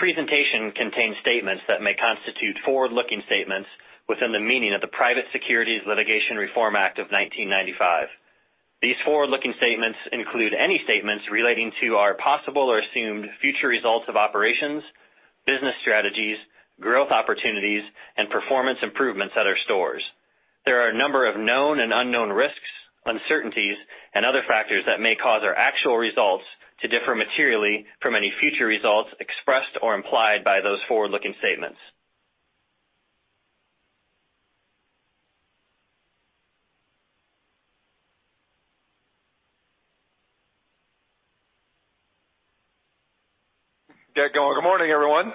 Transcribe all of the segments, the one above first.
This presentation contains statements that may constitute forward-looking statements within the meaning of the Private Securities Litigation Reform Act of 1995. These forward-looking statements include any statements relating to our possible or assumed future results of operations, business strategies, growth opportunities, and performance improvements at our stores. There are a number of known and unknown risks, uncertainties, and other factors that may cause our actual results to differ materially from any future results expressed or implied by those forward-looking statements. Good morning, everyone.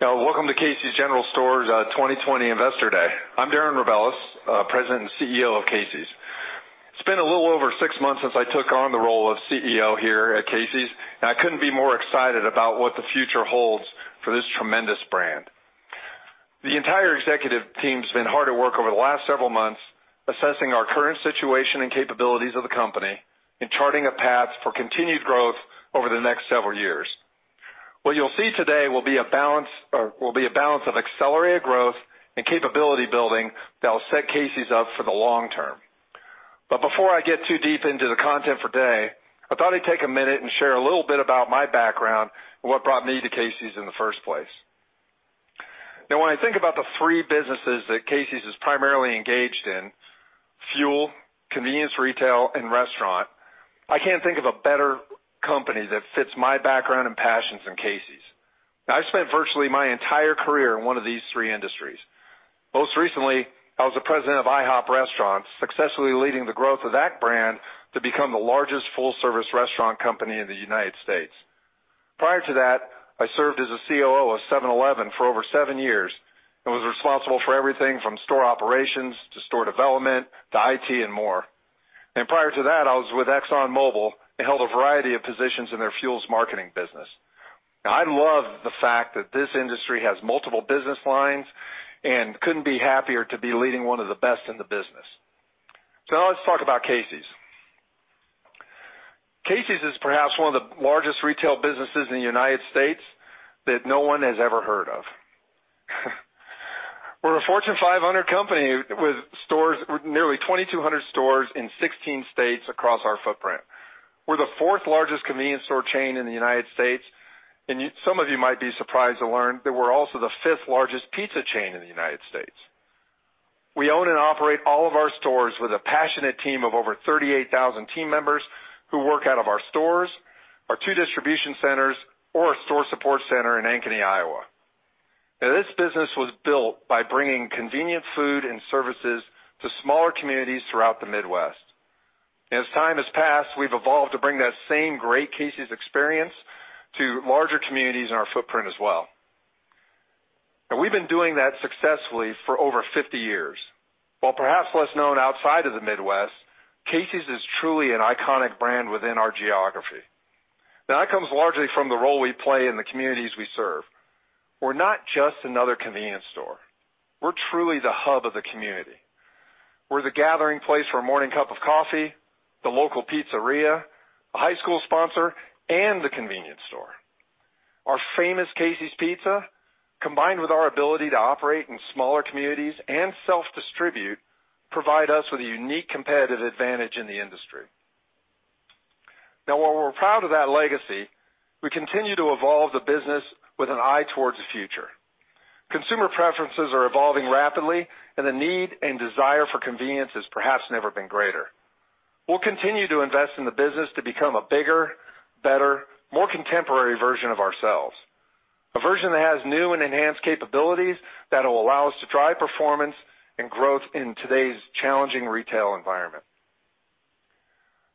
Welcome to Casey's General Stores 2020 Investor Day. I'm Darren Rebelez, President and CEO of Casey's. It's been a little over six months since I took on the role of CEO here at Casey's, and I couldn't be more excited about what the future holds for this tremendous brand. The entire executive team's been hard at work over the last several months assessing our current situation and capabilities of the company and charting a path for continued growth over the next several years. What you'll see today will be a balance of accelerated growth and capability building that will set Casey's up for the long term. Before I get too deep into the content for today, I thought I'd take a minute and share a little bit about my background and what brought me to Casey's in the first place. Now, when I think about the three businesses that Casey's is primarily engaged in—fuel, convenience retail, and restaurant—I can't think of a better company that fits my background and passions than Casey's. I've spent virtually my entire career in one of these three industries. Most recently, I was the President of IHOP Restaurants, successfully leading the growth of that brand to become the largest full-service restaurant company in the United States. Prior to that, I served as a COO of 7-Eleven for over seven years and was responsible for everything from store operations to store development to IT and more. Prior to that, I was with ExxonMobil and held a variety of positions in their fuels marketing business. I love the fact that this industry has multiple business lines and couldn't be happier to be leading one of the best in the business. Now let's talk about Casey's. Casey's is perhaps one of the largest retail businesses in the United States that no one has ever heard of. We're a Fortune 500 company with nearly 2,200 stores in 16 states across our footprint. We're the fourth-largest convenience store chain in the United States, and some of you might be surprised to learn that we're also the fifth-largest pizza chain in the United States. We own and operate all of our stores with a passionate team of over 38,000 team members who work out of our stores, our two distribution centers, or a store support center in Ankeny, Iowa. Now, this business was built by bringing convenient food and services to smaller communities throughout the Midwest. As time has passed, we've evolved to bring that same great Casey's experience to larger communities in our footprint as well. Now, we've been doing that successfully for over 50 years. While perhaps less known outside of the Midwest, Casey's is truly an iconic brand within our geography. That comes largely from the role we play in the communities we serve. We're not just another convenience store. We're truly the hub of the community. We're the gathering place for a morning cup of coffee, the local pizzeria, a high school sponsor, and the convenience store. Our famous Casey's pizza, combined with our ability to operate in smaller communities and self-distribute, provide us with a unique competitive advantage in the industry. Now, while we're proud of that legacy, we continue to evolve the business with an eye towards the future. Consumer preferences are evolving rapidly, and the need and desire for convenience has perhaps never been greater. We'll continue to invest in the business to become a bigger, better, more contemporary version of ourselves—a version that has new and enhanced capabilities that will allow us to drive performance and growth in today's challenging retail environment.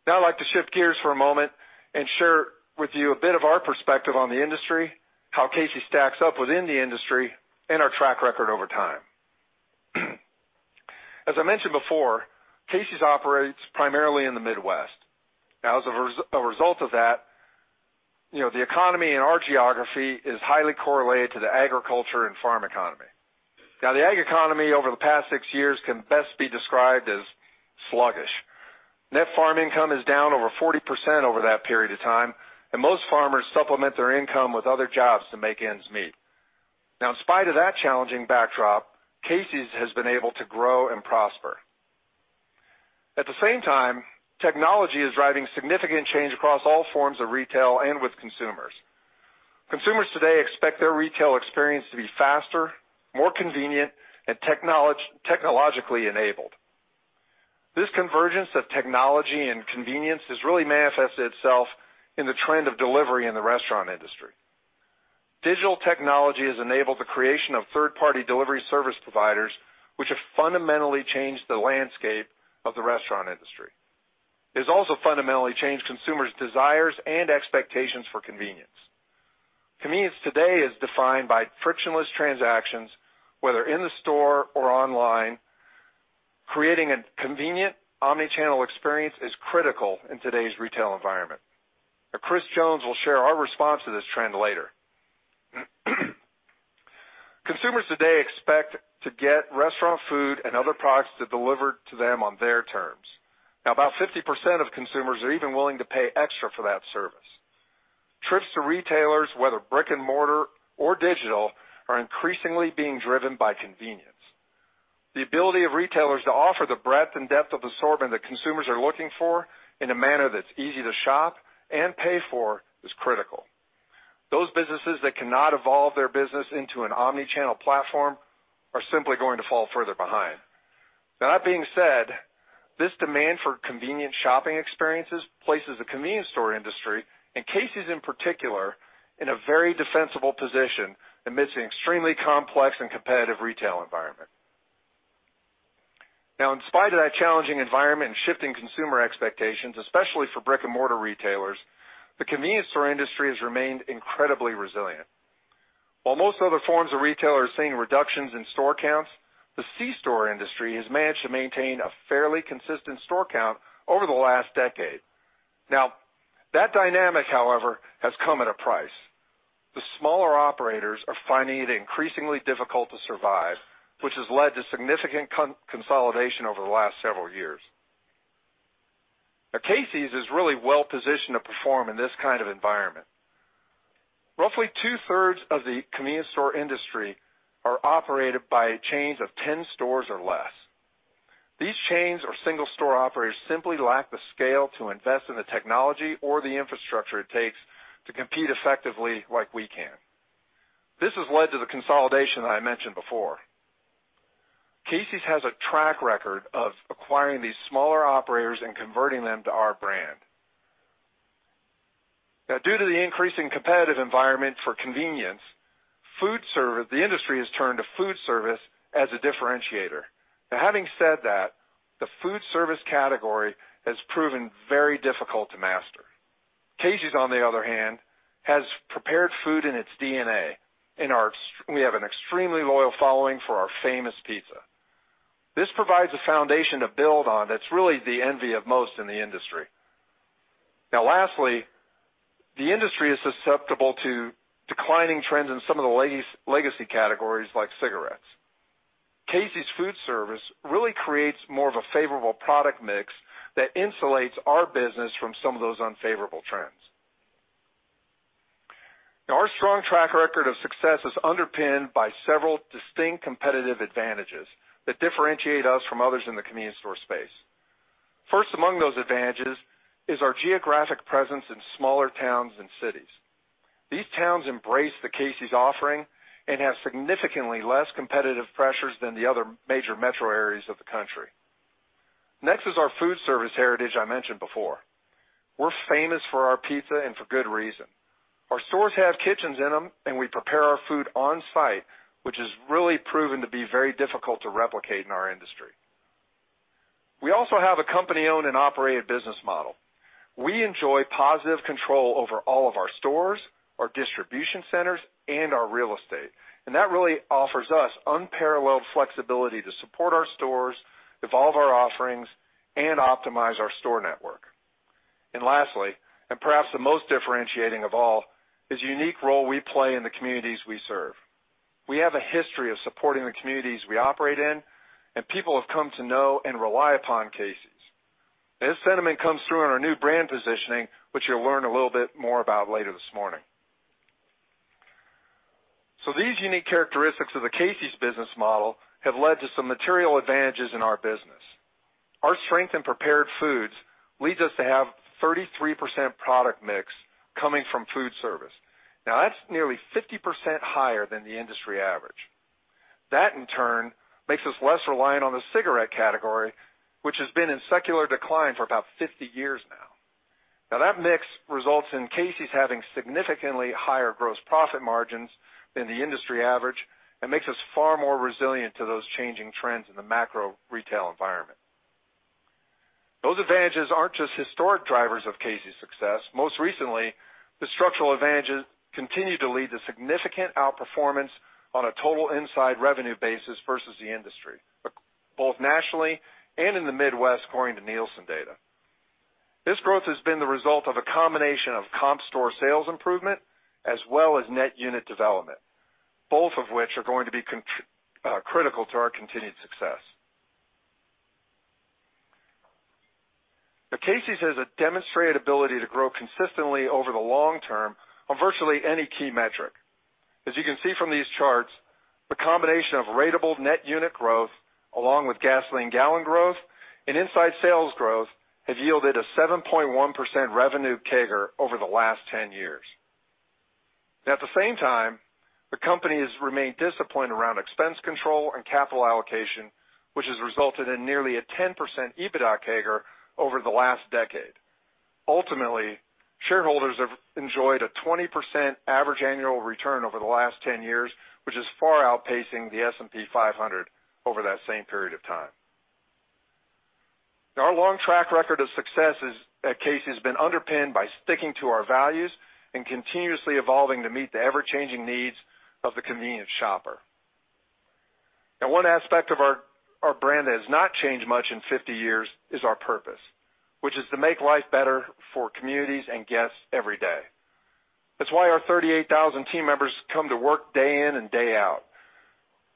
Now, I'd like to shift gears for a moment and share with you a bit of our perspective on the industry, how Casey's stacks up within the industry, and our track record over time. As I mentioned before, Casey's operates primarily in the Midwest. Now, as a result of that, the economy in our geography is highly correlated to the agriculture and farm economy. Now, the ag economy over the past six years can best be described as sluggish. Net farm income is down over 40% over that period of time, and most farmers supplement their income with other jobs to make ends meet. Now, in spite of that challenging backdrop, Casey's has been able to grow and prosper. At the same time, technology is driving significant change across all forms of retail and with consumers. Consumers today expect their retail experience to be faster, more convenient, and technologically enabled. This convergence of technology and convenience has really manifested itself in the trend of delivery in the restaurant industry. Digital technology has enabled the creation of third-party delivery service providers, which have fundamentally changed the landscape of the restaurant industry. It has also fundamentally changed consumers' desires and expectations for convenience. Convenience today is defined by frictionless transactions, whether in the store or online. Creating a convenient omnichannel experience is critical in today's retail environment. Now, Chris Jones will share our response to this trend later. Consumers today expect to get restaurant food and other products delivered to them on their terms. Now, about 50% of consumers are even willing to pay extra for that service. Trips to retailers, whether brick-and-mortar or digital, are increasingly being driven by convenience. The ability of retailers to offer the breadth and depth of assortment that consumers are looking for in a manner that's easy to shop and pay for is critical. Those businesses that cannot evolve their business into an omnichannel platform are simply going to fall further behind. That being said, this demand for convenient shopping experiences places the convenience store industry, and Casey's in particular, in a very defensible position amidst an extremely complex and competitive retail environment. Now, in spite of that challenging environment and shifting consumer expectations, especially for brick-and-mortar retailers, the convenience store industry has remained incredibly resilient. While most other forms of retail are seeing reductions in store counts, the C-store industry has managed to maintain a fairly consistent store count over the last decade. Now, that dynamic, however, has come at a price. The smaller operators are finding it increasingly difficult to survive, which has led to significant consolidation over the last several years. Now, Casey's is really well-positioned to perform in this kind of environment. Roughly two-thirds of the convenience store industry are operated by a chain of 10 stores or less. These chains or single-store operators simply lack the scale to invest in the technology or the infrastructure it takes to compete effectively like we can. This has led to the consolidation that I mentioned before. Casey's has a track record of acquiring these smaller operators and converting them to our brand. Now, due to the increasing competitive environment for convenience, the industry has turned to food service as a differentiator. Now, having said that, the food service category has proven very difficult to master. Casey's, on the other hand, has prepared food in its DNA, and we have an extremely loyal following for our famous pizza. This provides a foundation to build on that's really the envy of most in the industry. Now, lastly, the industry is susceptible to declining trends in some of the legacy categories like cigarettes. Casey's food service really creates more of a favorable product mix that insulates our business from some of those unfavorable trends. Now, our strong track record of success is underpinned by several distinct competitive advantages that differentiate us from others in the convenience store space. First among those advantages is our geographic presence in smaller towns and cities. These towns embrace the Casey's offering and have significantly less competitive pressures than the other major metro areas of the country. Next is our food service heritage I mentioned before. We're famous for our pizza and for good reason. Our stores have kitchens in them, and we prepare our food on-site, which has really proven to be very difficult to replicate in our industry. We also have a company-owned and operated business model. We enjoy positive control over all of our stores, our distribution centers, and our real estate. That really offers us unparalleled flexibility to support our stores, evolve our offerings, and optimize our store network. Lastly, and perhaps the most differentiating of all, is the unique role we play in the communities we serve. We have a history of supporting the communities we operate in, and people have come to know and rely upon Casey's. This sentiment comes through in our new brand positioning, which you'll learn a little bit more about later this morning. These unique characteristics of the Casey's business model have led to some material advantages in our business. Our strength in prepared foods leads us to have a 33% product mix coming from food service. That's nearly 50% higher than the industry average. That, in turn, makes us less reliant on the cigarette category, which has been in secular decline for about 50 years now. That mix results in Casey's having significantly higher gross profit margins than the industry average and makes us far more resilient to those changing trends in the macro retail environment. Those advantages aren't just historic drivers of Casey's success. Most recently, the structural advantages continue to lead to significant outperformance on a total inside revenue basis versus the industry, both nationally and in the Midwest, according to Nielsen data. This growth has been the result of a combination of comp-store sales improvement as well as net unit development, both of which are going to be critical to our continued success. Now, Casey's has a demonstrated ability to grow consistently over the long term on virtually any key metric. As you can see from these charts, the combination of ratable net unit growth, along with gasoline gallon growth and inside sales growth, has yielded a 7.1% revenue CAGR over the last 10 years. Now, at the same time, the company has remained disciplined around expense control and capital allocation, which has resulted in nearly a 10% EBITDA CAGR over the last decade. Ultimately, shareholders have enjoyed a 20% average annual return over the last 10 years, which is far outpacing the S&P 500 over that same period of time. Now, our long track record of success at Casey's has been underpinned by sticking to our values and continuously evolving to meet the ever-changing needs of the convenience shopper. Now, one aspect of our brand that has not changed much in 50 years is our purpose, which is to make life better for communities and guests every day. That's why our 38,000 team members come to work day in and day out.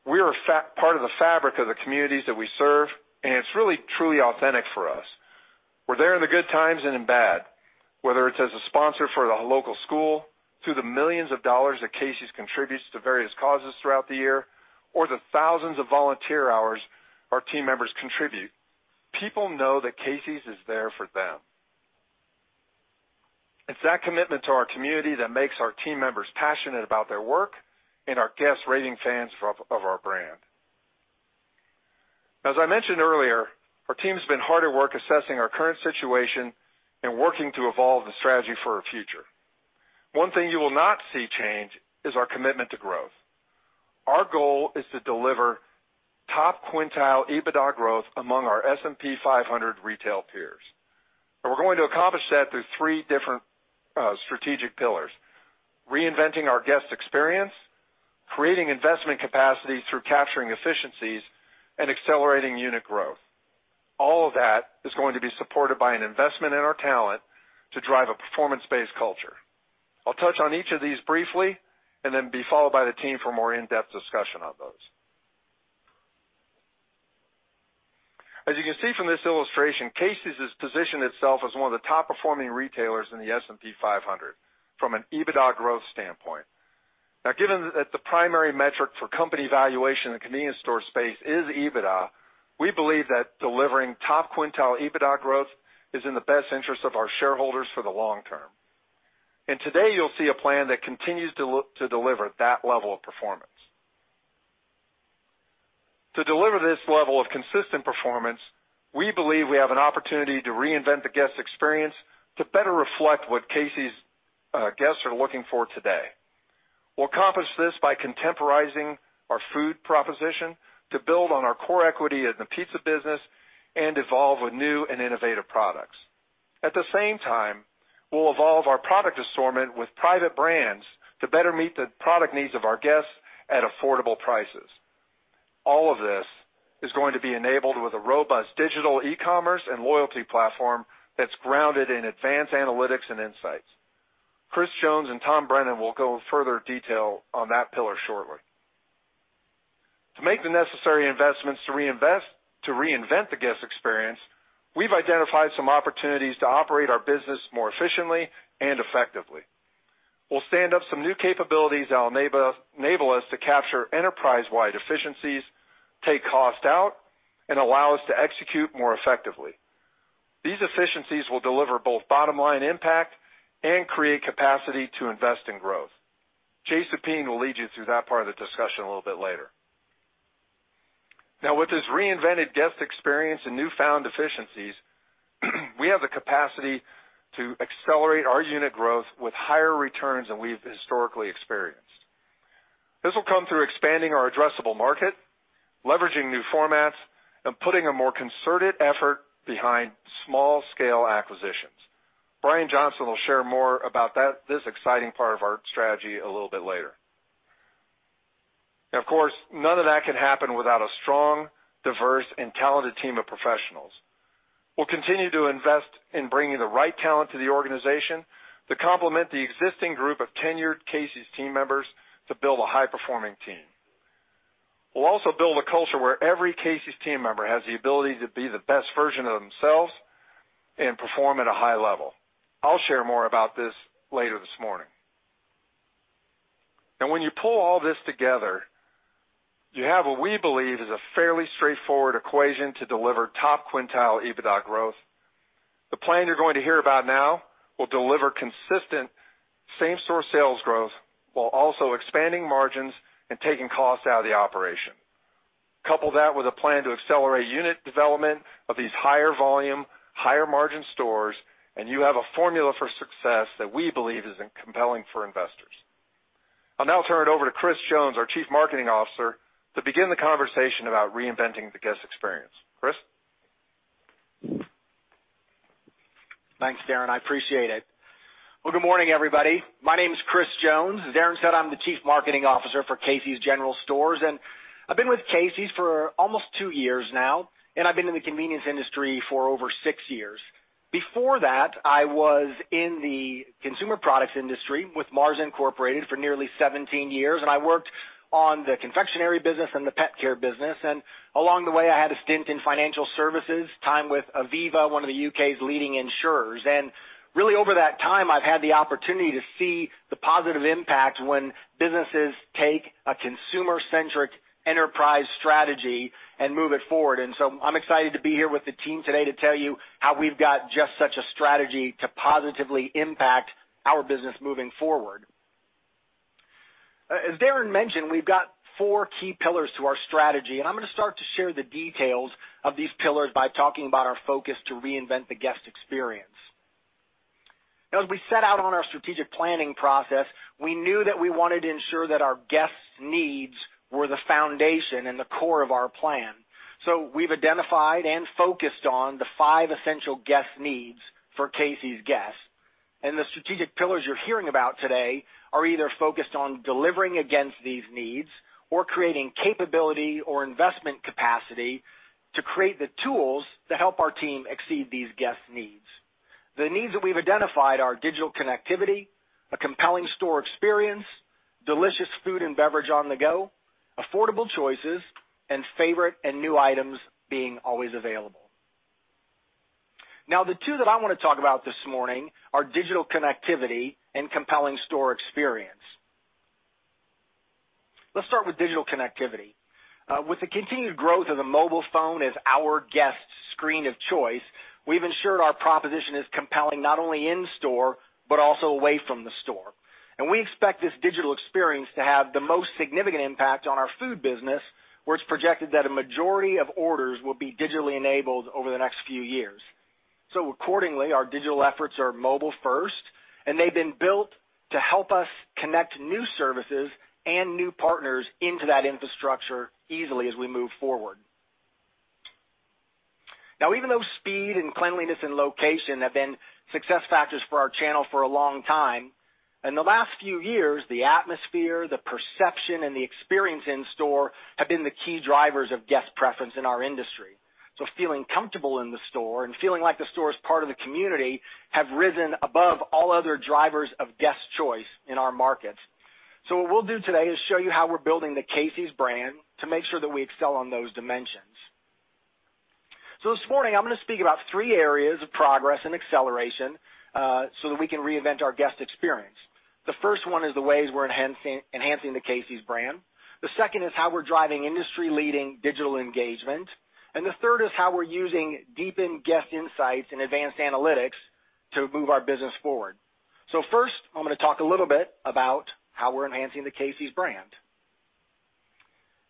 We are part of the fabric of the communities that we serve, and it's really truly authentic for us. We're there in the good times and in bad, whether it's as a sponsor for the local school, through the millions of dollars that Casey's contributes to various causes throughout the year, or the thousands of volunteer hours our team members contribute. People know that Casey's is there for them. It's that commitment to our community that makes our team members passionate about their work and our guests raving fans of our brand. As I mentioned earlier, our team has been hard at work assessing our current situation and working to evolve the strategy for our future. One thing you will not see change is our commitment to growth. Our goal is to deliver top quintile EBITDA growth among our S&P 500 retail peers. We're going to accomplish that through three different strategic pillars: reinventing our guest experience, creating investment capacity through capturing efficiencies, and accelerating unit growth. All of that is going to be supported by an investment in our talent to drive a performance-based culture. I'll touch on each of these briefly and then be followed by the team for more in-depth discussion on those. As you can see from this illustration, Casey's has positioned itself as one of the top-performing retailers in the S&P 500 from an EBITDA growth standpoint. Now, given that the primary metric for company valuation in the convenience store space is EBITDA, we believe that delivering top quintile EBITDA growth is in the best interest of our shareholders for the long term. Today, you'll see a plan that continues to deliver that level of performance. To deliver this level of consistent performance, we believe we have an opportunity to reinvent the guest experience to better reflect what Casey's guests are looking for today. We'll accomplish this by contemporizing our food proposition to build on our core equity in the pizza business and evolve with new and innovative products. At the same time, we'll evolve our product assortment with private brands to better meet the product needs of our guests at affordable prices. All of this is going to be enabled with a robust digital e-commerce and loyalty platform that's grounded in advanced analytics and insights. Chris Jones and Tom Brennan will go into further detail on that pillar shortly. To make the necessary investments to reinvent the guest experience, we've identified some opportunities to operate our business more efficiently and effectively. We'll stand up some new capabilities that will enable us to capture enterprise-wide efficiencies, take cost out, and allow us to execute more effectively. These efficiencies will deliver both bottom-line impact and create capacity to invest in growth. Jay Soupene will lead you through that part of the discussion a little bit later. Now, with this reinvented guest experience and newfound efficiencies, we have the capacity to accelerate our unit growth with higher returns than we've historically experienced. This will come through expanding our addressable market, leveraging new formats, and putting a more concerted effort behind small-scale acquisitions. Brian Johnson will share more about this exciting part of our strategy a little bit later. Now, of course, none of that can happen without a strong, diverse, and talented team of professionals. We'll continue to invest in bringing the right talent to the organization to complement the existing group of tenured Casey's team members to build a high-performing team. We'll also build a culture where every Casey's team member has the ability to be the best version of themselves and perform at a high level. I'll share more about this later this morning. Now, when you pull all this together, you have what we believe is a fairly straightforward equation to deliver top quintile EBITDA growth. The plan you're going to hear about now will deliver consistent same-store sales growth while also expanding margins and taking cost out of the operation. Couple that with a plan to accelerate unit development of these higher-volume, higher-margin stores, and you have a formula for success that we believe is compelling for investors. I'll now turn it over to Chris Jones, our Chief Marketing Officer, to begin the conversation about reinventing the guest experience. Chris? Thanks, Darren. I appreciate it. Good morning, everybody. My name is Chris Jones. As Darren said, I'm the Chief Marketing Officer for Casey's General Stores. I've been with Casey's for almost two years now, and I've been in the convenience industry for over six years. Before that, I was in the consumer products industry with Mars Incorporated for nearly 17 years, and I worked on the confectionery business and the pet care business. Along the way, I had a stint in financial services, time with Aviva, one of the U.K.'s leading insurers. Over that time, I've had the opportunity to see the positive impact when businesses take a consumer-centric enterprise strategy and move it forward. I'm excited to be here with the team today to tell you how we've got just such a strategy to positively impact our business moving forward. As Darren mentioned, we've got four key pillars to our strategy, and I'm going to start to share the details of these pillars by talking about our focus to reinvent the guest experience. As we set out on our strategic planning process, we knew that we wanted to ensure that our guests' needs were the foundation and the core of our plan. We have identified and focused on the five essential guest needs for Casey's guests. The strategic pillars you're hearing about today are either focused on delivering against these needs or creating capability or investment capacity to create the tools that help our team exceed these guest needs. The needs that we've identified are digital connectivity, a compelling store experience, delicious food and beverage on the go, affordable choices, and favorite and new items being always available. Now, the two that I want to talk about this morning are digital connectivity and compelling store experience. Let's start with digital connectivity. With the continued growth of the mobile phone as our guest's screen of choice, we've ensured our proposition is compelling not only in-store but also away from the store. We expect this digital experience to have the most significant impact on our food business, where it's projected that a majority of orders will be digitally enabled over the next few years. Accordingly, our digital efforts are mobile-first, and they've been built to help us connect new services and new partners into that infrastructure easily as we move forward. Now, even though speed and cleanliness and location have been success factors for our channel for a long time, in the last few years, the atmosphere, the perception, and the experience in-store have been the key drivers of guest preference in our industry. Feeling comfortable in the store and feeling like the store is part of the community have risen above all other drivers of guest choice in our markets. What we'll do today is show you how we're building the Casey's brand to make sure that we excel on those dimensions. This morning, I'm going to speak about three areas of progress and acceleration so that we can reinvent our guest experience. The first one is the ways we're enhancing the Casey's brand. The second is how we're driving industry-leading digital engagement. The third is how we're using deepened guest insights and advanced analytics to move our business forward. First, I'm going to talk a little bit about how we're enhancing the Casey's brand.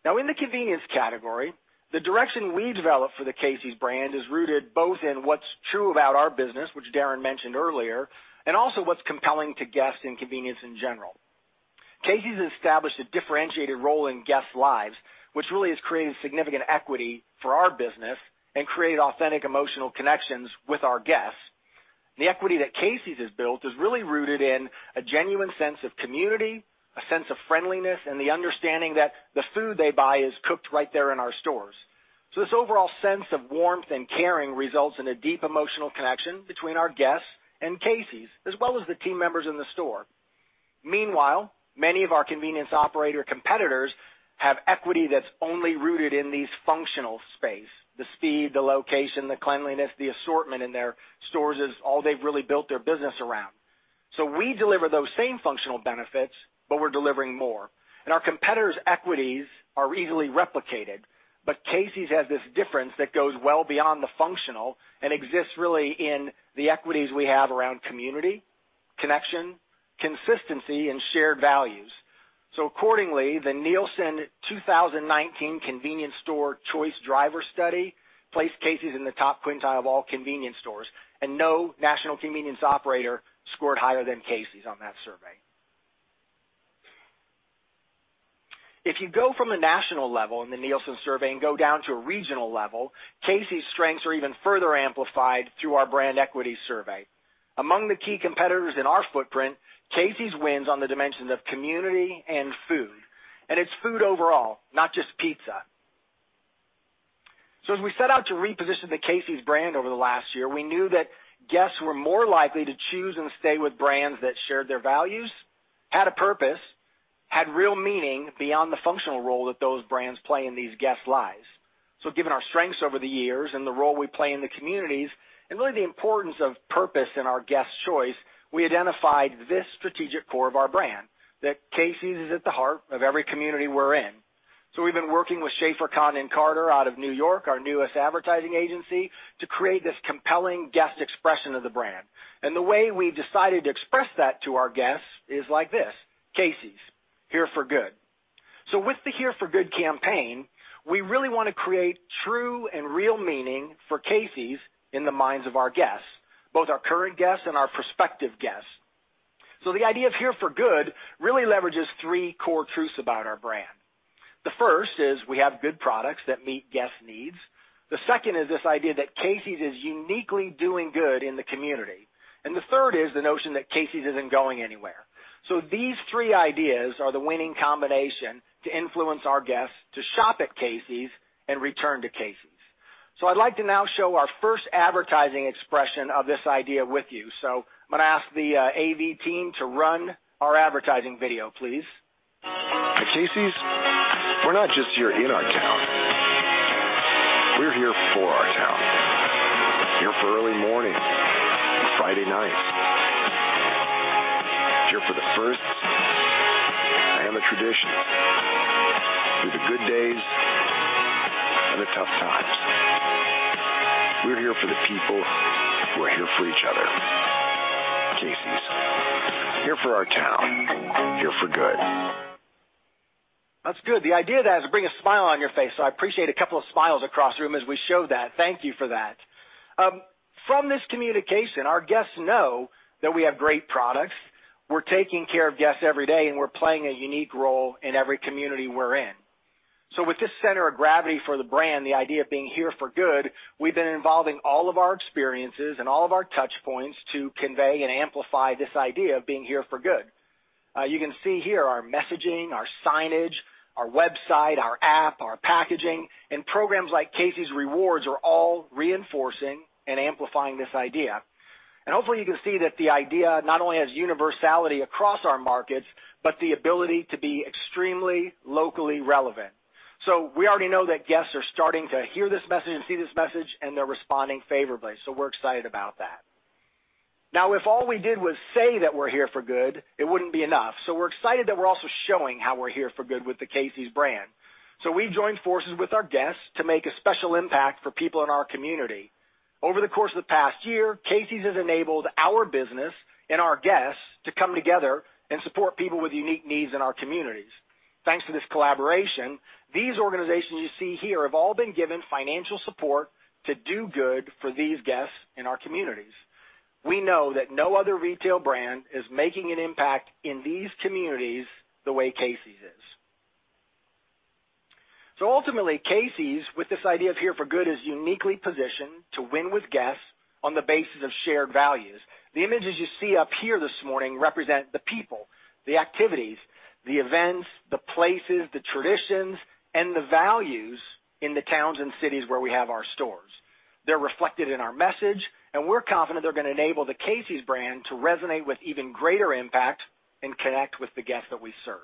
In the convenience category, the direction we develop for the Casey's brand is rooted both in what's true about our business, which Darren mentioned earlier, and also what's compelling to guests and convenience in general. Casey's has established a differentiated role in guest lives, which really has created significant equity for our business and created authentic emotional connections with our guests. The equity that Casey's has built is really rooted in a genuine sense of community, a sense of friendliness, and the understanding that the food they buy is cooked right there in our stores. This overall sense of warmth and caring results in a deep emotional connection between our guests and Casey's, as well as the team members in the store. Meanwhile, many of our convenience operator competitors have equity that's only rooted in this functional space: the speed, the location, the cleanliness, the assortment in their stores is all they've really built their business around. We deliver those same functional benefits, but we're delivering more. Our competitors' equities are easily replicated, but Casey's has this difference that goes well beyond the functional and exists really in the equities we have around community, connection, consistency, and shared values. Accordingly, the Nielsen 2019 Convenience Store Choice Driver Study placed Casey's in the top quintile of all convenience stores, and no national convenience operator scored higher than Casey's on that survey. If you go from the national level in the Nielsen survey and go down to a regional level, Casey's strengths are even further amplified through our brand equity survey. Among the key competitors in our footprint, Casey's wins on the dimensions of community and food, and it's food overall, not just pizza. As we set out to reposition the Casey's brand over the last year, we knew that guests were more likely to choose and stay with brands that shared their values, had a purpose, had real meaning beyond the functional role that those brands play in these guest lives. Given our strengths over the years and the role we play in the communities and really the importance of purpose in our guest choice, we identified this strategic core of our brand that Casey's is at the heart of every community we're in. We have been working with Schafer Condon Carter out of New York, our newest advertising agency, to create this compelling guest expression of the brand. The way we have decided to express that to our guests is like this: Casey's, Here for Good. With the Here for Good campaign, we really want to create true and real meaning for Casey's in the minds of our guests, both our current guests and our prospective guests. The idea of Here for Good really leverages three core truths about our brand. The first is we have good products that meet guest needs. The second is this idea that Casey's is uniquely doing good in the community. The third is the notion that Casey's is not going anywhere. These three ideas are the winning combination to influence our guests to shop at Casey's and return to Casey's. I'd like to now show our first advertising expression of this idea with you. I'm going to ask the AV team to run our advertising video, please. At Casey's, we're not just here in our town. We're here for our town. Here for early mornings, Friday nights. Here for the firsts and the traditions, through the good days and the tough times. We're here for the people. We're here for each other. Casey's, here for our town, here for good. That's good. The idea of that is to bring a smile on your face. I appreciate a couple of smiles across the room as we show that. Thank you for that. From this communication, our guests know that we have great products. We're taking care of guests every day, and we're playing a unique role in every community we're in. With this center of gravity for the brand, the idea of being here for good, we've been involving all of our experiences and all of our touchpoints to convey and amplify this idea of being here for good. You can see here our messaging, our signage, our website, our app, our packaging, and programs like Casey's Rewards are all reinforcing and amplifying this idea. Hopefully, you can see that the idea not only has universality across our markets but the ability to be extremely locally relevant. We already know that guests are starting to hear this message and see this message, and they're responding favorably. We're excited about that. Now, if all we did was say that we're here for good, it wouldn't be enough. We're excited that we're also showing how we're here for good with the Casey's brand. We've joined forces with our guests to make a special impact for people in our community. Over the course of the past year, Casey's has enabled our business and our guests to come together and support people with unique needs in our communities. Thanks to this collaboration, these organizations you see here have all been given financial support to do good for these guests in our communities. We know that no other retail brand is making an impact in these communities the way Casey's is. Ultimately, Casey's, with this idea of Here for Good, is uniquely positioned to win with guests on the basis of shared values. The images you see up here this morning represent the people, the activities, the events, the places, the traditions, and the values in the towns and cities where we have our stores. They're reflected in our message, and we're confident they're going to enable the Casey's brand to resonate with even greater impact and connect with the guests that we serve.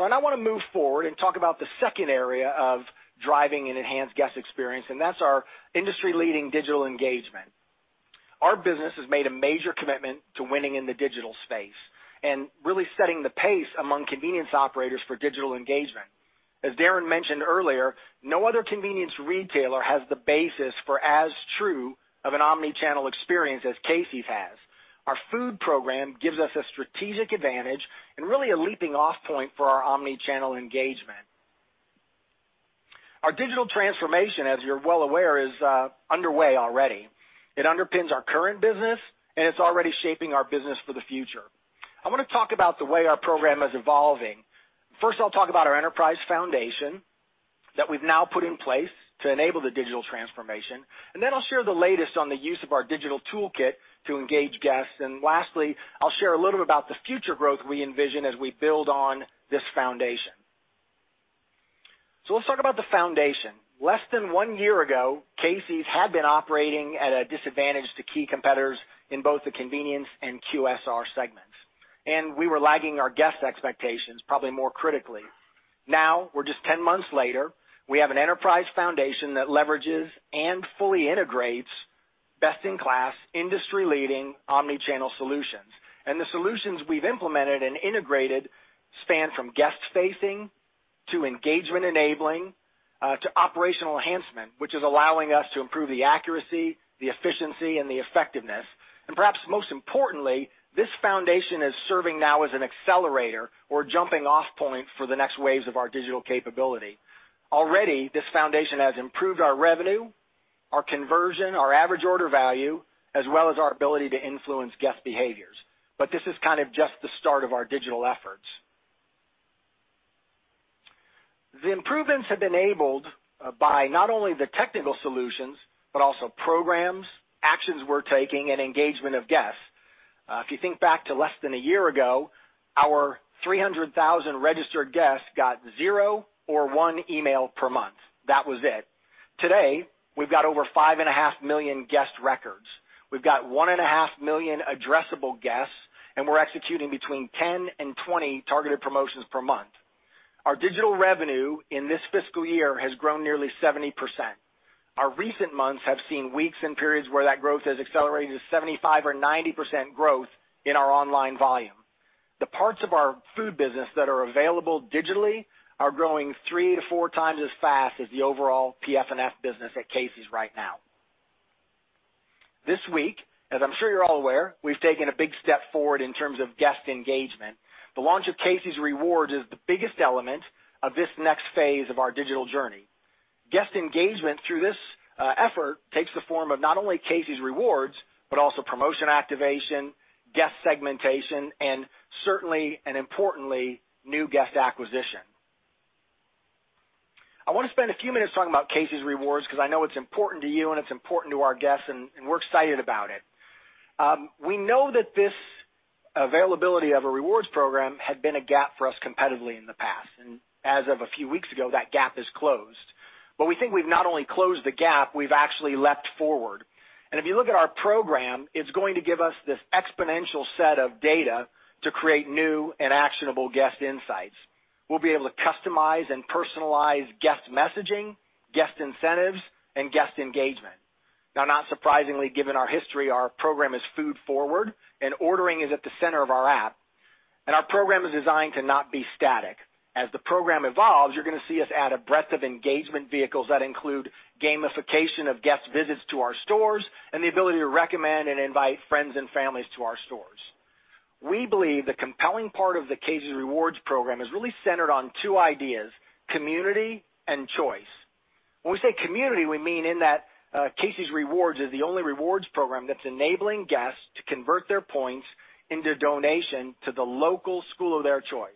I now want to move forward and talk about the second area of driving an enhanced guest experience, and that's our industry-leading digital engagement. Our business has made a major commitment to winning in the digital space and really setting the pace among convenience operators for digital engagement. As Darren mentioned earlier, no other convenience retailer has the basis for as true of an omnichannel experience as Casey's has. Our food program gives us a strategic advantage and really a leaping-off point for our omnichannel engagement. Our digital transformation, as you're well aware, is underway already. It underpins our current business, and it's already shaping our business for the future. I want to talk about the way our program is evolving. First, I'll talk about our enterprise foundation that we've now put in place to enable the digital transformation. I'll share the latest on the use of our digital toolkit to engage guests. Lastly, I'll share a little bit about the future growth we envision as we build on this foundation. Let's talk about the foundation. Less than one year ago, Casey's had been operating at a disadvantage to key competitors in both the convenience and QSR segments. We were lagging our guest expectations, probably more critically. Now, just 10 months later, we have an enterprise foundation that leverages and fully integrates best-in-class, industry-leading omnichannel solutions. The solutions we've implemented and integrated span from guest-facing to engagement-enabling to operational enhancement, which is allowing us to improve the accuracy, the efficiency, and the effectiveness. Perhaps most importantly, this foundation is serving now as an accelerator or jumping-off point for the next waves of our digital capability. Already, this foundation has improved our revenue, our conversion, our average order value, as well as our ability to influence guest behaviors. This is kind of just the start of our digital efforts. The improvements have been enabled by not only the technical solutions but also programs, actions we're taking, and engagement of guests. If you think back to less than a year ago, our 300,000 registered guests got zero or one email per month. That was it. Today, we've got over five and a half million guest records. We've got one and a half million addressable guests, and we're executing between 10-20 targeted promotions per month. Our digital revenue in this fiscal year has grown nearly 70%. Our recent months have seen weeks and periods where that growth has accelerated to 75% or 90% growth in our online volume. The parts of our food business that are available digitally are growing three to four times as fast as the overall PF&F business at Casey's right now. This week, as I'm sure you're all aware, we've taken a big step forward in terms of guest engagement. The launch of Casey's Rewards is the biggest element of this next phase of our digital journey. Guest engagement through this effort takes the form of not only Casey's Rewards but also promotion activation, guest segmentation, and certainly, and importantly, new guest acquisition. I want to spend a few minutes talking about Casey's Rewards because I know it's important to you and it's important to our guests, and we're excited about it. We know that this availability of a rewards program had been a gap for us competitively in the past. As of a few weeks ago, that gap is closed. We think we've not only closed the gap, we've actually leapt forward. If you look at our program, it's going to give us this exponential set of data to create new and actionable guest insights. We'll be able to customize and personalize guest messaging, guest incentives, and guest engagement. Not surprisingly, given our history, our program is food-forward, and ordering is at the center of our app. Our program is designed to not be static. As the program evolves, you're going to see us add a breadth of engagement vehicles that include gamification of guest visits to our stores and the ability to recommend and invite friends and families to our stores. We believe the compelling part of the Casey's Rewards program is really centered on two ideas: community and choice. When we say community, we mean in that Casey's Rewards is the only rewards program that's enabling guests to convert their points into donation to the local school of their choice.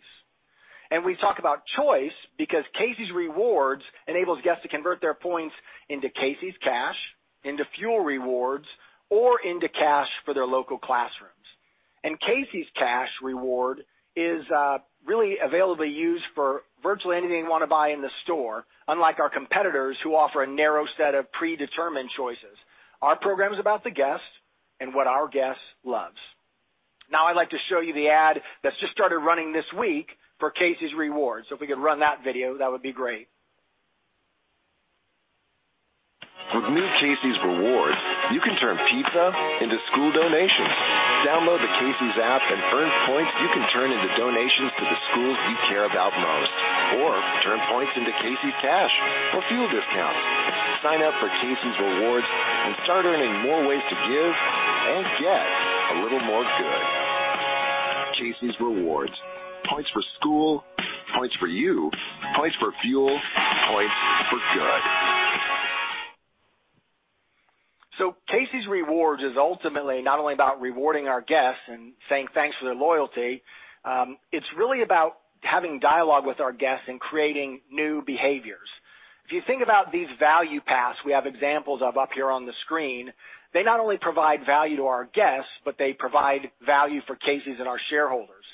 We talk about choice because Casey's Rewards enables guests to convert their points into Casey's Cash, into Fuel Rewards, or into cash for their local classrooms. Casey's Cash reward is really available to use for virtually anything you want to buy in the store, unlike our competitors who offer a narrow set of predetermined choices. Our program is about the guest and what our guest loves. Now, I'd like to show you the ad that's just started running this week for Casey's Rewards. If we could run that video, that would be great. With new Casey's Rewards, you can turn pizza into school donations. Download the Casey's app and earn points you can turn into donations to the schools you care about most, or turn points into Casey's Cash or fuel discounts. Sign up for Casey's Rewards and start earning more ways to give and get a little more good. Casey's Rewards: points for school, points for you, points for fuel, points for good. Casey's Rewards is ultimately not only about rewarding our guests and saying thanks for their loyalty. It's really about having dialogue with our guests and creating new behaviors. If you think about these value paths we have examples of up here on the screen, they not only provide value to our guests, but they provide value for Casey's and our shareholders.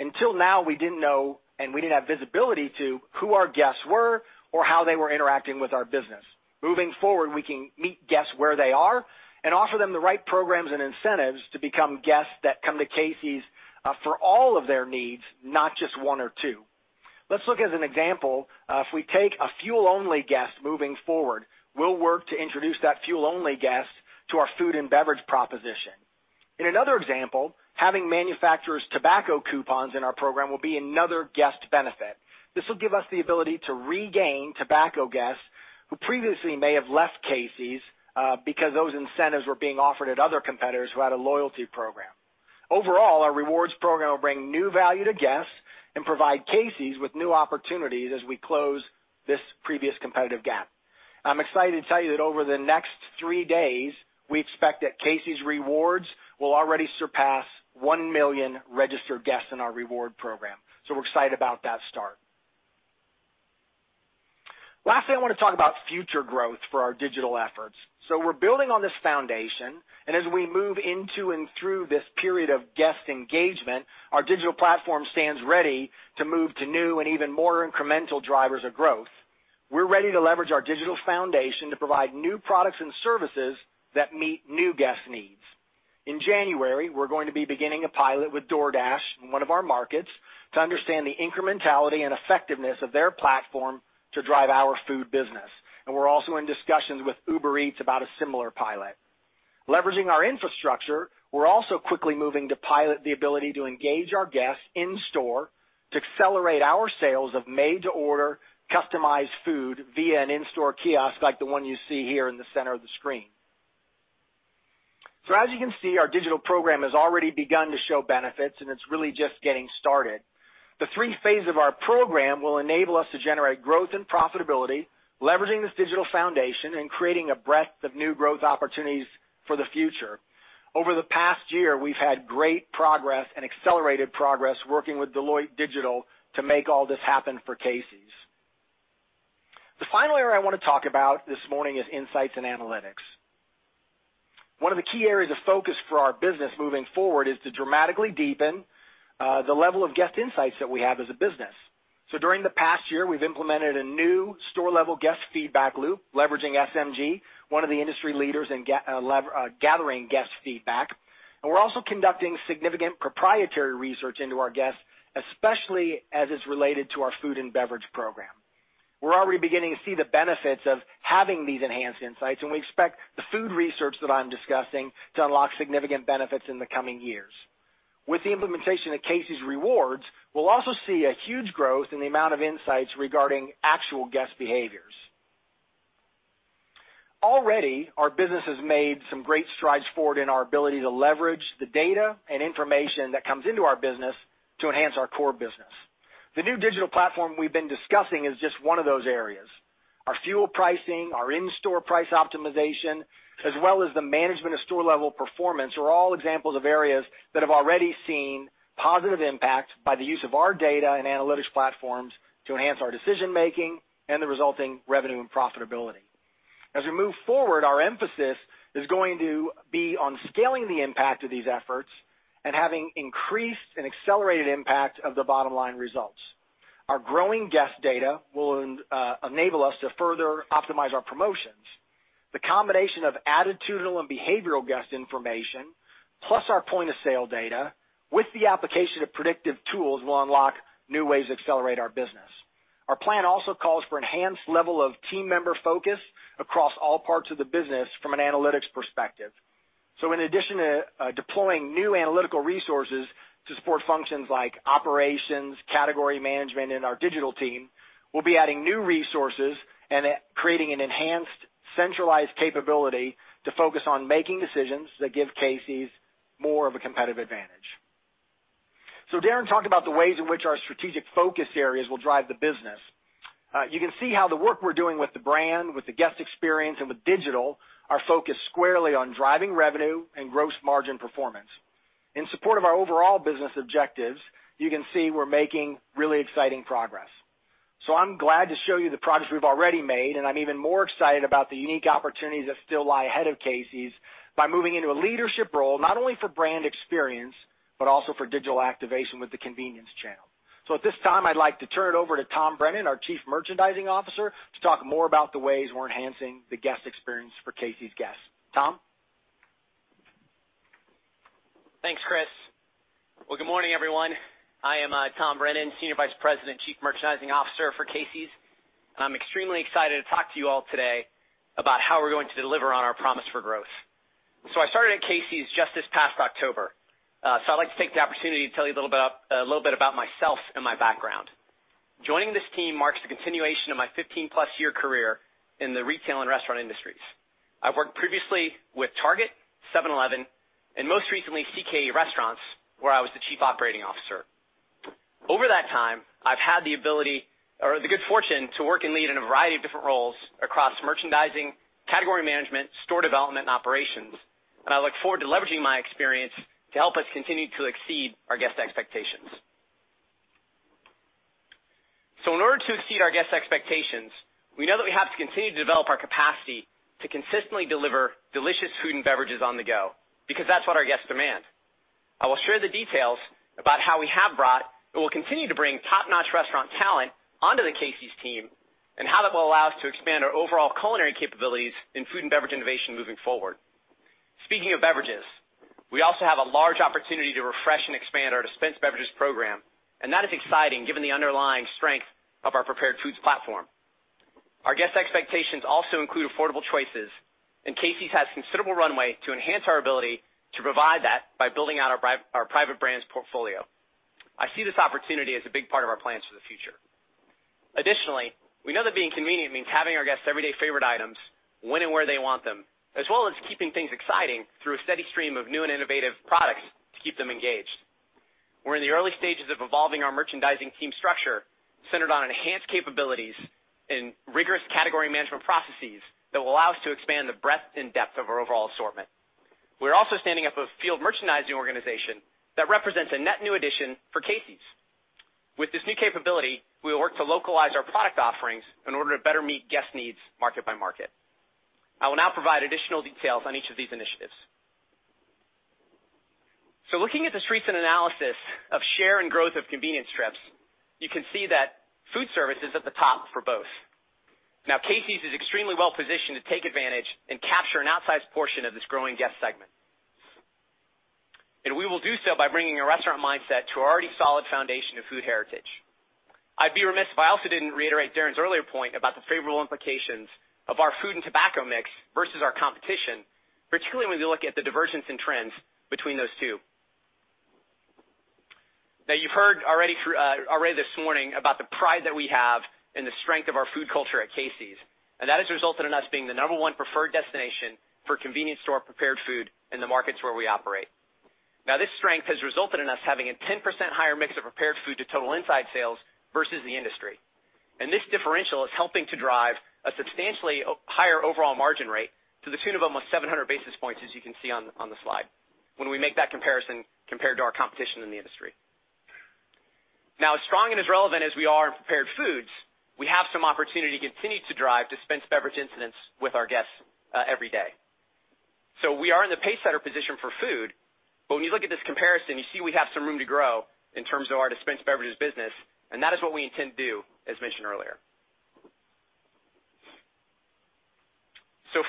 Until now, we didn't know, and we didn't have visibility to who our guests were or how they were interacting with our business. Moving forward, we can meet guests where they are and offer them the right programs and incentives to become guests that come to Casey's for all of their needs, not just one or two. Let's look as an example. If we take a fuel-only guest moving forward, we'll work to introduce that fuel-only guest to our food and beverage proposition. In another example, having manufacturers tobacco coupons in our program will be another guest benefit. This will give us the ability to regain tobacco guests who previously may have left Casey's because those incentives were being offered at other competitors who had a loyalty program. Overall, our rewards program will bring new value to guests and provide Casey's with new opportunities as we close this previous competitive gap. I'm excited to tell you that over the next three days, we expect that Casey's Rewards will already surpass one million registered guests in our reward program. We are excited about that start. Lastly, I want to talk about future growth for our digital efforts. We are building on this foundation. As we move into and through this period of guest engagement, our digital platform stands ready to move to new and even more incremental drivers of growth. We're ready to leverage our digital foundation to provide new products and services that meet new guest needs. In January, we're going to be beginning a pilot with DoorDash in one of our markets to understand the incrementality and effectiveness of their platform to drive our food business. We're also in discussions with Uber Eats about a similar pilot. Leveraging our infrastructure, we're also quickly moving to pilot the ability to engage our guests in-store to accelerate our sales of made-to-order, customized food via an in-store kiosk like the one you see here in the center of the screen. As you can see, our digital program has already begun to show benefits, and it's really just getting started. The three phases of our program will enable us to generate growth and profitability, leveraging this digital foundation and creating a breadth of new growth opportunities for the future. Over the past year, we've had great progress and accelerated progress working with Deloitte Digital to make all this happen for Casey's. The final area I want to talk about this morning is insights and analytics. One of the key areas of focus for our business moving forward is to dramatically deepen the level of guest insights that we have as a business. During the past year, we've implemented a new store-level guest feedback loop, leveraging SMG, one of the industry leaders in gathering guest feedback. We're also conducting significant proprietary research into our guests, especially as it's related to our food and beverage program. We're already beginning to see the benefits of having these enhanced insights, and we expect the food research that I'm discussing to unlock significant benefits in the coming years. With the implementation of Casey's Rewards, we'll also see a huge growth in the amount of insights regarding actual guest behaviors. Already, our business has made some great strides forward in our ability to leverage the data and information that comes into our business to enhance our core business. The new digital platform we've been discussing is just one of those areas. Our fuel pricing, our in-store price optimization, as well as the management of store-level performance, are all examples of areas that have already seen positive impact by the use of our data and analytics platforms to enhance our decision-making and the resulting revenue and profitability. As we move forward, our emphasis is going to be on scaling the impact of these efforts and having increased and accelerated impact of the bottom-line results. Our growing guest data will enable us to further optimize our promotions. The combination of attitudinal and behavioral guest information, plus our point-of-sale data with the application of predictive tools, will unlock new ways to accelerate our business. Our plan also calls for an enhanced level of team member focus across all parts of the business from an analytics perspective. In addition to deploying new analytical resources to support functions like operations, category management, and our digital team, we'll be adding new resources and creating an enhanced centralized capability to focus on making decisions that give Casey's more of a competitive advantage. Darren talked about the ways in which our strategic focus areas will drive the business. You can see how the work we're doing with the brand, with the guest experience, and with digital are focused squarely on driving revenue and gross margin performance. In support of our overall business objectives, you can see we're making really exciting progress. I'm glad to show you the projects we've already made, and I'm even more excited about the unique opportunities that still lie ahead of Casey's by moving into a leadership role, not only for brand experience but also for digital activation with the convenience channel. At this time, I'd like to turn it over to Tom Brennan, our Chief Merchandising Officer, to talk more about the ways we're enhancing the guest experience for Casey's guests. Tom? Thanks, Chris. Good morning, everyone. I am Tom Brennan, Senior Vice President, Chief Merchandising Officer for Casey's. I'm extremely excited to talk to you all today about how we're going to deliver on our promise for growth. I started at Casey's just this past October. I'd like to take the opportunity to tell you a little bit about myself and my background. Joining this team marks the continuation of my 15-plus year career in the retail and restaurant industries. I've worked previously with Target, 7-Eleven, and most recently, CKE Restaurants, where I was the Chief Operating Officer. Over that time, I've had the ability or the good fortune to work and lead in a variety of different roles across merchandising, category management, store development, and operations. I look forward to leveraging my experience to help us continue to exceed our guest expectations. In order to exceed our guest expectations, we know that we have to continue to develop our capacity to consistently deliver delicious food and beverages on the go because that's what our guests demand. I will share the details about how we have brought and will continue to bring top-notch restaurant talent onto the Casey's team and how that will allow us to expand our overall culinary capabilities in food and beverage innovation moving forward. Speaking of beverages, we also have a large opportunity to refresh and expand our dispensed beverages program, and that is exciting given the underlying strength of our prepared foods platform. Our guest expectations also include affordable choices, and Casey's has considerable runway to enhance our ability to provide that by building out our private brands portfolio. I see this opportunity as a big part of our plans for the future. Additionally, we know that being convenient means having our guests' everyday favorite items when and where they want them, as well as keeping things exciting through a steady stream of new and innovative products to keep them engaged. We're in the early stages of evolving our merchandising team structure centered on enhanced capabilities and rigorous category management processes that will allow us to expand the breadth and depth of our overall assortment. We're also standing up a field merchandising organization that represents a net new addition for Casey's. With this new capability, we will work to localize our product offerings in order to better meet guest needs market by market. I will now provide additional details on each of these initiatives. Looking at the streets and analysis of share and growth of convenience trips, you can see that food service is at the top for both. Now, Casey's is extremely well-positioned to take advantage and capture an outsized portion of this growing guest segment. We will do so by bringing a restaurant mindset to our already solid foundation of food heritage. I'd be remiss if I also didn't reiterate Darren's earlier point about the favorable implications of our food and tobacco mix versus our competition, particularly when you look at the divergence in trends between those two. You've heard already this morning about the pride that we have in the strength of our food culture at Casey's. That has resulted in us being the number one preferred destination for convenience store prepared food in the markets where we operate. This strength has resulted in us having a 10% higher mix of prepared food to total inside sales versus the industry. This differential is helping to drive a substantially higher overall margin rate to the tune of almost 700 basis points, as you can see on the slide, when we make that comparison compared to our competition in the industry. As strong and as relevant as we are in prepared foods, we have some opportunity to continue to drive dispensed beverage incidents with our guests every day. We are in the pace that are positioned for food, but when you look at this comparison, you see we have some room to grow in terms of our dispensed beverages business, and that is what we intend to do, as mentioned earlier.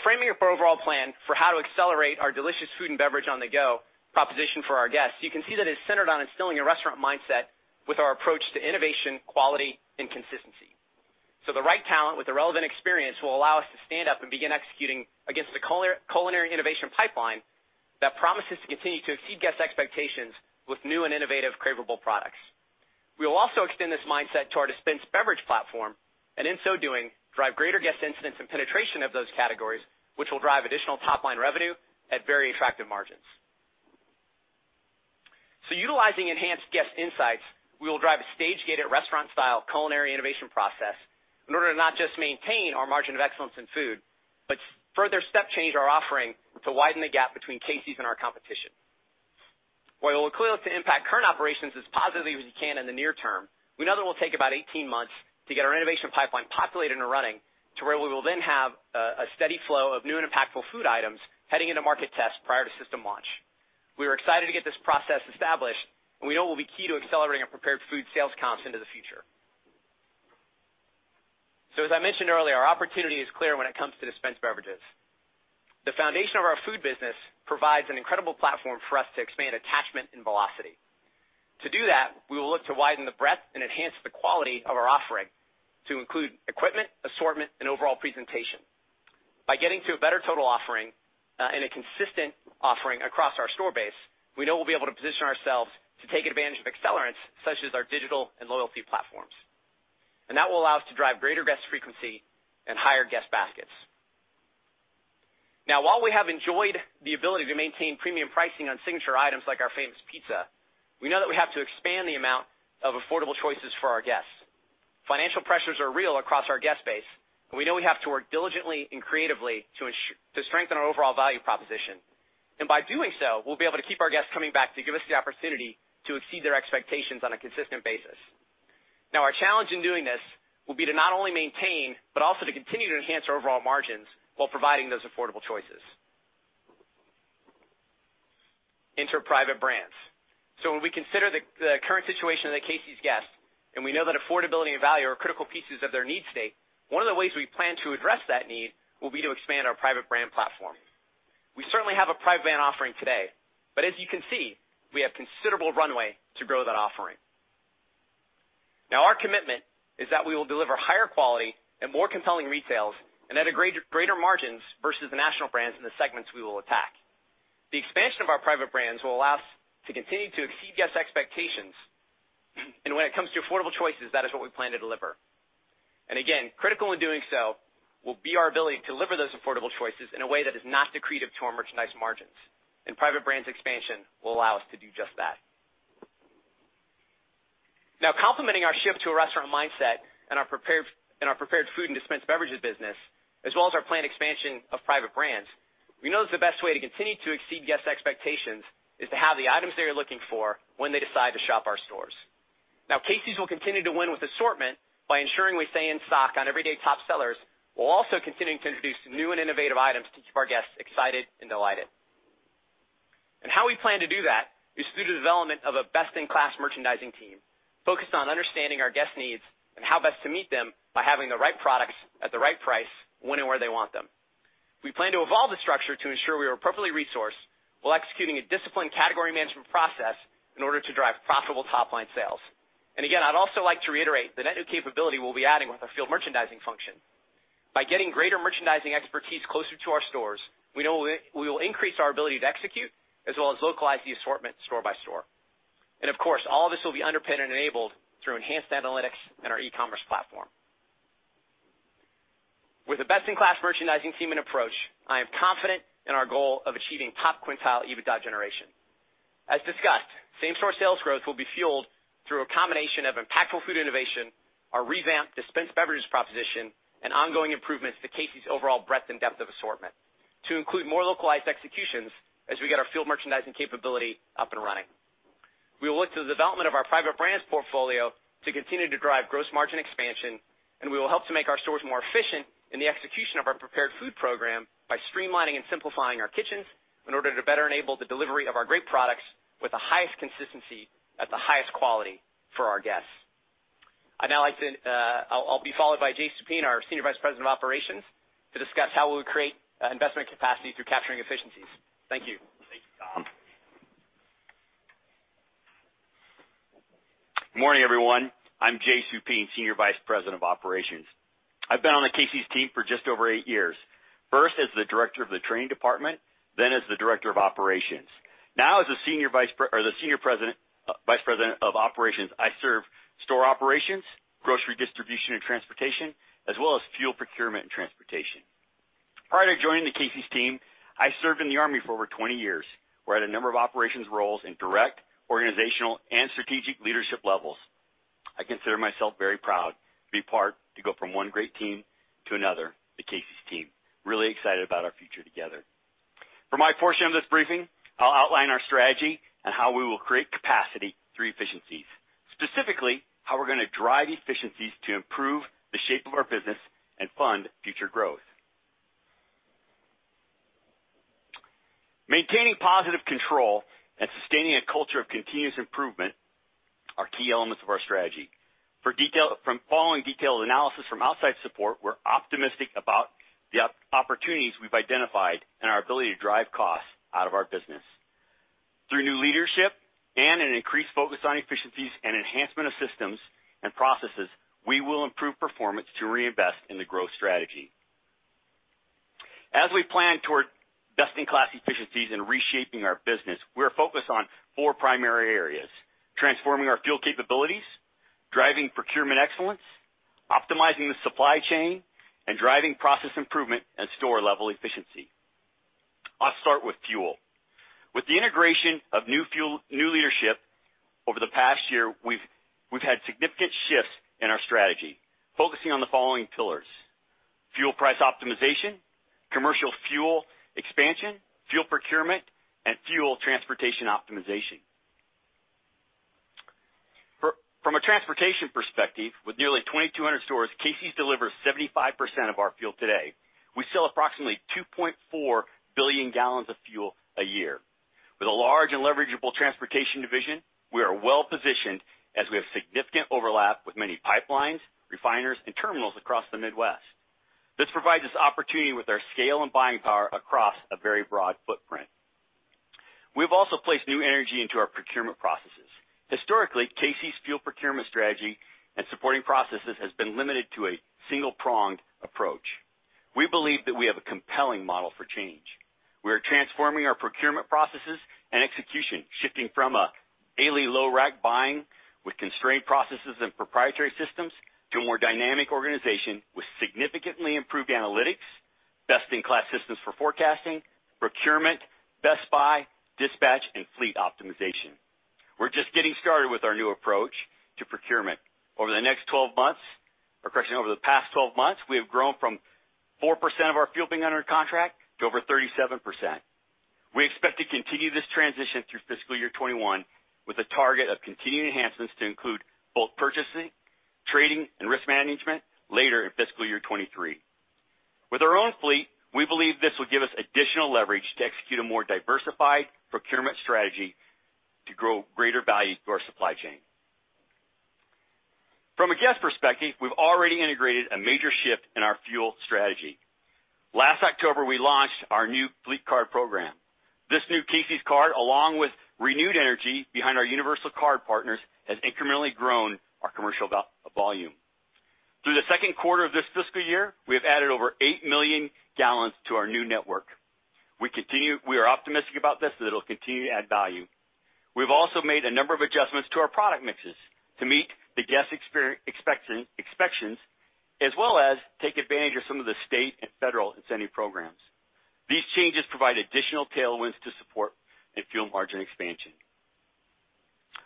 Framing up our overall plan for how to accelerate our delicious food and beverage on the go proposition for our guests, you can see that it's centered on instilling a restaurant mindset with our approach to innovation, quality, and consistency. The right talent with the relevant experience will allow us to stand up and begin executing against the culinary innovation pipeline that promises to continue to exceed guest expectations with new and innovative favorable products. We will also extend this mindset to our dispensed beverage platform and, in so doing, drive greater guest incidents and penetration of those categories, which will drive additional top-line revenue at very attractive margins. Utilizing enhanced guest insights, we will drive a stage-gated restaurant-style culinary innovation process in order to not just maintain our margin of excellence in food, but further step-change our offering to widen the gap between Casey's and our competition. While we'll clearly look to impact current operations as positively as we can in the near term, we know that it will take about 18 months to get our innovation pipeline populated and running to where we will then have a steady flow of new and impactful food items heading into market test prior to system launch. We are excited to get this process established, and we know it will be key to accelerating our prepared food sales comps into the future. As I mentioned earlier, our opportunity is clear when it comes to dispensed beverages. The foundation of our food business provides an incredible platform for us to expand attachment and velocity. To do that, we will look to widen the breadth and enhance the quality of our offering to include equipment, assortment, and overall presentation. By getting to a better total offering and a consistent offering across our store base, we know we'll be able to position ourselves to take advantage of accelerants such as our digital and loyalty platforms. That will allow us to drive greater guest frequency and higher guest baskets. Now, while we have enjoyed the ability to maintain premium pricing on signature items like our famous pizza, we know that we have to expand the amount of affordable choices for our guests. Financial pressures are real across our guest base, and we know we have to work diligently and creatively to strengthen our overall value proposition. By doing so, we'll be able to keep our guests coming back to give us the opportunity to exceed their expectations on a consistent basis. Our challenge in doing this will be to not only maintain but also to continue to enhance our overall margins while providing those affordable choices. Enter private brands. When we consider the current situation of the Casey's guests and we know that affordability and value are critical pieces of their needs state, one of the ways we plan to address that need will be to expand our private brand platform. We certainly have a private brand offering today, but as you can see, we have considerable runway to grow that offering. Our commitment is that we will deliver higher quality and more compelling retails and at greater margins versus the national brands in the segments we will attack. The expansion of our private brands will allow us to continue to exceed guest expectations. When it comes to affordable choices, that is what we plan to deliver. Again, critical in doing so will be our ability to deliver those affordable choices in a way that is not depreciative to our merchandise margins. Private brands expansion will allow us to do just that. Now, complementing our shift to a restaurant mindset and our prepared food and dispensed beverages business, as well as our planned expansion of private brands, we know that the best way to continue to exceed guest expectations is to have the items they are looking for when they decide to shop our stores. Casey's will continue to win with assortment by ensuring we stay in stock on everyday top sellers while also continuing to introduce new and innovative items to keep our guests excited and delighted. How we plan to do that is through the development of a best-in-class merchandising team focused on understanding our guest needs and how best to meet them by having the right products at the right price when and where they want them. We plan to evolve the structure to ensure we are appropriately resourced while executing a disciplined category management process in order to drive profitable top-line sales. I would also like to reiterate the net new capability we'll be adding with our field merchandising function. By getting greater merchandising expertise closer to our stores, we know we will increase our ability to execute as well as localize the assortment store by store. Of course, all of this will be underpinned and enabled through enhanced analytics and our e-commerce platform. With a best-in-class merchandising team and approach, I am confident in our goal of achieving top quintile EBITDA generation. As discussed, same-store sales growth will be fueled through a combination of impactful food innovation, our revamped dispensed beverages proposition, and ongoing improvements to Casey's overall breadth and depth of assortment to include more localized executions as we get our field merchandising capability up and running. We will look to the development of our private brands portfolio to continue to drive gross margin expansion, and we will help to make our stores more efficient in the execution of our prepared food program by streamlining and simplifying our kitchens in order to better enable the delivery of our great products with the highest consistency at the highest quality for our guests. I'd now like to—I'll be followed by Jay Soupene, our Senior Vice President of Operations, to discuss how we will create investment capacity through capturing efficiencies. Thank you. Thank you, Tom. Good morning, everyone. I'm Jay Soupene, Senior Vice President of Operations. I've been on the Casey's team for just over eight years, first as the Director of the Training Department, then as the Director of Operations. Now, as the Senior Vice President of Operations, I serve store operations, grocery distribution and transportation, as well as fuel procurement and transportation. Prior to joining the Casey's team, I served in the Army for over 20 years. I was in a number of operations roles in direct, organizational, and strategic leadership levels. I consider myself very proud to be part—to go from one great team to another, the Casey's team. Really excited about our future together. For my portion of this briefing, I'll outline our strategy and how we will create capacity through efficiencies, specifically how we're going to drive efficiencies to improve the shape of our business and fund future growth. Maintaining positive control and sustaining a culture of continuous improvement are key elements of our strategy. From following detailed analysis from outside support, we're optimistic about the opportunities we've identified and our ability to drive costs out of our business. Through new leadership and an increased focus on efficiencies and enhancement of systems and processes, we will improve performance to reinvest in the growth strategy. As we plan toward best-in-class efficiencies and reshaping our business, we're focused on four primary areas: transforming our fuel capabilities, driving procurement excellence, optimizing the supply chain, and driving process improvement and store-level efficiency. I'll start with fuel. With the integration of new leadership over the past year, we've had significant shifts in our strategy, focusing on the following pillars: fuel price optimization, commercial fuel expansion, fuel procurement, and fuel transportation optimization. From a transportation perspective, with nearly 2,200 stores, Casey's delivers 75% of our fuel today. We sell approximately 2.4 billion gallons of fuel a year. With a large and leverageable transportation division, we are well-positioned as we have significant overlap with many pipelines, refiners, and terminals across the Midwest. This provides us opportunity with our scale and buying power across a very broad footprint. We've also placed new energy into our procurement processes. Historically, Casey's fuel procurement strategy and supporting processes have been limited to a single-pronged approach. We believe that we have a compelling model for change. We are transforming our procurement processes and execution, shifting from a daily low-rack buying with constrained processes and proprietary systems to a more dynamic organization with significantly improved analytics, best-in-class systems for forecasting, procurement, best buy, dispatch, and fleet optimization. We're just getting started with our new approach to procurement. Over the past 12 months, we have grown from 4% of our fuel being under contract to over 37%. We expect to continue this transition through fiscal year 2021 with a target of continued enhancements to include both purchasing, trading, and risk management later in fiscal year 2023. With our own fleet, we believe this will give us additional leverage to execute a more diversified procurement strategy to grow greater value to our supply chain. From a guest perspective, we've already integrated a major shift in our fuel strategy. Last October, we launched our new fleet card program. This new Casey's card, along with renewed energy behind our universal card partners, has incrementally grown our commercial volume. Through the second quarter of this fiscal year, we have added over 8 million gallons to our new network. We are optimistic about this, that it'll continue to add value. We've also made a number of adjustments to our product mixes to meet the guest expectations, as well as take advantage of some of the state and federal incentive programs. These changes provide additional tailwinds to support and fuel margin expansion.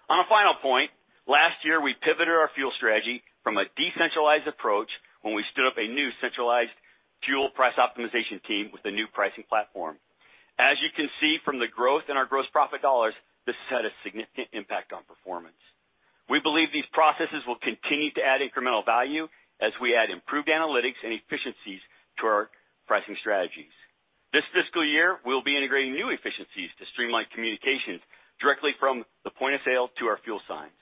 On a final point, last year, we pivoted our fuel strategy from a decentralized approach when we stood up a new centralized fuel price optimization team with a new pricing platform. As you can see from the growth in our gross profit dollars, this has had a significant impact on performance. We believe these processes will continue to add incremental value as we add improved analytics and efficiencies to our pricing strategies. This fiscal year, we'll be integrating new efficiencies to streamline communications directly from the point of sale to our fuel signs.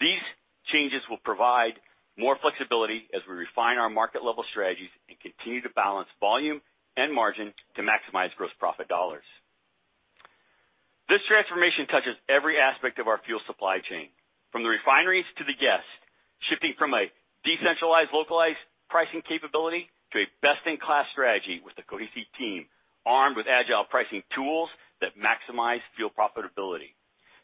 These changes will provide more flexibility as we refine our market-level strategies and continue to balance volume and margin to maximize gross profit dollars. This transformation touches every aspect of our fuel supply chain, from the refineries to the guests, shifting from a decentralized localized pricing capability to a best-in-class strategy with the Casey's team armed with agile pricing tools that maximize fuel profitability,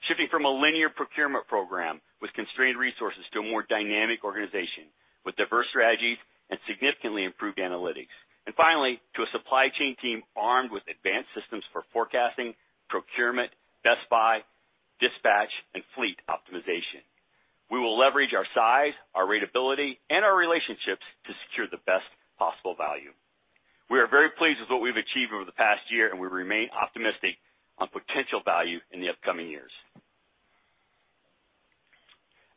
shifting from a linear procurement program with constrained resources to a more dynamic organization with diverse strategies and significantly improved analytics, and finally, to a supply chain team armed with advanced systems for forecasting, procurement, best buy, dispatch, and fleet optimization. We will leverage our size, our rateability, and our relationships to secure the best possible value. We are very pleased with what we've achieved over the past year, and we remain optimistic on potential value in the upcoming years.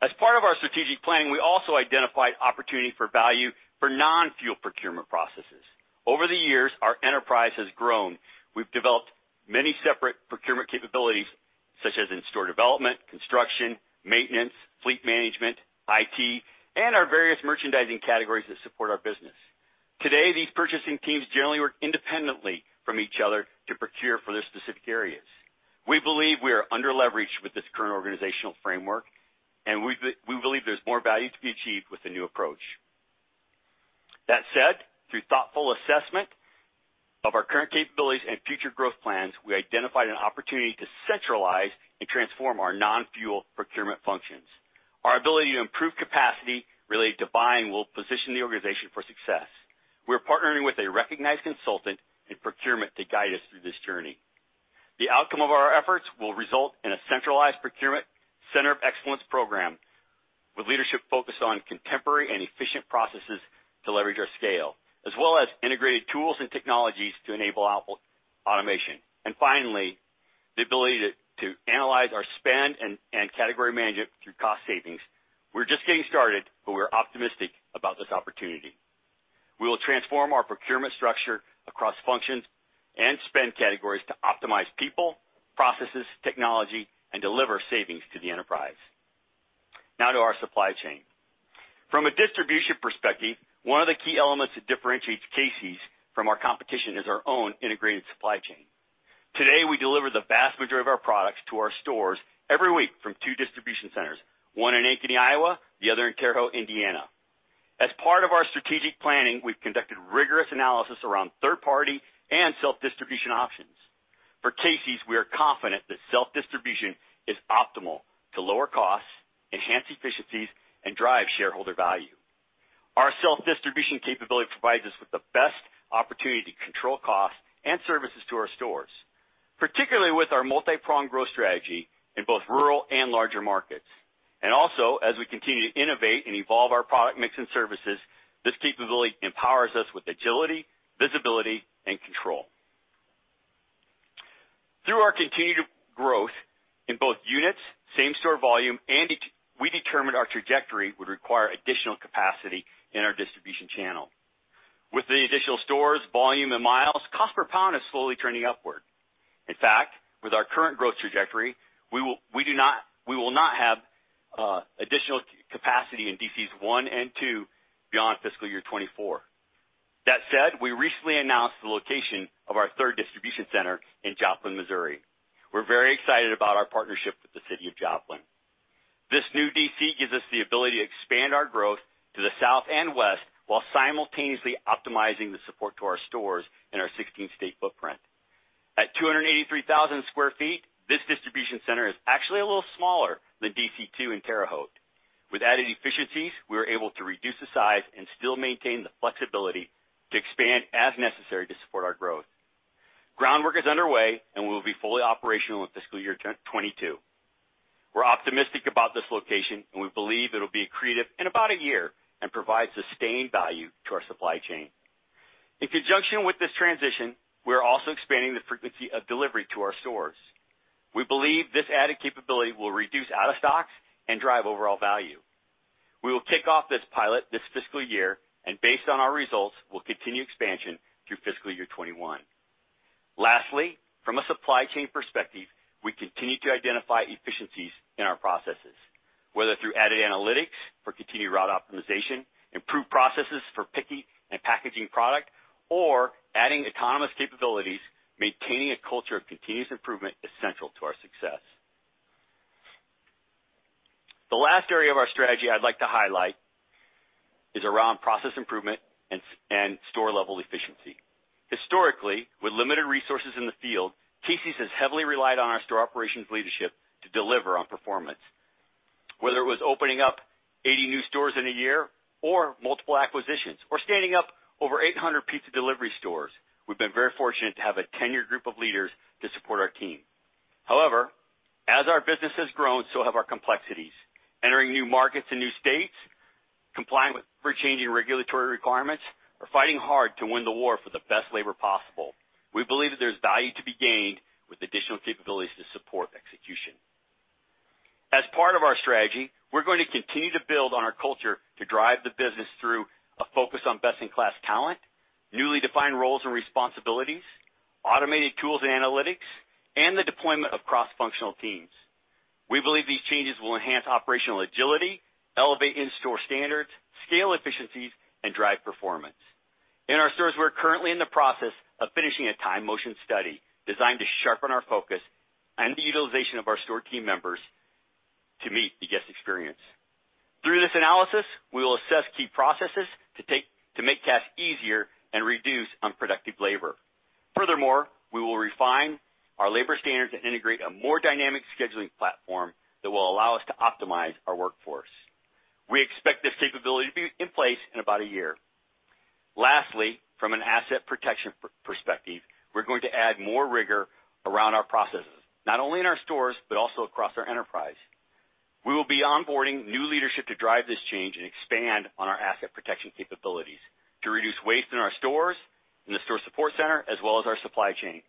As part of our strategic planning, we also identified opportunity for value for non-fuel procurement processes. Over the years, our enterprise has grown. We've developed many separate procurement capabilities such as in store development, construction, maintenance, fleet management, IT, and our various merchandising categories that support our business. Today, these purchasing teams generally work independently from each other to procure for their specific areas. We believe we are under-leveraged with this current organizational framework, and we believe there's more value to be achieved with the new approach. That said, through thoughtful assessment of our current capabilities and future growth plans, we identified an opportunity to centralize and transform our non-fuel procurement functions. Our ability to improve capacity related to buying will position the organization for success. We're partnering with a recognized consultant in procurement to guide us through this journey. The outcome of our efforts will result in a centralized procurement center of excellence program with leadership focused on contemporary and efficient processes to leverage our scale, as well as integrated tools and technologies to enable automation. Finally, the ability to analyze our spend and category management through cost savings. We're just getting started, but we're optimistic about this opportunity. We will transform our procurement structure across functions and spend categories to optimize people, processes, technology, and deliver savings to the enterprise. Now to our supply chain. From a distribution perspective, one of the key elements that differentiates Casey's from our competition is our own integrated supply chain. Today, we deliver the vast majority of our products to our stores every week from two distribution centers, one in Ankeny, Iowa, the other in Terre Haute, Indiana. As part of our strategic planning, we've conducted rigorous analysis around third-party and self-distribution options. For Casey's, we are confident that self-distribution is optimal to lower costs, enhance efficiencies, and drive shareholder value. Our self-distribution capability provides us with the best opportunity to control costs and services to our stores, particularly with our multi-pronged growth strategy in both rural and larger markets. Also, as we continue to innovate and evolve our product mix and services, this capability empowers us with agility, visibility, and control. Through our continued growth in both units and same-store volume, we determined our trajectory would require additional capacity in our distribution channel. With the additional stores, volume, and miles, cost per pound is slowly trending upward. In fact, with our current growth trajectory, we will not have additional capacity in DCs one and two beyond fiscal year 2024. That said, we recently announced the location of our third distribution center in Joplin, Missouri. We're very excited about our partnership with the city of Joplin. This new DC gives us the ability to expand our growth to the south and west while simultaneously optimizing the support to our stores in our 16-state footprint. At 283,000 sq ft, this distribution center is actually a little smaller than DC2 in Terre Haute. With added efficiencies, we were able to reduce the size and still maintain the flexibility to expand as necessary to support our growth. Groundwork is underway, and we will be fully operational in fiscal year 2022. We're optimistic about this location, and we believe it'll be accretive in about a year and provide sustained value to our supply chain. In conjunction with this transition, we're also expanding the frequency of delivery to our stores. We believe this added capability will reduce out-of-stocks and drive overall value. We will kick off this pilot this fiscal year, and based on our results, we'll continue expansion through fiscal year 2021. Lastly, from a supply chain perspective, we continue to identify efficiencies in our processes, whether through added analytics for continued route optimization, improved processes for picking and packaging product, or adding autonomous capabilities, maintaining a culture of continuous improvement essential to our success. The last area of our strategy I'd like to highlight is around process improvement and store-level efficiency. Historically, with limited resources in the field, Casey's has heavily relied on our store operations leadership to deliver on performance. Whether it was opening up 80 new stores in a year or multiple acquisitions or standing up over 800 pizza delivery stores, we've been very fortunate to have a tenured group of leaders to support our team. However, as our business has grown, so have our complexities. Entering new markets and new states, complying with ever-changing regulatory requirements, or fighting hard to win the war for the best labor possible, we believe that there's value to be gained with additional capabilities to support execution. As part of our strategy, we're going to continue to build on our culture to drive the business through a focus on best-in-class talent, newly defined roles and responsibilities, automated tools and analytics, and the deployment of cross-functional teams. We believe these changes will enhance operational agility, elevate in-store standards, scale efficiencies, and drive performance. In our stores, we're currently in the process of finishing a time and motion study designed to sharpen our focus and the utilization of our store team members to meet the guest experience. Through this analysis, we will assess key processes to make tasks easier and reduce unproductive labor. Furthermore, we will refine our labor standards and integrate a more dynamic scheduling platform that will allow us to optimize our workforce. We expect this capability to be in place in about a year. Lastly, from an asset protection perspective, we're going to add more rigor around our processes, not only in our stores, but also across our enterprise. We will be onboarding new leadership to drive this change and expand on our asset protection capabilities to reduce waste in our stores, in the store support center, as well as our supply chain.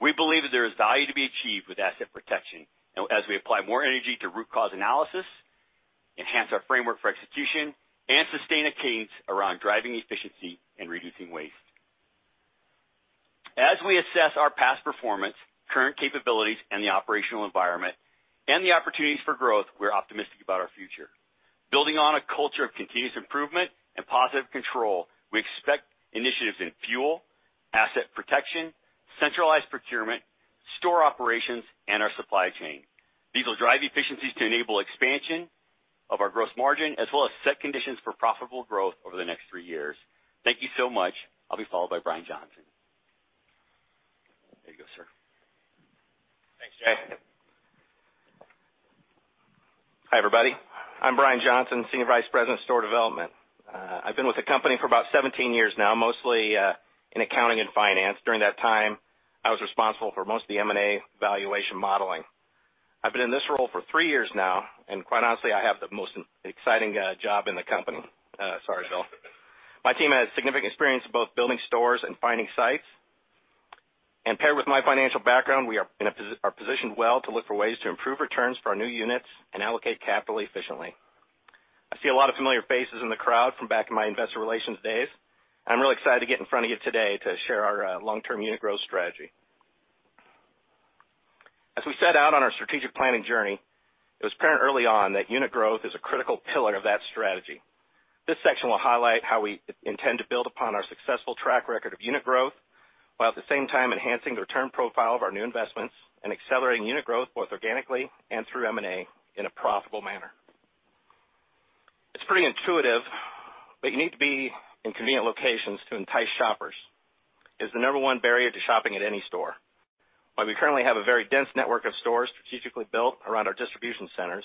We believe that there is value to be achieved with asset protection as we apply more energy to root cause analysis, enhance our framework for execution, and sustain a cadence around driving efficiency and reducing waste. As we assess our past performance, current capabilities, and the operational environment, and the opportunities for growth, we're optimistic about our future. Building on a culture of continuous improvement and positive control, we expect initiatives in fuel, asset protection, centralized procurement, store operations, and our supply chain. These will drive efficiencies to enable expansion of our gross margin, as well as set conditions for profitable growth over the next three years. Thank you so much. I'll be followed by Brian Johnson. There you go, sir. Thanks, Jay. Hi, everybody. I'm Brian Johnson, Senior Vice President, Store Development. I've been with the company for about 17 years now, mostly in accounting and finance. During that time, I was responsible for most of the M&A valuation modeling. I've been in this role for three years now, and quite honestly, I have the most exciting job in the company. Sorry, Bill. My team has significant experience in both building stores and finding sites. Paired with my financial background, we are positioned well to look for ways to improve returns for our new units and allocate capital efficiently. I see a lot of familiar faces in the crowd from back in my investor relations days, and I'm really excited to get in front of you today to share our long-term unit growth strategy. As we set out on our strategic planning journey, it was apparent early on that unit growth is a critical pillar of that strategy. This section will highlight how we intend to build upon our successful track record of unit growth while at the same time enhancing the return profile of our new investments and accelerating unit growth both organically and through M&A in a profitable manner. It's pretty intuitive, but you need to be in convenient locations to entice shoppers. It's the number one barrier to shopping at any store. While we currently have a very dense network of stores strategically built around our distribution centers,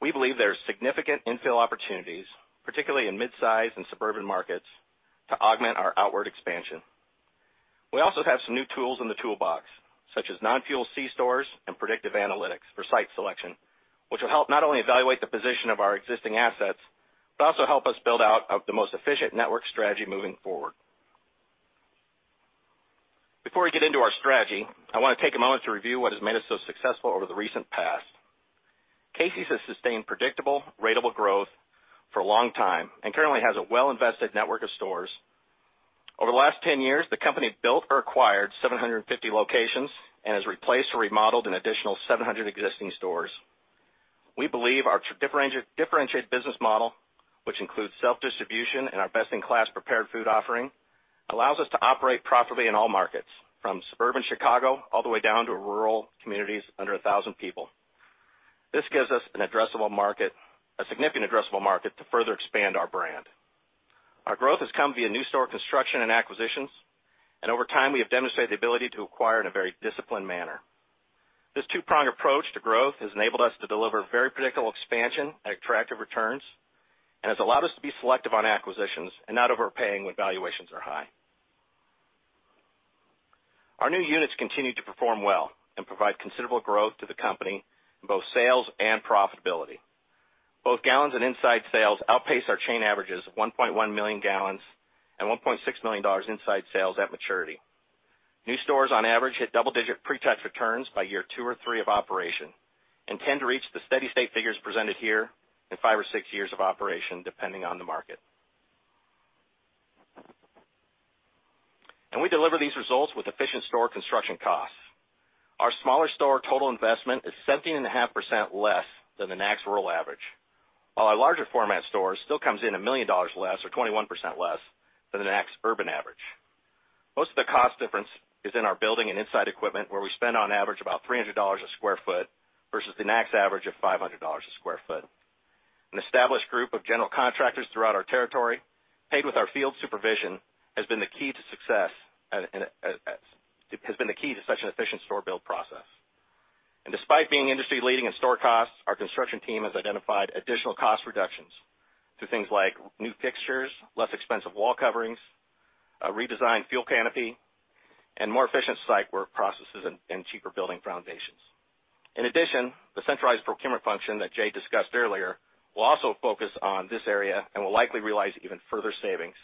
we believe there are significant infill opportunities, particularly in mid-size and suburban markets, to augment our outward expansion. We also have some new tools in the toolbox, such as non-fuel C-stores and predictive analytics for site selection, which will help not only evaluate the position of our existing assets, but also help us build out the most efficient network strategy moving forward. Before we get into our strategy, I want to take a moment to review what has made us so successful over the recent past. Casey's has sustained predictable, rateable growth for a long time and currently has a well-invested network of stores. Over the last 10 years, the company built or acquired 750 locations and has replaced or remodeled an additional 700 existing stores. We believe our differentiated business model, which includes self-distribution and our best-in-class prepared food offering, allows us to operate profitably in all markets, from suburban Chicago all the way down to rural communities under 1,000 people. This gives us a significant addressable market to further expand our brand. Our growth has come via new store construction and acquisitions, and over time, we have demonstrated the ability to acquire in a very disciplined manner. This two-pronged approach to growth has enabled us to deliver very predictable expansion and attractive returns and has allowed us to be selective on acquisitions and not overpaying when valuations are high. Our new units continue to perform well and provide considerable growth to the company, both sales and profitability. Both gallons and inside sales outpace our chain averages of 1.1 million gallons and $1.6 million inside sales at maturity. New stores, on average, hit double-digit pre-touch returns by year two or three of operation and tend to reach the steady-state figures presented here in five or six years of operation, depending on the market. We deliver these results with efficient store construction costs. Our smaller store total investment is 17.5% less than the NACS rural average, while our larger format store still comes in a million dollars less or 21% less than the NACS urban average. Most of the cost difference is in our building and inside equipment, where we spend on average about $300 a sq ft versus the NACS average of $500 a sq ft. An established group of general contractors throughout our territory, paired with our field supervision, has been the key to success and has been the key to such an efficient store build process. Despite being industry-leading in store costs, our construction team has identified additional cost reductions through things like new fixtures, less expensive wall coverings, a redesigned fuel canopy, and more efficient site work processes and cheaper building foundations. In addition, the centralized procurement function that Jay discussed earlier will also focus on this area and will likely realize even further savings.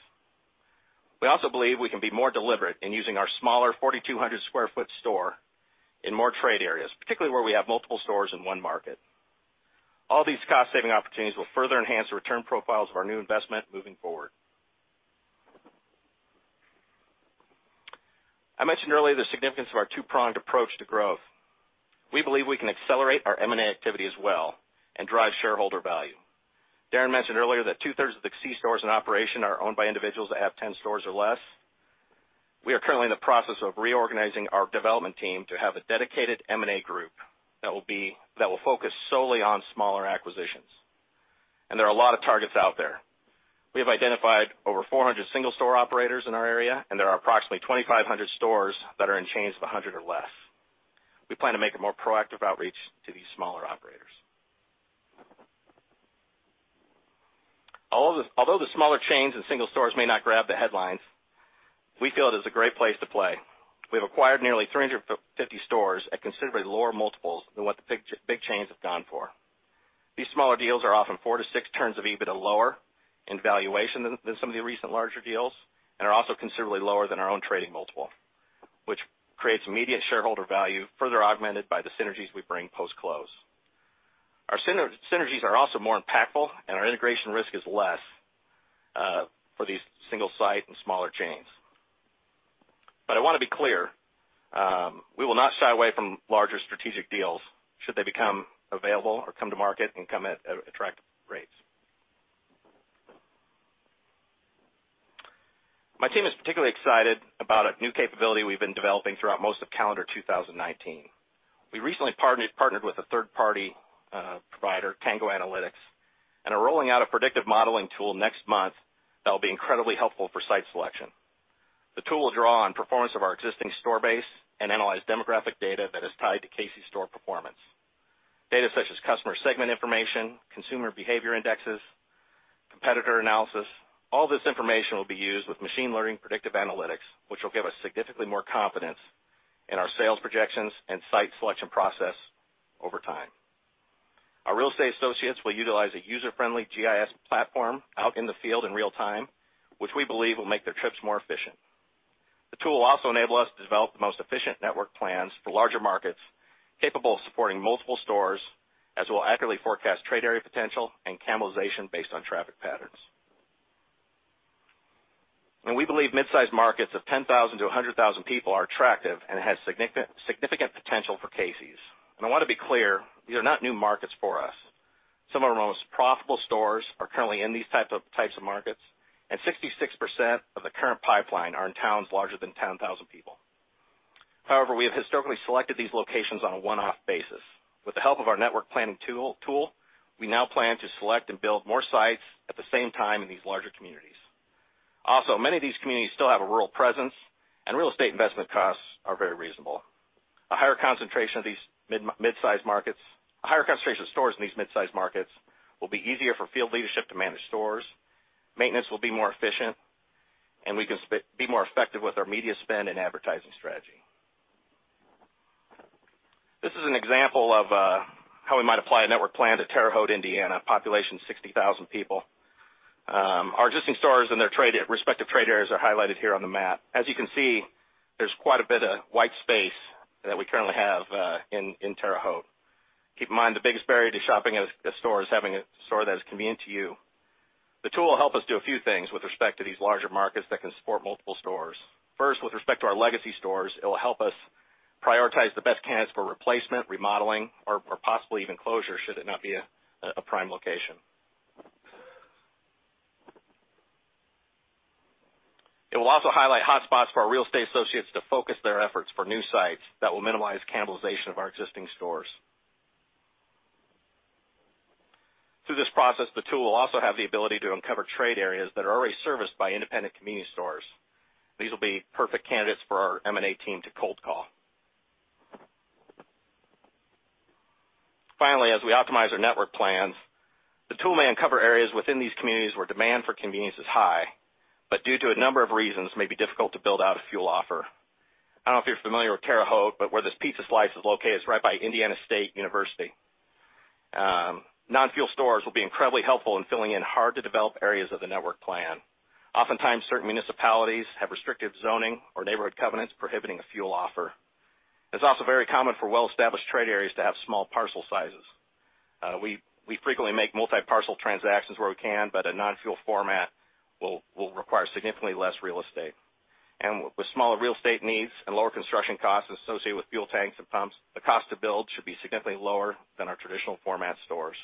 We also believe we can be more deliberate in using our smaller 4,200 sq ft store in more trade areas, particularly where we have multiple stores in one market. All these cost-saving opportunities will further enhance the return profiles of our new investment moving forward. I mentioned earlier the significance of our two-pronged approach to growth. We believe we can accelerate our M&A activity as well and drive shareholder value. Darren mentioned earlier that two-thirds of the C-stores in operation are owned by individuals that have 10 stores or less. We are currently in the process of reorganizing our development team to have a dedicated M&A group that will focus solely on smaller acquisitions. There are a lot of targets out there. We have identified over 400 single-store operators in our area, and there are approximately 2,500 stores that are in chains of 100 or less. We plan to make a more proactive outreach to these smaller operators. Although the smaller chains and single stores may not grab the headlines, we feel it is a great place to play. We have acquired nearly 350 stores at considerably lower multiples than what the big chains have gone for. These smaller deals are often four to six turns of EBITDA lower in valuation than some of the recent larger deals and are also considerably lower than our own trading multiple, which creates immediate shareholder value, further augmented by the synergies we bring post-close. Our synergies are also more impactful, and our integration risk is less for these single-site and smaller chains. I want to be clear, we will not shy away from larger strategic deals should they become available or come to market and come at attractive rates. My team is particularly excited about a new capability we've been developing throughout most of calendar 2019. We recently partnered with a third-party provider, Tango Analytics, and are rolling out a predictive modeling tool next month that will be incredibly helpful for site selection. The tool will draw on performance of our existing store base and analyze demographic data that is tied to Casey's store performance. Data such as customer segment information, consumer behavior indexes, competitor analysis, all this information will be used with machine learning predictive analytics, which will give us significantly more confidence in our sales projections and site selection process over time. Our real estate associates will utilize a user-friendly GIS platform out in the field in real time, which we believe will make their trips more efficient. The tool will also enable us to develop the most efficient network plans for larger markets, capable of supporting multiple stores, as well as accurately forecast trade area potential and cannibalization based on traffic patterns. We believe mid-size markets of 10,000 to 100,000 people are attractive and have significant potential for Casey's. I want to be clear, these are not new markets for us. Some of our most profitable stores are currently in these types of markets, and 66% of the current pipeline are in towns larger than 10,000 people. However, we have historically selected these locations on a one-off basis. With the help of our network planning tool, we now plan to select and build more sites at the same time in these larger communities. Also, many of these communities still have a rural presence, and real estate investment costs are very reasonable. A higher concentration of these mid-size markets, a higher concentration of stores in these mid-size markets, will be easier for field leadership to manage stores. Maintenance will be more efficient, and we can be more effective with our media spend and advertising strategy. This is an example of how we might apply a network plan to Terre Haute, Indiana, population 60,000 people. Our existing stores and their respective trade areas are highlighted here on the map. As you can see, there's quite a bit of white space that we currently have in Terre Haute. Keep in mind, the biggest barrier to shopping at a store is having a store that is convenient to you. The tool will help us do a few things with respect to these larger markets that can support multiple stores. First, with respect to our legacy stores, it will help us prioritize the best candidates for replacement, remodeling, or possibly even closure should it not be a prime location. It will also highlight hotspots for our real estate associates to focus their efforts for new sites that will minimize cannibaliza tion of our existing stores. Through this process, the tool will also have the ability to uncover trade areas that are already serviced by independent community stores. These will be perfect candidates for our M&A team to cold call. Finally, as we optimize our network plans, the tool may uncover areas within these communities where demand for convenience is high, but due to a number of reasons, it may be difficult to build out a fuel offer. I don't know if you're familiar with Terre Haute, but where this pizza slice is located is right by Indiana State University. Non-fuel stores will be incredibly helpful in filling in hard-to-develop areas of the network plan. Oftentimes, certain municipalities have restrictive zoning or neighborhood covenants prohibiting a fuel offer. It's also very common for well-established trade areas to have small parcel sizes. We frequently make multi-parcel transactions where we can, but a non-fuel format will require significantly less real estate. With smaller real estate needs and lower construction costs associated with fuel tanks and pumps, the cost to build should be significantly lower than our traditional format stores.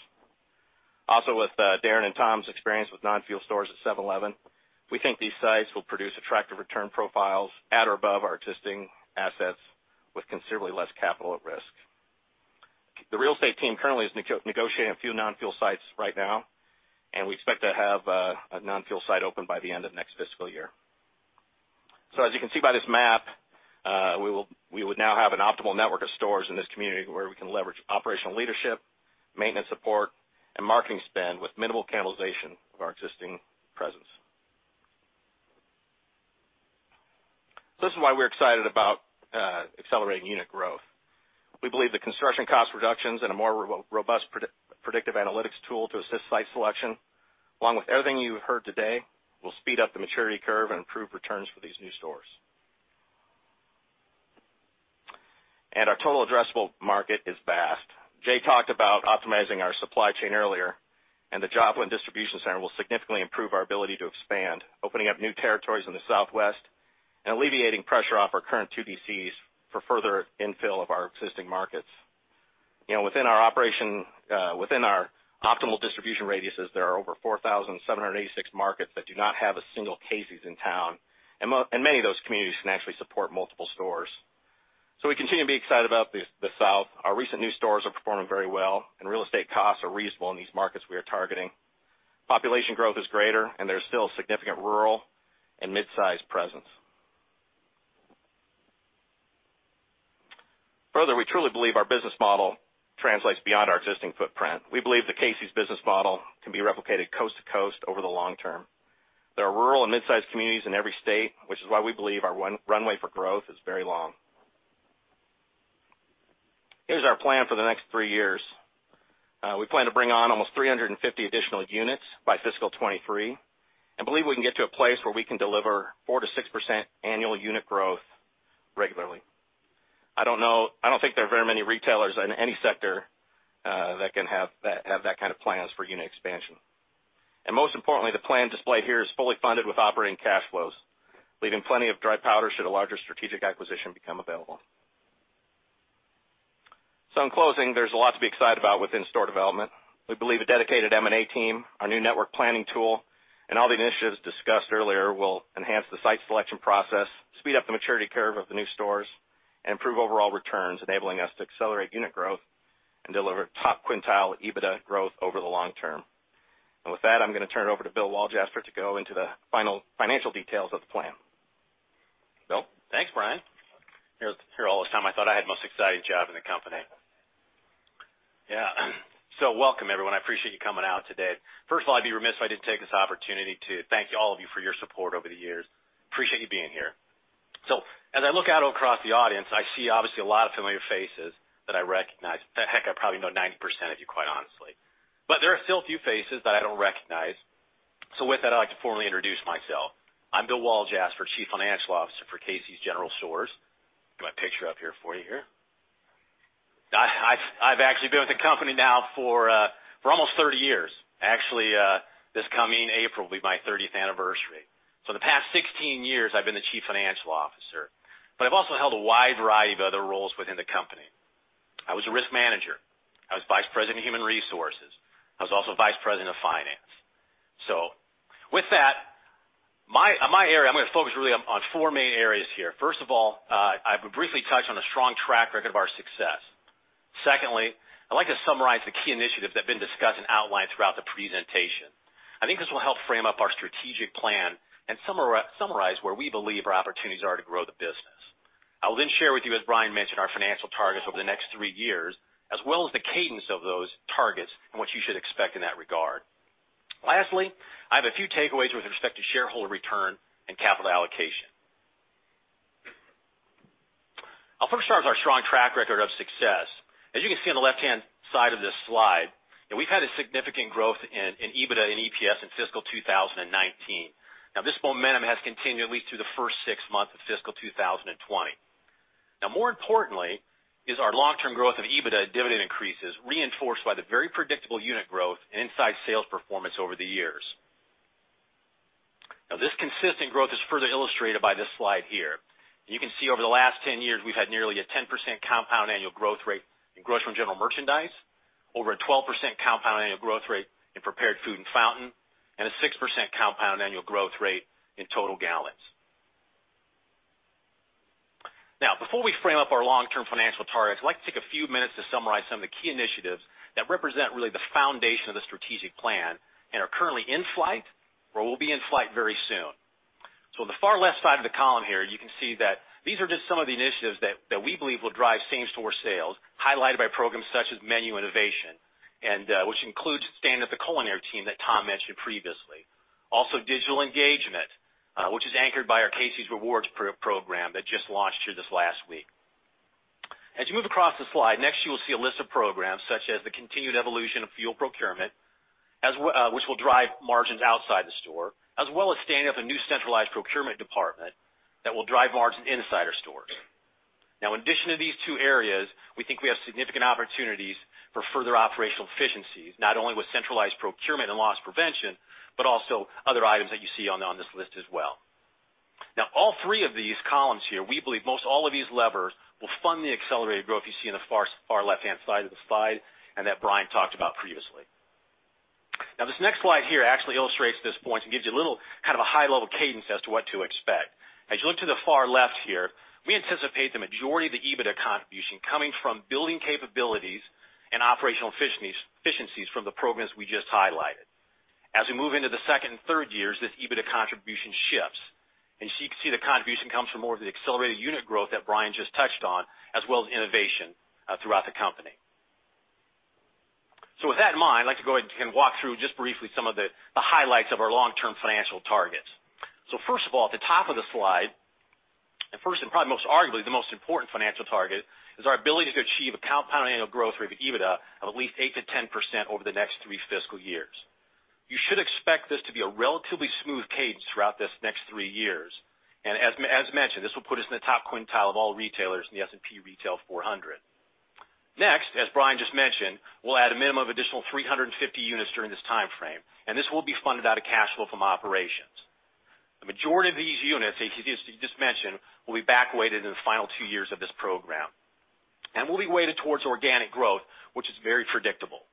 Also, with Darren and Tom's experience with non-fuel stores at 7-Eleven, we think these sites will produce attractive return profiles at or above our existing assets with considerably less capital at risk. The real estate team currently is negotiating a few non-fuel sites right now, and we expect to have a non-fuel site open by the end of next fiscal year. As you can see by this map, we would now have an optimal network of stores in this community where we can leverage operational leadership, maintenance support, and marketing spend with minimal cannibalization of our existing presence. This is why we're excited about accelerating unit growth. We believe the construction cost reductions and a more robust predictive analytics tool to assist site selection, along with everything you've heard today, will speed up the maturity curve and improve returns for these new stores. Our total addressable market is vast. Jay talked about optimizing our supply chain earlier, and the Joplin Distribution Center will significantly improve our ability to expand, opening up new territories in the southwest and alleviating pressure off our current 2 DCs for further infill of our existing markets. Within our optimal distribution radiuses, there are over 4,786 markets that do not have a single Casey's in town, and many of those communities can actually support multiple stores. We continue to be excited about the south. Our recent new stores are performing very well, and real estate costs are reasonable in these markets we are targeting. Population growth is greater, and there's still significant rural and mid-size presence. Further, we truly believe our business model translates beyond our existing footprint. We believe the Casey's business model can be replicated coast to coast over the long term. There are rural and mid-size communities in every state, which is why we believe our runway for growth is very long. Here's our plan for the next three years. We plan to bring on almost 350 additional units by fiscal 2023 and believe we can get to a place where we can deliver 4-6% annual unit growth regularly. I don't think there are very many retailers in any sector that can have that kind of plans for unit expansion. Most importantly, the plan displayed here is fully funded with operating cash flows, leaving plenty of dry powder should a larger strategic acquisition become available. In closing, there's a lot to be excited about within store development. We believe a dedicated M&A team, our new network planning tool, and all the initiatives discussed earlier will enhance the site selection process, speed up the maturity curve of the new stores, and improve overall returns, enabling us to accelerate unit growth and deliver top quintile EBITDA growth over the long term. With that, I'm going to turn it over to Bill Walljasper to go into the final financial details of the plan. Bill? Thanks, Brian. Here all this time, I thought I had the most exciting job in the company. Yeah. Welcome, everyone. I appreciate you coming out today. First of all, I'd be remiss if I didn't take this opportunity to thank all of you for your support over the years. Appreciate you being here. As I look out across the audience, I see obviously a lot of familiar faces that I recognize. Heck, I probably know 90% of you, quite honestly. There are still a few faces that I don't recognize. With that, I'd like to formally introduce myself. I'm Bill Walljasper, Chief Financial Officer for Casey's General Stores. Got my picture up here for you here. I've actually been with the company now for almost 30 years. Actually, this coming April will be my 30th anniversary. In the past 16 years, I've been the Chief Financial Officer. I've also held a wide variety of other roles within the company. I was a risk manager. I was Vice President of Human Resources. I was also Vice President of Finance. With that, my area, I'm going to focus really on four main areas here. First of all, I've briefly touched on a strong track record of our success. Secondly, I'd like to summarize the key initiatives that have been discussed and outlined throughout the presentation. I think this will help frame up our strategic plan and summarize where we believe our opportunities are to grow the business. I will then share with you, as Brian mentioned, our financial targets over the next three years, as well as the cadence of those targets and what you should expect in that regard. Lastly, I have a few takeaways with respect to shareholder return and capital allocation. I'll first start with our strong track record of success. As you can see on the left-hand side of this slide, we've had a significant growth in EBITDA and EPS in fiscal 2019. Now, this momentum has continued at least through the first six months of fiscal 2020. Now, more importantly, is our long-term growth of EBITDA and dividend increases reinforced by the very predictable unit growth and inside sales performance over the years. Now, this consistent growth is further illustrated by this slide here. You can see over the last 10 years, we've had nearly a 10% compound annual growth rate in grocery and general merchandise, over a 12% compound annual growth rate in prepared food and fountain, and a 6% compound annual growth rate in total gallons. Now, before we frame up our long-term financial targets, I'd like to take a few minutes to summarize some of the key initiatives that represent really the foundation of the strategic plan and are currently in flight or will be in flight very soon. On the far left side of the column here, you can see that these are just some of the initiatives that we believe will drive same-store sales, highlighted by programs such as Menu Innovation, which includes standing up the culinary team that Tom mentioned previously. Also, digital engagement, which is anchored by our Casey's Rewards program that just launched here this last week. As you move across the slide, next you will see a list of programs such as the continued evolution of fuel procurement, which will drive margins outside the store, as well as standing up a new centralized procurement department that will drive margins inside our stores. Now, in addition to these two areas, we think we have significant opportunities for further operational efficiencies, not only with centralized procurement and loss prevention, but also other items that you see on this list as well. Now, all three of these columns here, we believe most all of these levers will fund the accelerated growth you see on the far left-hand side of the slide and that Brian talked about previously. Now, this next slide here actually illustrates this point and gives you a little kind of a high-level cadence as to what to expect. As you look to the far left here, we anticipate the majority of the EBITDA contribution coming from building capabilities and operational efficiencies from the programs we just highlighted. As we move into the second and third years, this EBITDA contribution shifts. You can see the contribution comes from more of the accelerated unit growth that Brian just touched on, as well as innovation throughout the company. With that in mind, I'd like to go ahead and walk through just briefly some of the highlights of our long-term financial targets. First of all, at the top of the slide, and first and probably most arguably the most important financial target, is our ability to achieve a compound annual growth rate of EBITDA of at least 8-10% over the next three fiscal years. You should expect this to be a relatively smooth cadence throughout this next three years. As mentioned, this will put us in the top quintile of all retailers in the S&P Retail 400. Next, as Brian just mentioned, we'll add a minimum of additional 350 units during this timeframe. This will be funded out of cash flow from operations. The majority of these units, as you just mentioned, will be back-weighted in the final two years of this program. We'll be weighted towards organic growth, which is very predictable.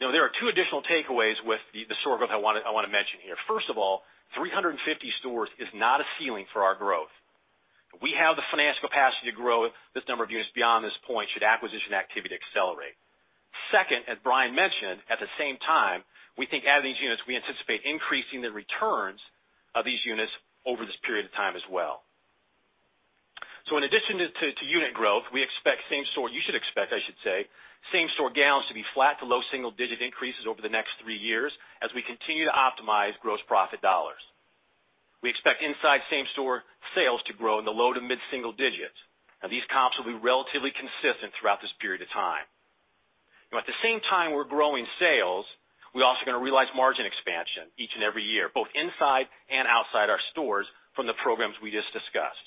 Now, there are two additional takeaways with the store growth I want to mention here. First of all, 350 stores is not a ceiling for our growth. We have the financial capacity to grow this number of units beyond this point should acquisition activity accelerate. Second, as Brian mentioned, at the same time, we think adding these units, we anticipate increasing the returns of these units over this period of time as well. In addition to unit growth, we expect same-store—you should expect, I should say—same-store gallons to be flat to low single-digit increases over the next three years as we continue to optimize gross profit dollars. We expect inside same-store sales to grow in the low to mid-single digits. Now, these comps will be relatively consistent throughout this period of time. At the same time we're growing sales, we're also going to realize margin expansion each and every year, both inside and outside our stores from the programs we just discussed.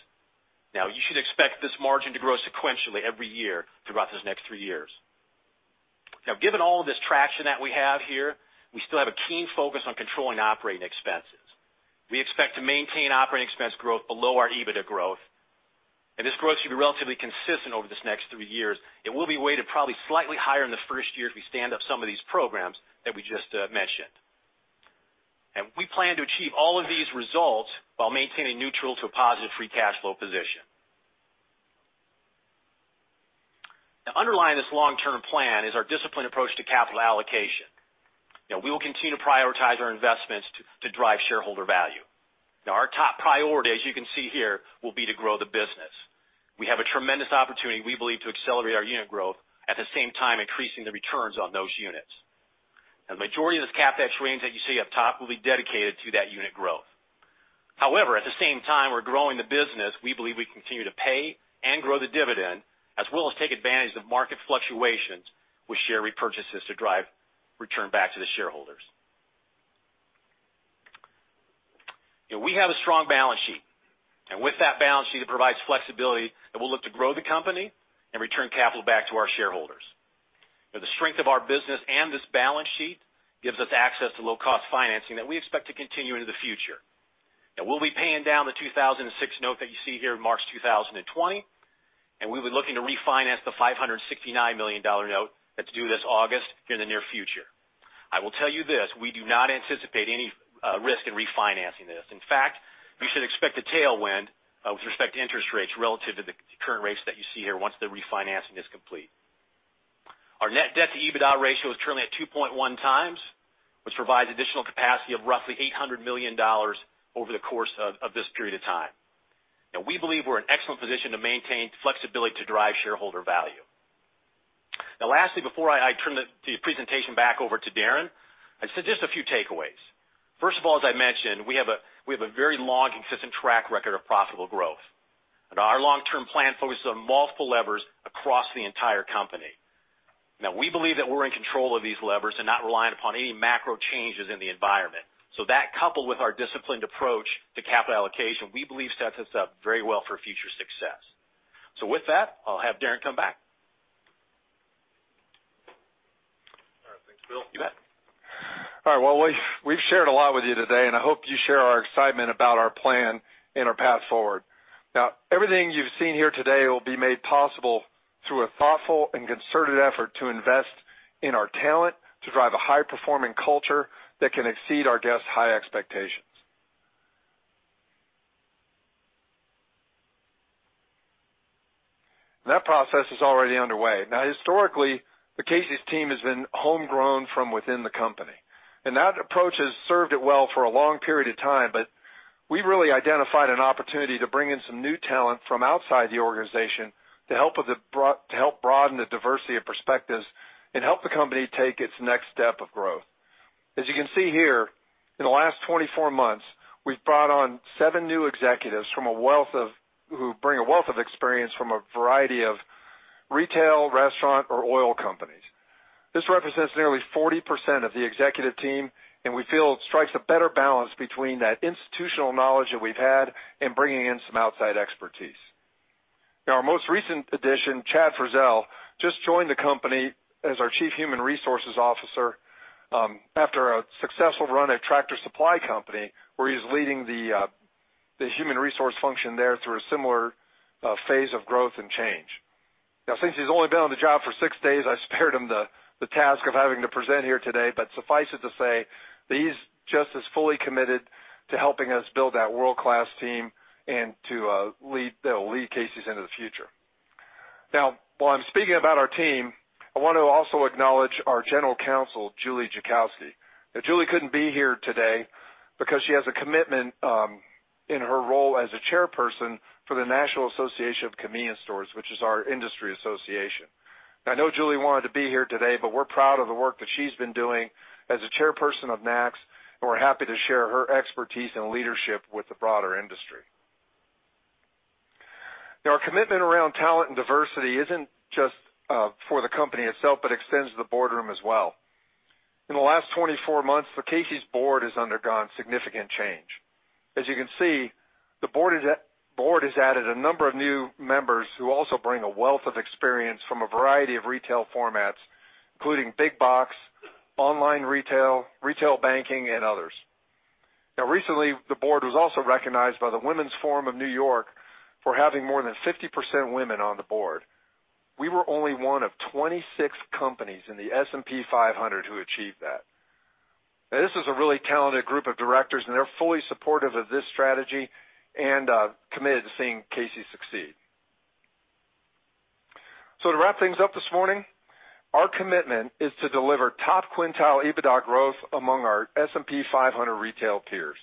You should expect this margin to grow sequentially every year throughout this next three years. Now, given all of this traction that we have here, we still have a keen focus on controlling operating expenses. We expect to maintain operating expense growth below our EBITDA growth. This growth should be relatively consistent over this next three years. It will be weighted probably slightly higher in the first year if we stand up some of these programs that we just mentioned. We plan to achieve all of these results while maintaining neutral to a positive free cash flow position. Underlying this long-term plan is our disciplined approach to capital allocation. We will continue to prioritize our investments to drive shareholder value. Our top priority, as you can see here, will be to grow the business. We have a tremendous opportunity, we believe, to accelerate our unit growth at the same time increasing the returns on those units. Now, the majority of this CapEx range that you see up top will be dedicated to that unit growth. However, at the same time we're growing the business, we believe we can continue to pay and grow the dividend, as well as take advantage of market fluctuations with share repurchases to drive return back to the shareholders. We have a strong balance sheet. With that balance sheet, it provides flexibility that will look to grow the company and return capital back to our shareholders. The strength of our business and this balance sheet gives us access to low-cost financing that we expect to continue into the future. Now, we'll be paying down the 2006 note that you see here in March 2020. We'll be looking to refinance the $569 million note that's due this August here in the near future. I will tell you this, we do not anticipate any risk in refinancing this. In fact, you should expect a tailwind with respect to interest rates relative to the current rates that you see here once the refinancing is complete. Our net debt to EBITDA ratio is currently at 2.1 times, which provides additional capacity of roughly $800 million over the course of this period of time. Now, we believe we're in an excellent position to maintain flexibility to drive shareholder value. Now, lastly, before I turn the presentation back over to Darren, I'd suggest a few takeaways. First of all, as I mentioned, we have a very long, consistent track record of profitable growth. And our long-term plan focuses on multiple levers across the entire company. Now, we believe that we're in control of these levers and not relying upon any macro changes in the environment. That coupled with our disciplined approach to capital allocation, we believe sets us up very well for future success. With that, I'll have Darren come back. All right. Thanks, Bill. You bet. All right. We've shared a lot with you today, and I hope you share our excitement about our plan and our path forward. Everything you've seen here today will be made possible through a thoughtful and concerted effort to invest in our talent to drive a high-performing culture that can exceed our guests' high expectations. That process is already underway. Historically, the Casey's team has been homegrown from within the company. That approach has served it well for a long period of time, but we've really identified an opportunity to bring in some new talent from outside the organization to help broaden the diversity of perspectives and help the company take its next step of growth. As you can see here, in the last 24 months, we've brought on seven new executives who bring a wealth of experience from a variety of retail, restaurant, or oil companies. This represents nearly 40% of the executive team, and we feel it strikes a better balance between that institutional knowledge that we've had and bringing in some outside expertise. Now, our most recent addition, Chad Frazelle, just joined the company as our Chief Human Resources Officer after a successful run at Tractor Supply Company, where he's leading the human resource function there through a similar phase of growth and change. Now, since he's only been on the job for six days, I spared him the task of having to present here today. Suffice it to say, he's just as fully committed to helping us build that world-class team and to lead Casey's into the future. Now, while I'm speaking about our team, I want to also acknowledge our General Counsel, Julie Jackowski. Now, Julie couldn't be here today because she has a commitment in her role as a chairperson for the National Association of Convenience Stores, which is our industry association. Now, I know Julie wanted to be here today, but we're proud of the work that she's been doing as a chairperson of NACS. We're happy to share her expertise and leadership with the broader industry. Now, our commitment around talent and diversity isn't just for the company itself, but extends to the boardroom as well. In the last 24 months, the Casey's board has undergone significant change. As you can see, the board has added a number of new members who also bring a wealth of experience from a variety of retail formats, including big box, online retail, retail banking, and others. Now, recently, the board was also recognized by the Women's Forum of New York for having more than 50% women on the board. We were only one of 26 companies in the S&P 500 who achieved that. This is a really talented group of directors, and they're fully supportive of this strategy and committed to seeing Casey's succeed. To wrap things up this morning, our commitment is to deliver top quintile EBITDA growth among our S&P 500 retail peers.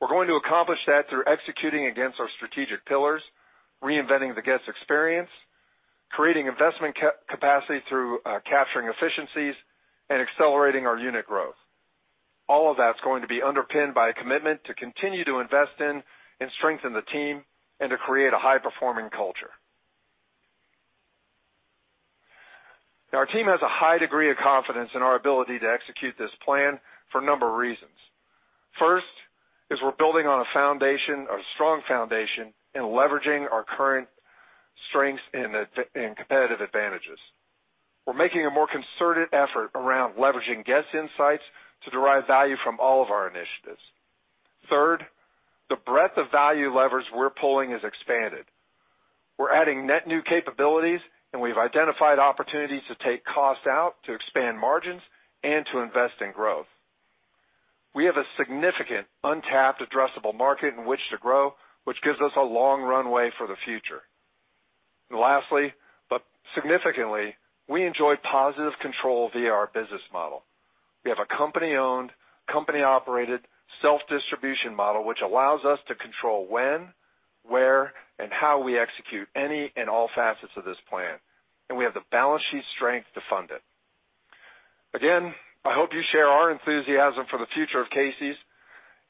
We're going to accomplish that through executing against our strategic pillars, reinventing the guest experience, creating investment capacity through capturing efficiencies, and accelerating our unit growth. All of that's going to be underpinned by a commitment to continue to invest in and strengthen the team and to create a high-performing culture. Now, our team has a high degree of confidence in our ability to execute this plan for a number of reasons. First is we're building on a foundation, a strong foundation, and leveraging our current strengths and competitive advantages. We're making a more concerted effort around leveraging guest insights to derive value from all of our initiatives. Third, the breadth of value levers we're pulling is expanded. We're adding net new capabilities, and we've identified opportunities to take cost out, to expand margins, and to invest in growth. We have a significant, untapped, addressable market in which to grow, which gives us a long runway for the future. Lastly, but significantly, we enjoy positive control via our business model. We have a company-owned, company-operated, self-distribution model, which allows us to control when, where, and how we execute any and all facets of this plan. We have the balance sheet strength to fund it. I hope you share our enthusiasm for the future of Casey's.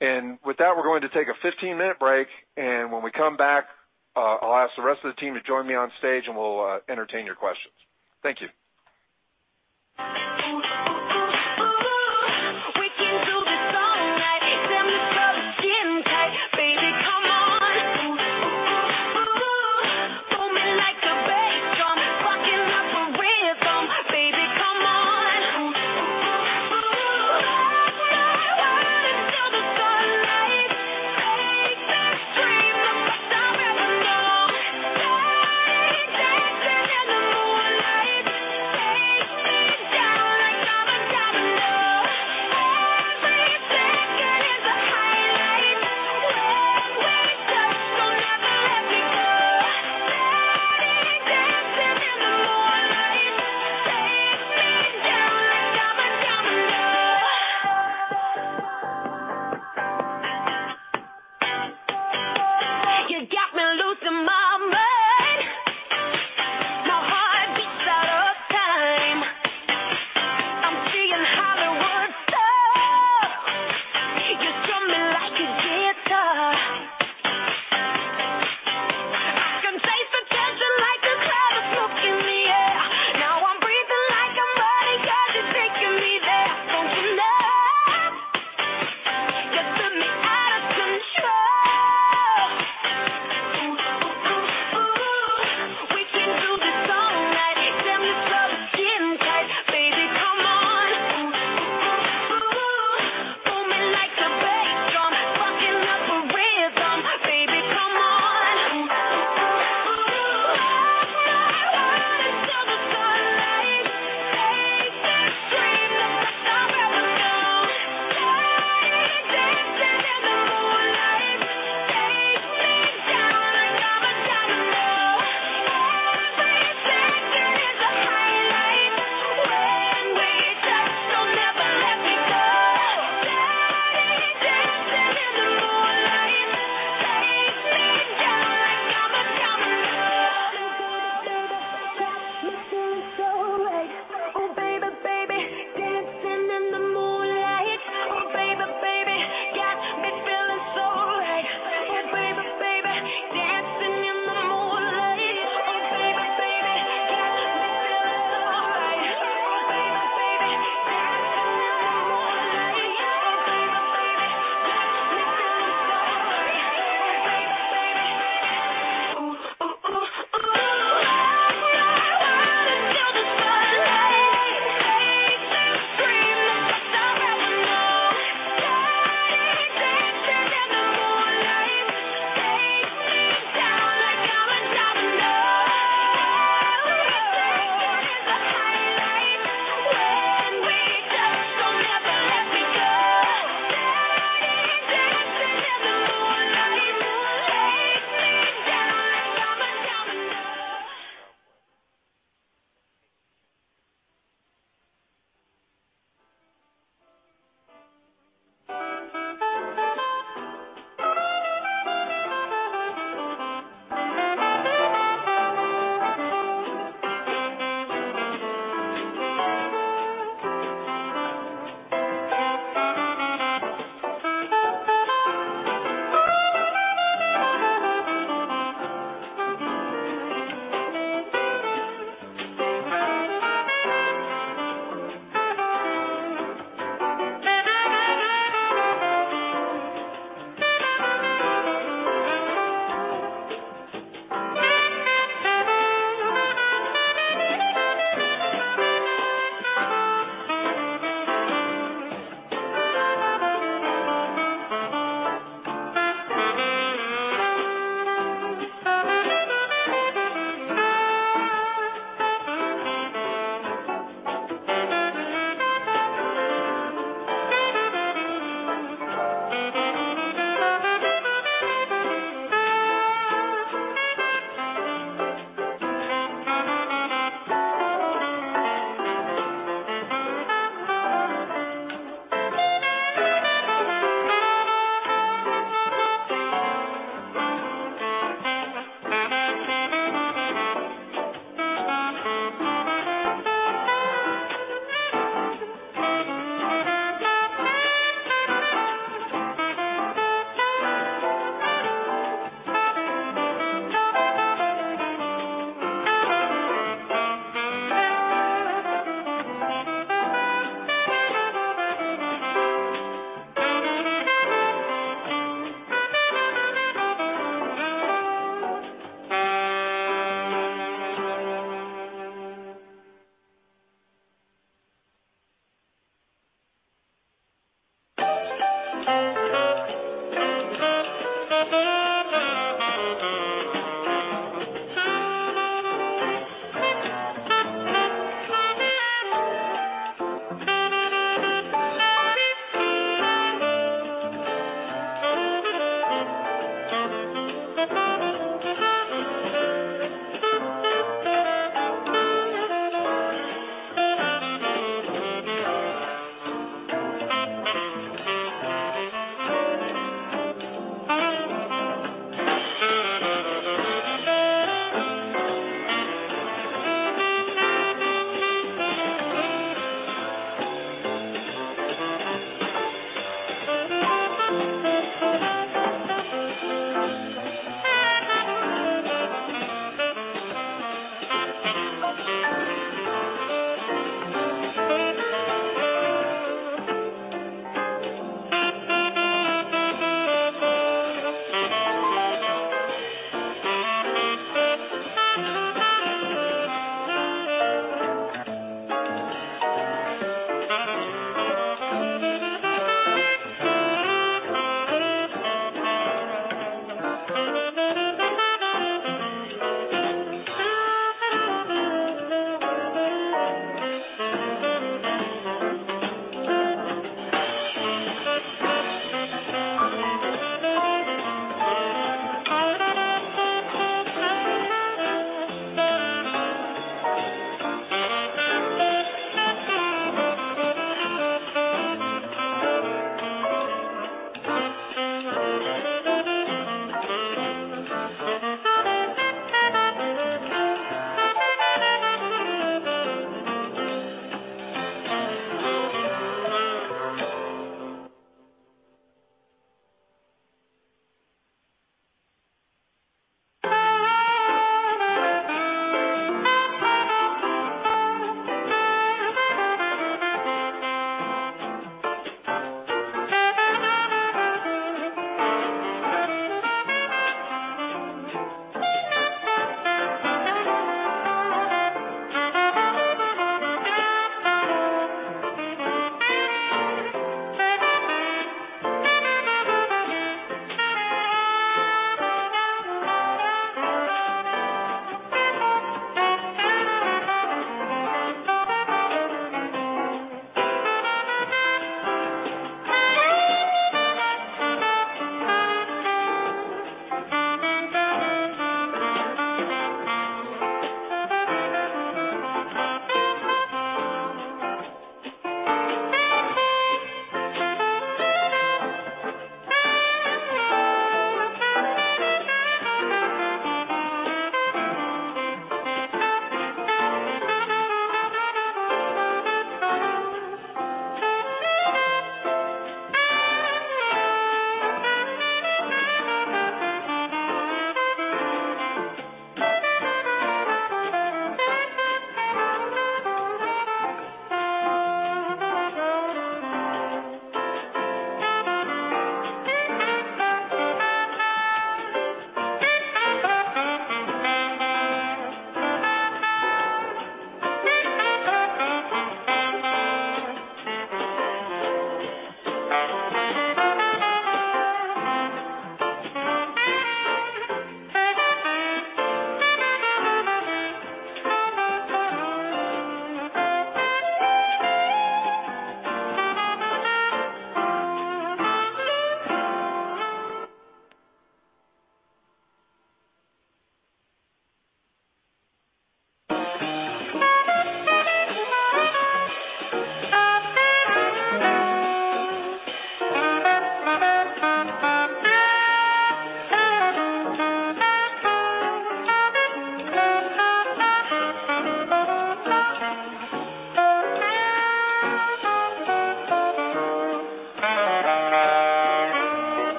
With that, we're going to take a 15-minute break. When we come back, I'll ask the rest of the team to join me on stage, and we'll entertain your questions. Thank you.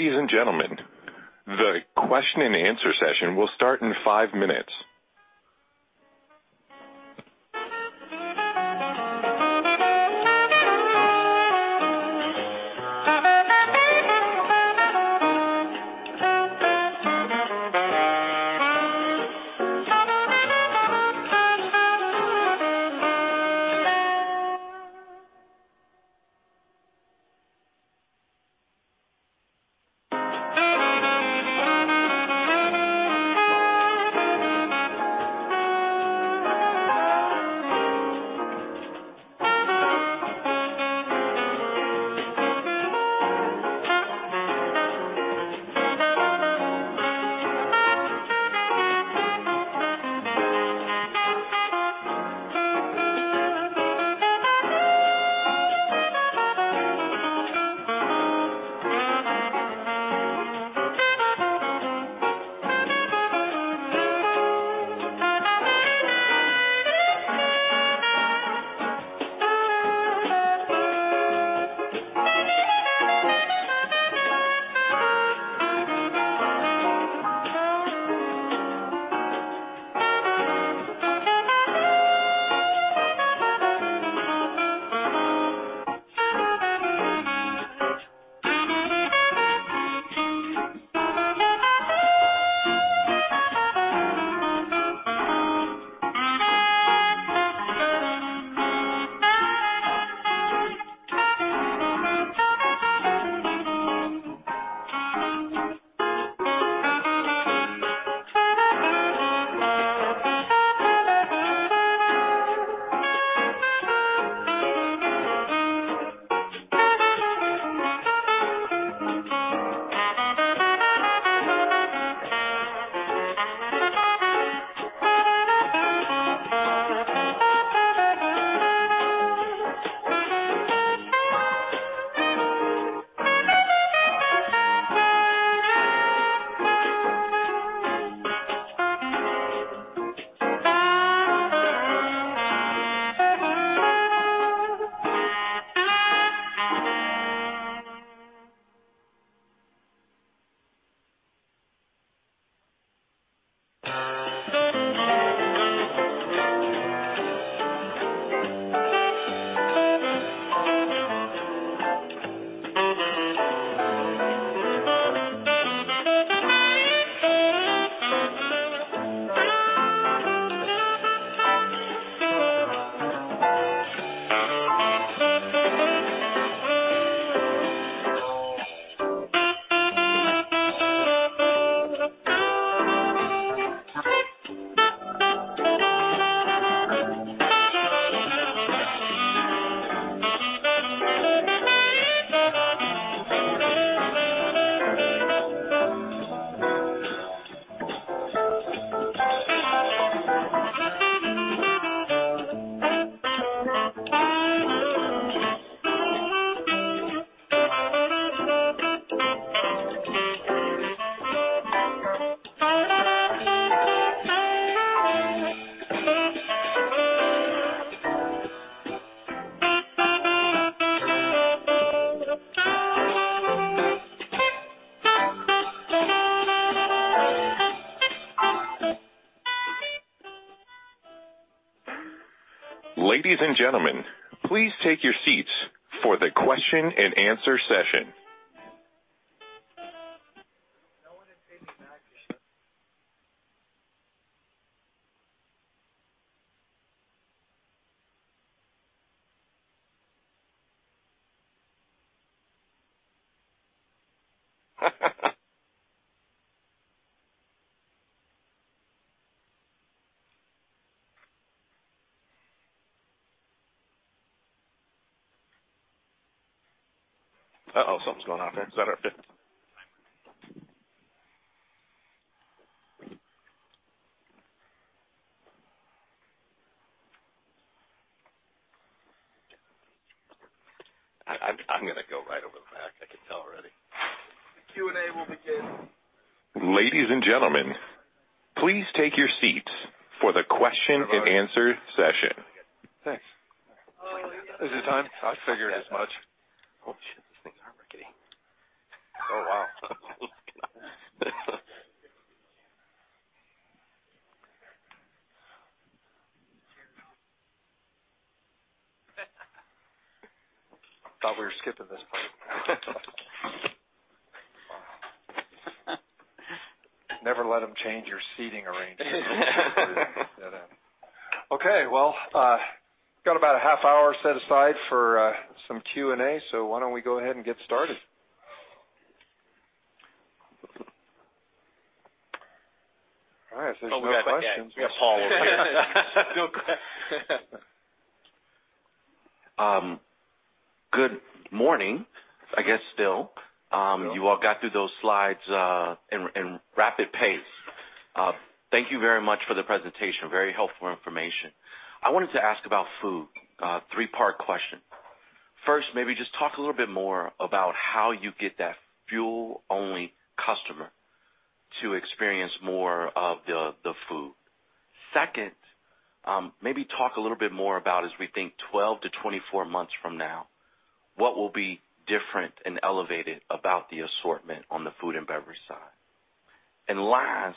Ladies and gentlemen. The question and answer session will start in five minutes. Ladies and gentlemen, please take your seats for the question and answer session. Oh, something's going on there. Is that our fifth? I'm going to go right over the back. I can tell already. Q&A will begin. Ladies and gentlemen, please take your seats for the question and answer session. Thanks. Is it time? I figured as much. Oh, shit, this thing's hard working. Oh, wow. Thought we were skipping this part. Never let them change your seating arrangement. Okay, got about a half hour set aside for some Q&A, so why don't we go ahead and get started? All right, there's no questions. We got Paul. Good morning, I guess still. You all got through those slides in rapid pace. Thank you very much for the presentation. Very helpful information. I wanted to ask about food. Three-part question. First, maybe just talk a little bit more about how you get that fuel-only customer to experience more of the food. Second, maybe talk a little bit more about, as we think, 12 to 24 months from now, what will be different and elevated about the assortment on the food and beverage side. And last,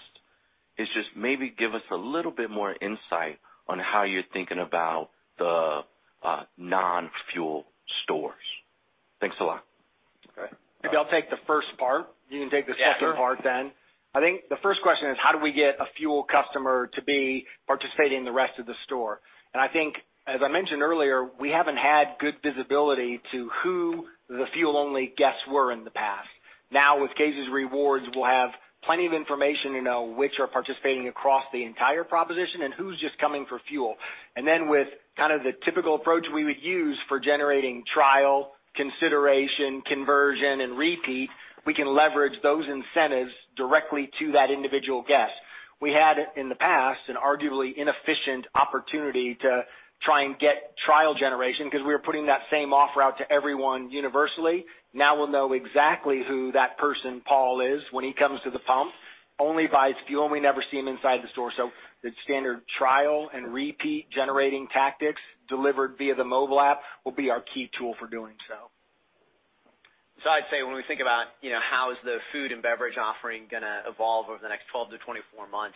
is just maybe give us a little bit more insight on how you're thinking about the non-fuel stores. Thanks a lot. All right. Maybe I'll take the first part. You can take the second part then. I think the first question is, how do we get a fuel customer to be participating in the rest of the store? I think, as I mentioned earlier, we have not had good visibility to who the fuel-only guests were in the past. Now, with Casey's Rewards, we will have plenty of information to know which are participating across the entire proposition and who is just coming for fuel. With kind of the typical approach we would use for generating trial, consideration, conversion, and repeat, we can leverage those incentives directly to that individual guest. We had in the past an arguably inefficient opportunity to try and get trial generation because we were putting that same offer out to everyone universally. Now we will know exactly who that person, Paul, is when he comes to the pump, only buys fuel, and we never see him inside the store. The standard trial and repeat generating tactics delivered via the mobile app will be our key tool for doing so. I'd say when we think about how is the food and beverage offering going to evolve over the next 12 to 24 months,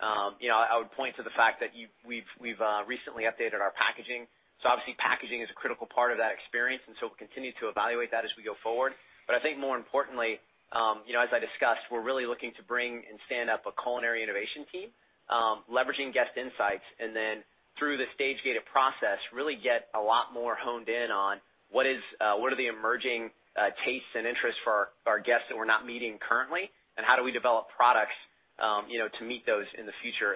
I would point to the fact that we've recently updated our packaging. Obviously, packaging is a critical part of that experience, and we'll continue to evaluate that as we go forward. I think more importantly, as I discussed, we're really looking to bring and stand up a culinary innovation team, leveraging guest insights, and then through the stage-gated process, really get a lot more honed in on what are the emerging tastes and interests for our guests that we're not meeting currently, and how do we develop products to meet those in the future.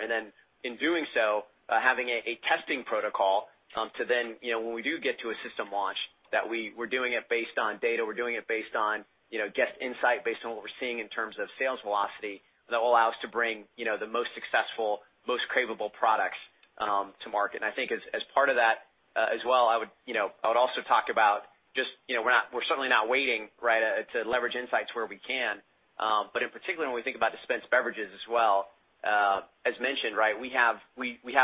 In doing so, having a testing protocol to then, when we do get to a system launch, that we're doing it based on data, we're doing it based on guest insight, based on what we're seeing in terms of sales velocity, that will allow us to bring the most successful, most craveable products to market. I think as part of that as well, I would also talk about just we're certainly not waiting, right, to leverage insights where we can. In particular, when we think about dispensed beverages as well, as mentioned, right, we have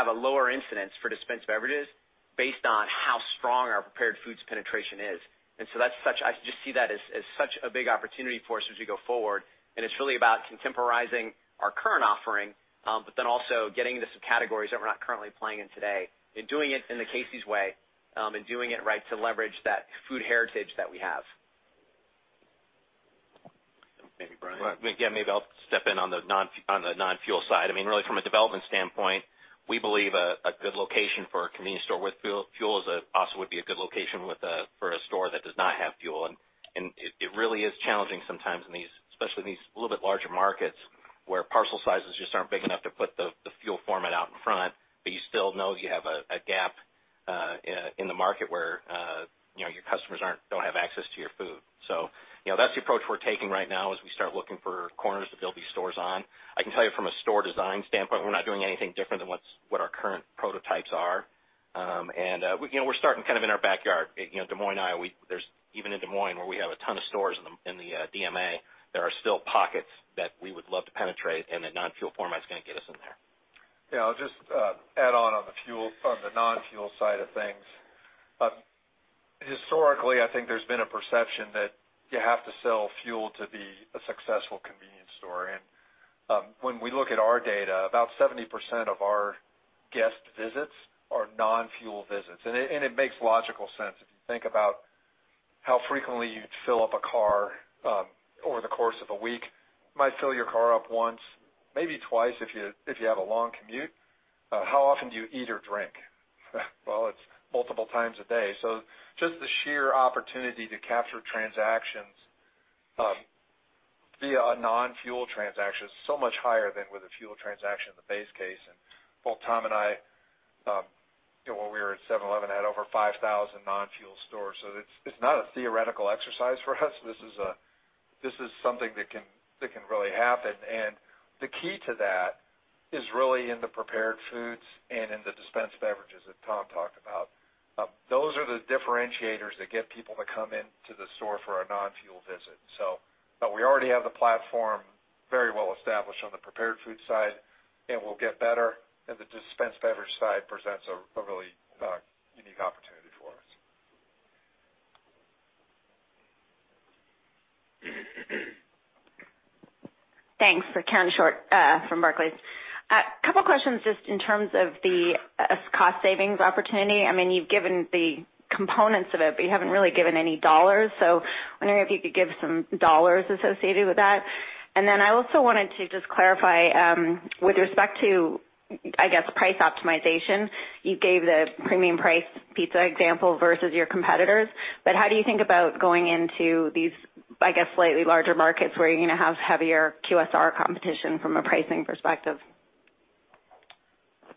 a lower incidence for dispensed beverages based on how strong our prepared foods penetration is. That is such—I just see that as such a big opportunity for us as we go forward. It's really about contemporizing our current offering, but then also getting into some categories that we're not currently playing in today, and doing it in the Casey's way, and doing it, right, to leverage that food heritage that we have. Maybe Brian. Yeah, maybe I'll step in on the non-fuel side. I mean, really from a development standpoint, we believe a good location for a convenience store with fuel also would be a good location for a store that does not have fuel. It really is challenging sometimes in these, especially in these a little bit larger markets where parcel sizes just aren't big enough to put the fuel format out in front, but you still know you have a gap in the market where your customers don't have access to your food. That's the approach we're taking right now as we start looking for corners to build these stores on. I can tell you from a store design standpoint, we're not doing anything different than what our current prototypes are. We're starting kind of in our backyard. Des Moines, Iowa, there's even in Des Moines where we have a ton of stores in the DMA, there are still pockets that we would love to penetrate, and the non-fuel format is going to get us in there. Yeah, I'll just add on on the non-fuel side of things. Historically, I think there's been a perception that you have to sell fuel to be a successful convenience store. When we look at our data, about 70% of our guest visits are non-fuel visits. It makes logical sense if you think about how frequently you'd fill up a car over the course of a week. Might fill your car up once, maybe twice if you have a long commute. How often do you eat or drink? It's multiple times a day. Just the sheer opportunity to capture transactions via a non-fuel transaction is so much higher than with a fuel transaction in the base case. Tom and I, when we were at 7-Eleven, had over 5,000 non-fuel stores. It's not a theoretical exercise for us. This is something that can really happen. The key to that is really in the prepared foods and in the dispensed beverages that Tom talked about. Those are the differentiators that get people to come into the store for a non-fuel visit. We already have the platform very well established on the prepared food side, and we'll get better. The dispensed beverage side presents a really unique opportunity for us. Thanks for Karen Short from Barclays. A couple of questions just in terms of the cost savings opportunity. I mean, you've given the components of it, but you haven't really given any dollars. I wonder if you could give some dollars associated with that. I also wanted to just clarify with respect to, I guess, price optimization. You gave the premium price pizza example versus your competitors. How do you think about going into these, I guess, slightly larger markets where you're going to have heavier QSR competition from a pricing perspective? Yeah,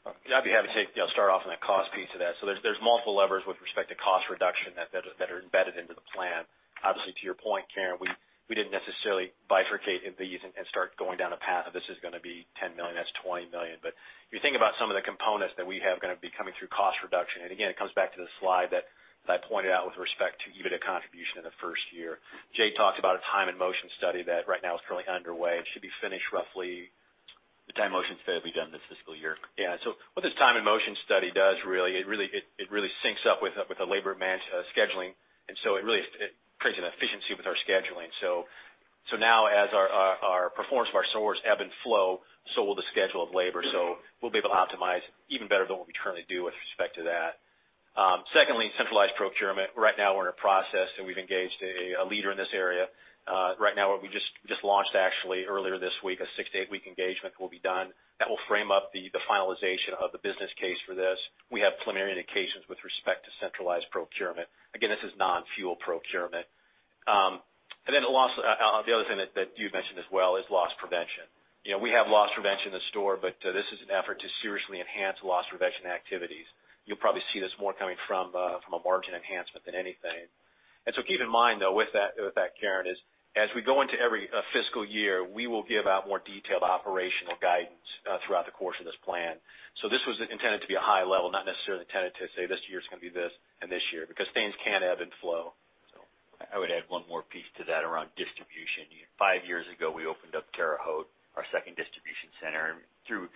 I'd be happy to start off on that cost piece of that. There are multiple levers with respect to cost reduction that are embedded into the plan. Obviously, to your point, Karen, we did not necessarily bifurcate these and start going down a path of this is going to be $10 million, that is $20 million. If you think about some of the components that we have going to be coming through cost reduction, and again, it comes back to the slide that I pointed out with respect to EBITDA contribution in the first year. Jay talked about a time and motion study that right now is currently underway. It should be finished roughly. The time and motion study will be done this fiscal year. Yeah. What this time and motion study does really, it really syncs up with the labor management scheduling. It creates an efficiency with our scheduling. Now, as our performance of our stores ebb and flow, so will the schedule of labor. We'll be able to optimize even better than what we currently do with respect to that. Secondly, centralized procurement. Right now, we're in a process, and we've engaged a leader in this area. Right now, we just launched, actually, earlier this week, a six to eight-week engagement that will be done. That will frame up the finalization of the business case for this. We have preliminary indications with respect to centralized procurement. Again, this is non-fuel procurement. The other thing that you've mentioned as well is loss prevention. We have loss prevention in the store, but this is an effort to seriously enhance loss prevention activities. You'll probably see this more coming from a margin enhancement than anything. Keep in mind, though, with that, Karen, as we go into every fiscal year, we will give out more detailed operational guidance throughout the course of this plan. This was intended to be a high level, not necessarily intended to say this year it's going to be this and this year, because things can ebb and flow. I would add one more piece to that around distribution. Five years ago, we opened up Terre Haute, our second distribution center. Through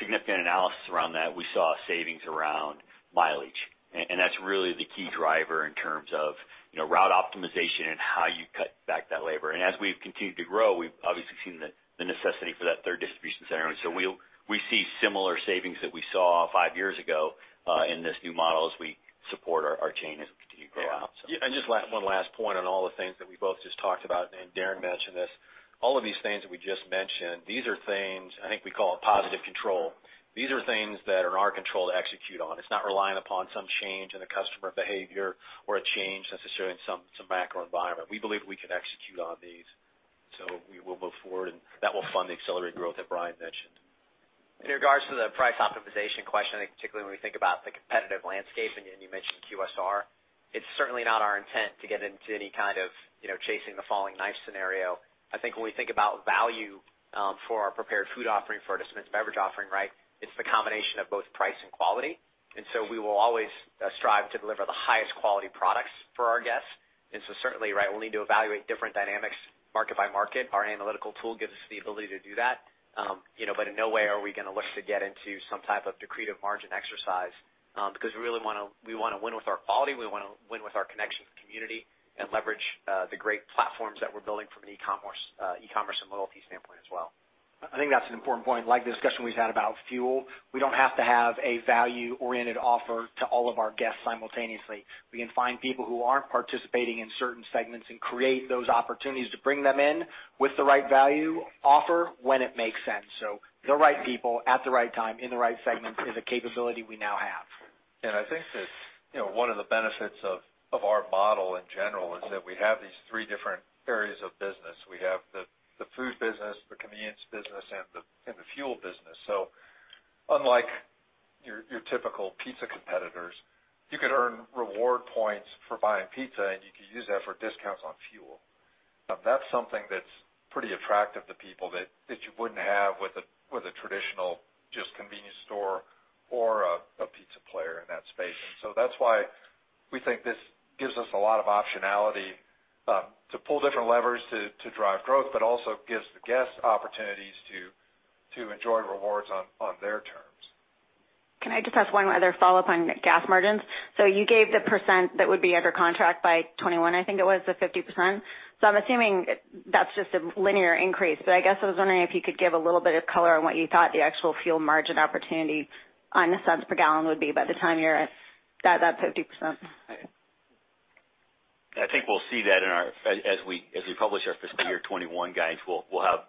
significant analysis around that, we saw savings around mileage. That's really the key driver in terms of route optimization and how you cut back that labor. As we've continued to grow, we've obviously seen the necessity for that third distribution center. We see similar savings that we saw five years ago in this new model as we support our chain as we continue to grow out. Yeah. Just one last point on all the things that we both just talked about, and Darren mentioned this. All of these things that we just mentioned, these are things I think we call it positive control. These are things that are in our control to execute on. It's not relying upon some change in the customer behavior or a change necessarily in some macro environment. We believe we can execute on these. We will move forward, and that will fund the accelerated growth that Brian mentioned. In regards to the price optimization question, I think particularly when we think about the competitive landscape, and you mentioned QSR, it's certainly not our intent to get into any kind of chasing the falling knife scenario. I think when we think about value for our prepared food offering for our dispensed beverage offering, right, it's the combination of both price and quality. We will always strive to deliver the highest quality products for our guests. Certainly, right, we'll need to evaluate different dynamics market by market. Our analytical tool gives us the ability to do that. In no way are we going to look to get into some type of decreed of margin exercise because we really want to win with our quality. We want to win with our connection to the community and leverage the great platforms that we're building from an e-commerce and loyalty standpoint as well. I think that's an important point. Like the discussion we've had about fuel, we don't have to have a value-oriented offer to all of our guests simultaneously. We can find people who aren't participating in certain segments and create those opportunities to bring them in with the right value offer when it makes sense. The right people at the right time in the right segment is a capability we now have. I think that one of the benefits of our model in general is that we have these three different areas of business. We have the food business, the convenience business, and the fuel business. Unlike your typical pizza competitors, you could earn reward points for buying pizza, and you could use that for discounts on fuel. That's something that's pretty attractive to people that you wouldn't have with a traditional just convenience store or a pizza player in that space. That's why we think this gives us a lot of optionality to pull different levers to drive growth, but also gives the guests opportunities to enjoy rewards on their terms. Can I just ask one other follow-up on gas margins? You gave the percent that would be under contract by 2021, I think it was, the 50%. I'm assuming that's just a linear increase. I guess I was wondering if you could give a little bit of color on what you thought the actual fuel margin opportunity on the cents per gallon would be by the time you're at that 50%. I think we'll see that as we publish our fiscal year 2021 guidance. We'll have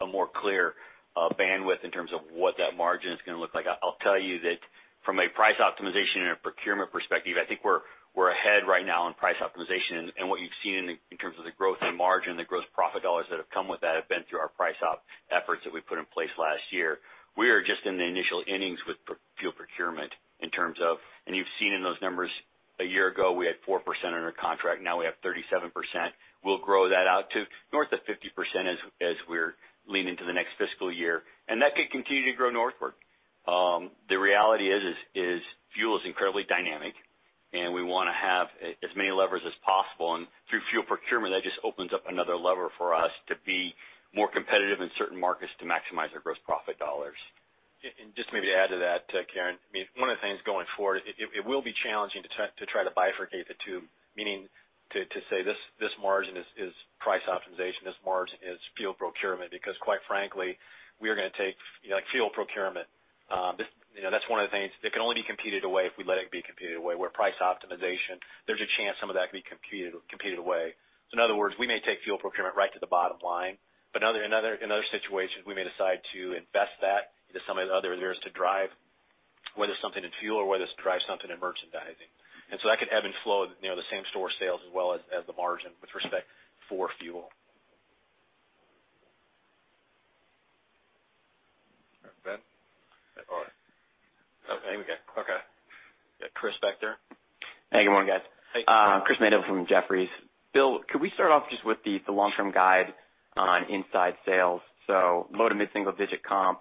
a more clear bandwidth in terms of what that margin is going to look like. I'll tell you that from a price optimization and a procurement perspective, I think we're ahead right now in price optimization. What you've seen in terms of the growth in margin, the gross profit dollars that have come with that have been through our price up efforts that we put in place last year. We are just in the initial innings with fuel procurement in terms of, and you've seen in those numbers a year ago, we had 4% under contract. Now we have 37%. We'll grow that out to north of 50% as we're leaning into the next fiscal year. That could continue to grow northward. The reality is fuel is incredibly dynamic, and we want to have as many levers as possible. Through fuel procurement, that just opens up another lever for us to be more competitive in certain markets to maximize our gross profit dollars. Just maybe to add to that, Karen, I mean, one of the things going forward, it will be challenging to try to bifurcate the two, meaning to say this margin is price optimization, this margin is fuel procurement, because quite frankly, we are going to take fuel procurement. That's one of the things that can only be competed away if we let it be competed away. Where price optimization, there's a chance some of that could be competed away. In other words, we may take fuel procurement right to the bottom line. In other situations, we may decide to invest that into some of the other areas to drive whether it's something in fuel or whether it's to drive something in merchandising. That could ebb and flow near the same store sales as well as the margin with respect for fuel. Ben? All right. I think we're good. Okay. Chris back there. Hey, good morning, guys. Christopher Mandeville from Jefferies. Bill, could we start off just with the long-term guide on inside sales? Low to mid-single digit comp,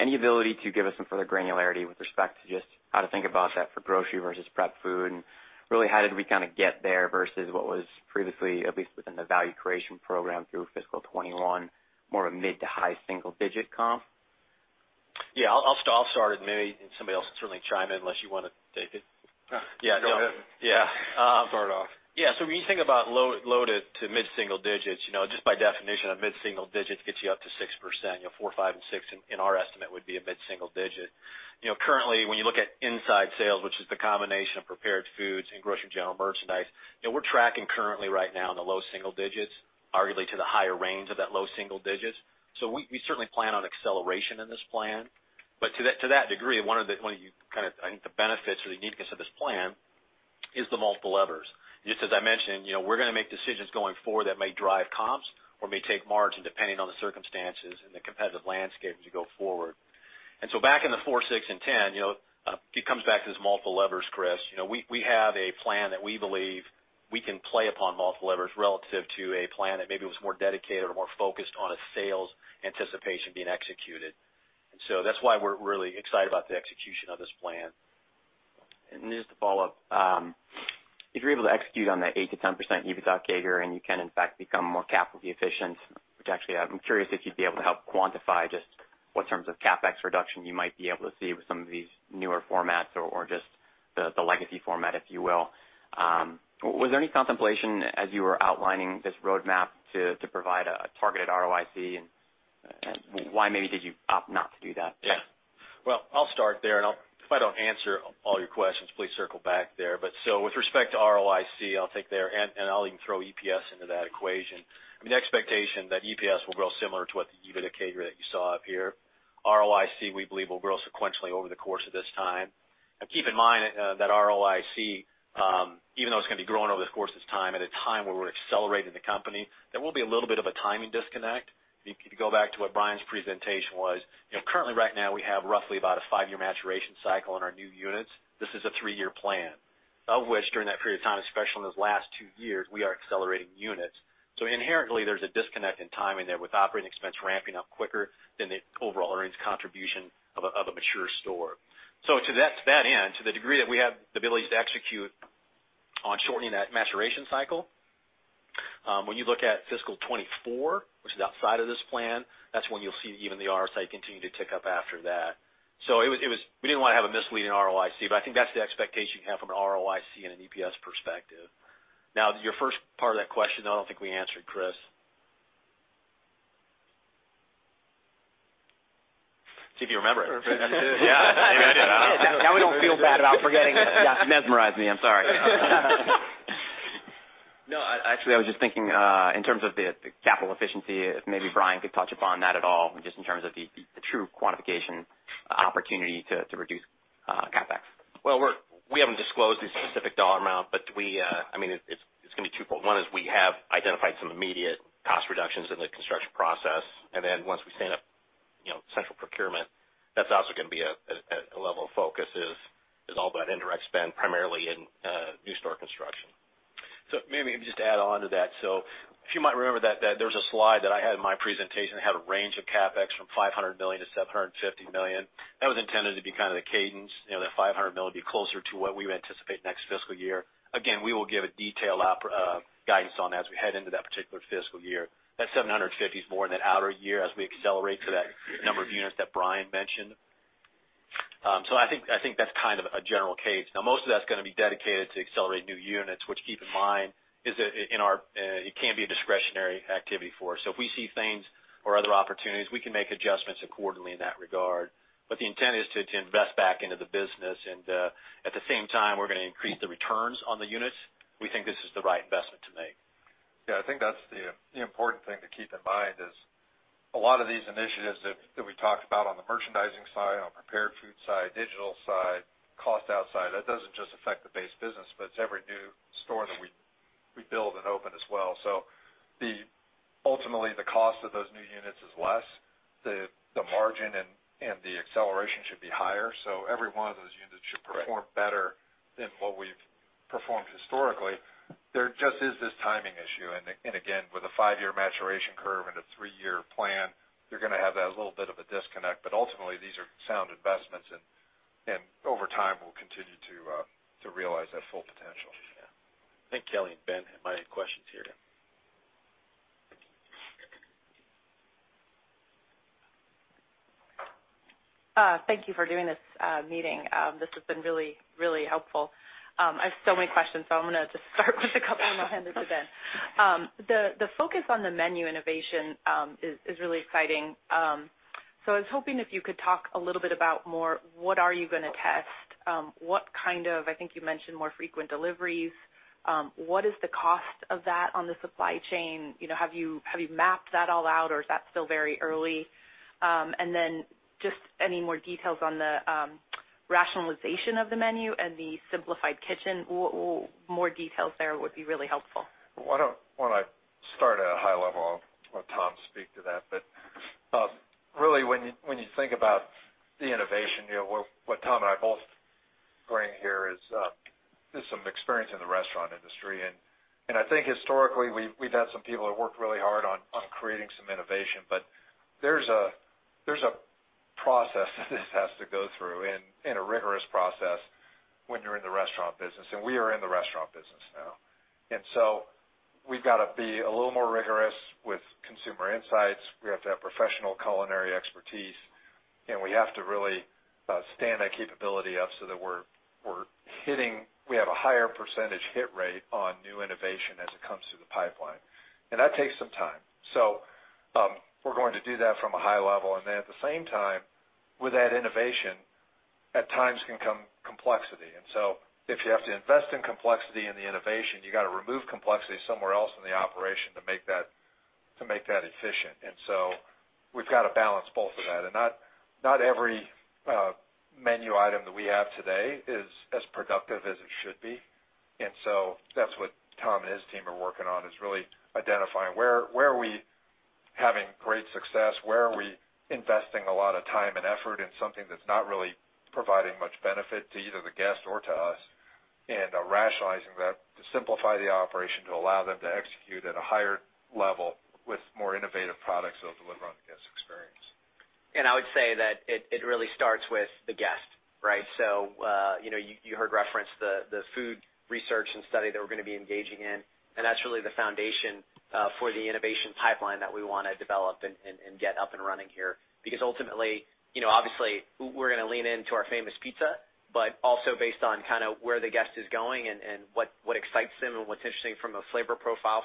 any ability to give us some further granularity with respect to just how to think about that for grocery versus prepared food? Really, how did we kind of get there versus what was previously, at least within the value creation program through fiscal 2021, more of a mid to high single digit comp? I'll start it. Maybe somebody else can certainly chime in unless you want to take it. Go ahead. Start off. When you think about low to mid-single digits, just by definition, a mid-single digit gets you up to 6%. Four, five, and six in our estimate would be a mid-single digit. Currently, when you look at inside sales, which is the combination of prepared foods and grocery general merchandise, we're tracking currently right now in the low single digits, arguably to the higher range of that low single digits. We certainly plan on acceleration in this plan. To that degree, one of the kind of, I think, the benefits or the uniqueness of this plan is the multiple levers. Just as I mentioned, we're going to make decisions going forward that may drive comps or may take margin depending on the circumstances and the competitive landscape as we go forward. Back in the 4, 6, and 10, it comes back to these multiple levers, Chris. We have a plan that we believe we can play upon multiple levers relative to a plan that maybe was more dedicated or more focused on a sales anticipation being executed. That's why we're really excited about the execution of this plan. Just to follow up, if you're able to execute on that 8-10% EBITDA figure, and you can, in fact, become more capital efficient, which actually, I'm curious if you'd be able to help quantify just what terms of CapEx reduction you might be able to see with some of these newer formats or just the legacy format, if you will. Was there any contemplation as you were outlining this roadmap to provide a targeted ROIC? And why maybe did you opt not to do that? I'll start there. If I don't answer all your questions, please circle back there. With respect to ROIC, I'll take there, and I'll even throw EPS into that equation. I mean, the expectation that EPS will grow similar to what the EBITDA figure that you saw up here. ROIC, we believe, will grow sequentially over the course of this time. Keep in mind that ROIC, even though it's going to be growing over the course of this time, at a time where we're accelerating the company, there will be a little bit of a timing disconnect. If you go back to what Brian's presentation was, currently, right now, we have roughly about a five-year maturation cycle on our new units. This is a three-year plan, of which during that period of time, especially in those last two years, we are accelerating units. Inherently, there's a disconnect in timing there with operating expense ramping up quicker than the overall earnings contribution of a mature store. To that end, to the degree that we have the ability to execute on shortening that maturation cycle, when you look at fiscal 2024, which is outside of this plan, that's when you'll see even the ROIC continue to tick up after that. We did not want to have a misleading ROIC, but I think that's the expectation you have from an ROIC and an EPS perspective. Now, your first part of that question, though, I do not think we answered, Chris. See if you remember it. Yeah. Now we do not feel bad about forgetting it. Yeah. Mesmerize me. I'm sorry. No, actually, I was just thinking in terms of the capital efficiency, if maybe Brian could touch upon that at all, just in terms of the true quantification opportunity to reduce CapEx. We have not disclosed the specific dollar amount, but I mean, it's going to be twofold. One is we have identified some immediate cost reductions in the construction process. Once we stand up central procurement, that's also going to be a level of focus. It is all about indirect spend, primarily in new store construction. Maybe just to add on to that, if you might remember that there was a slide that I had in my presentation that had a range of CapEx from $500 million-$750 million. That was intended to be kind of the cadence, that $500 million would be closer to what we would anticipate next fiscal year. Again, we will give a detailed guidance on that as we head into that particular fiscal year. That $750 million is more in that outer year as we accelerate to that number of units that Brian mentioned. I think that's kind of a general cadence. Now, most of that's going to be dedicated to accelerate new units, which keep in mind is that it can be a discretionary activity for us. If we see things or other opportunities, we can make adjustments accordingly in that regard. The intent is to invest back into the business. At the same time, we're going to increase the returns on the units. We think this is the right investment to make. Yeah. I think that's the important thing to keep in mind is a lot of these initiatives that we talked about on the merchandising side, on the prepared food side, digital side, cost outside, that doesn't just affect the base business, but it's every new store that we build and open as well. Ultimately, the cost of those new units is less. The margin and the acceleration should be higher. Every one of those units should perform better than what we've performed historically. There just is this timing issue. Again, with a five-year maturation curve and a three-year plan, you're going to have that little bit of a disconnect. Ultimately, these are sound investments, and over time, we'll continue to realize that full potential. Yeah. I think Kelly and Ben have my questions here. Thank you for doing this meeting. This has been really, really helpful. I have so many questions, so I'm going to just start with a couple, and I'll hand it to Ben. The focus on the menu innovation is really exciting. I was hoping if you could talk a little bit about more, what are you going to test? What kind of, I think you mentioned more frequent deliveries. What is the cost of that on the supply chain? Have you mapped that all out, or is that still very early? And then just any more details on the rationalization of the menu and the simplified kitchen. More details there would be really helpful. Why do I not start at a high level? I will let Tom speak to that. Really, when you think about the innovation, what Tom and I both bring here is some experience in the restaurant industry. I think historically, we have had some people that worked really hard on creating some innovation. There is a process that this has to go through and a rigorous process when you are in the restaurant business. We are in the restaurant business now. We have to be a little more rigorous with consumer insights. We have to have professional culinary expertise. We have to really stand that capability up so that we're hitting, we have a higher percentage hit rate on new innovation as it comes through the pipeline. That takes some time. We're going to do that from a high level. At the same time, with that innovation, at times can come complexity. If you have to invest in complexity in the innovation, you got to remove complexity somewhere else in the operation to make that efficient. We've got to balance both of that. Not every menu item that we have today is as productive as it should be. That's what Tom and his team are working on, is really identifying where are we having great success, where are we investing a lot of time and effort in something that's not really providing much benefit to either the guest or to us, and rationalizing that to simplify the operation to allow them to execute at a higher level with more innovative products that will deliver on the guest experience. I would say that it really starts with the guest, right? You heard reference the food research and study that we're going to be engaging in. That's really the foundation for the innovation pipeline that we want to develop and get up and running here. Because ultimately, obviously, we're going to lean into our famous pizza, but also based on kind of where the guest is going and what excites them and what's interesting from a flavor profile,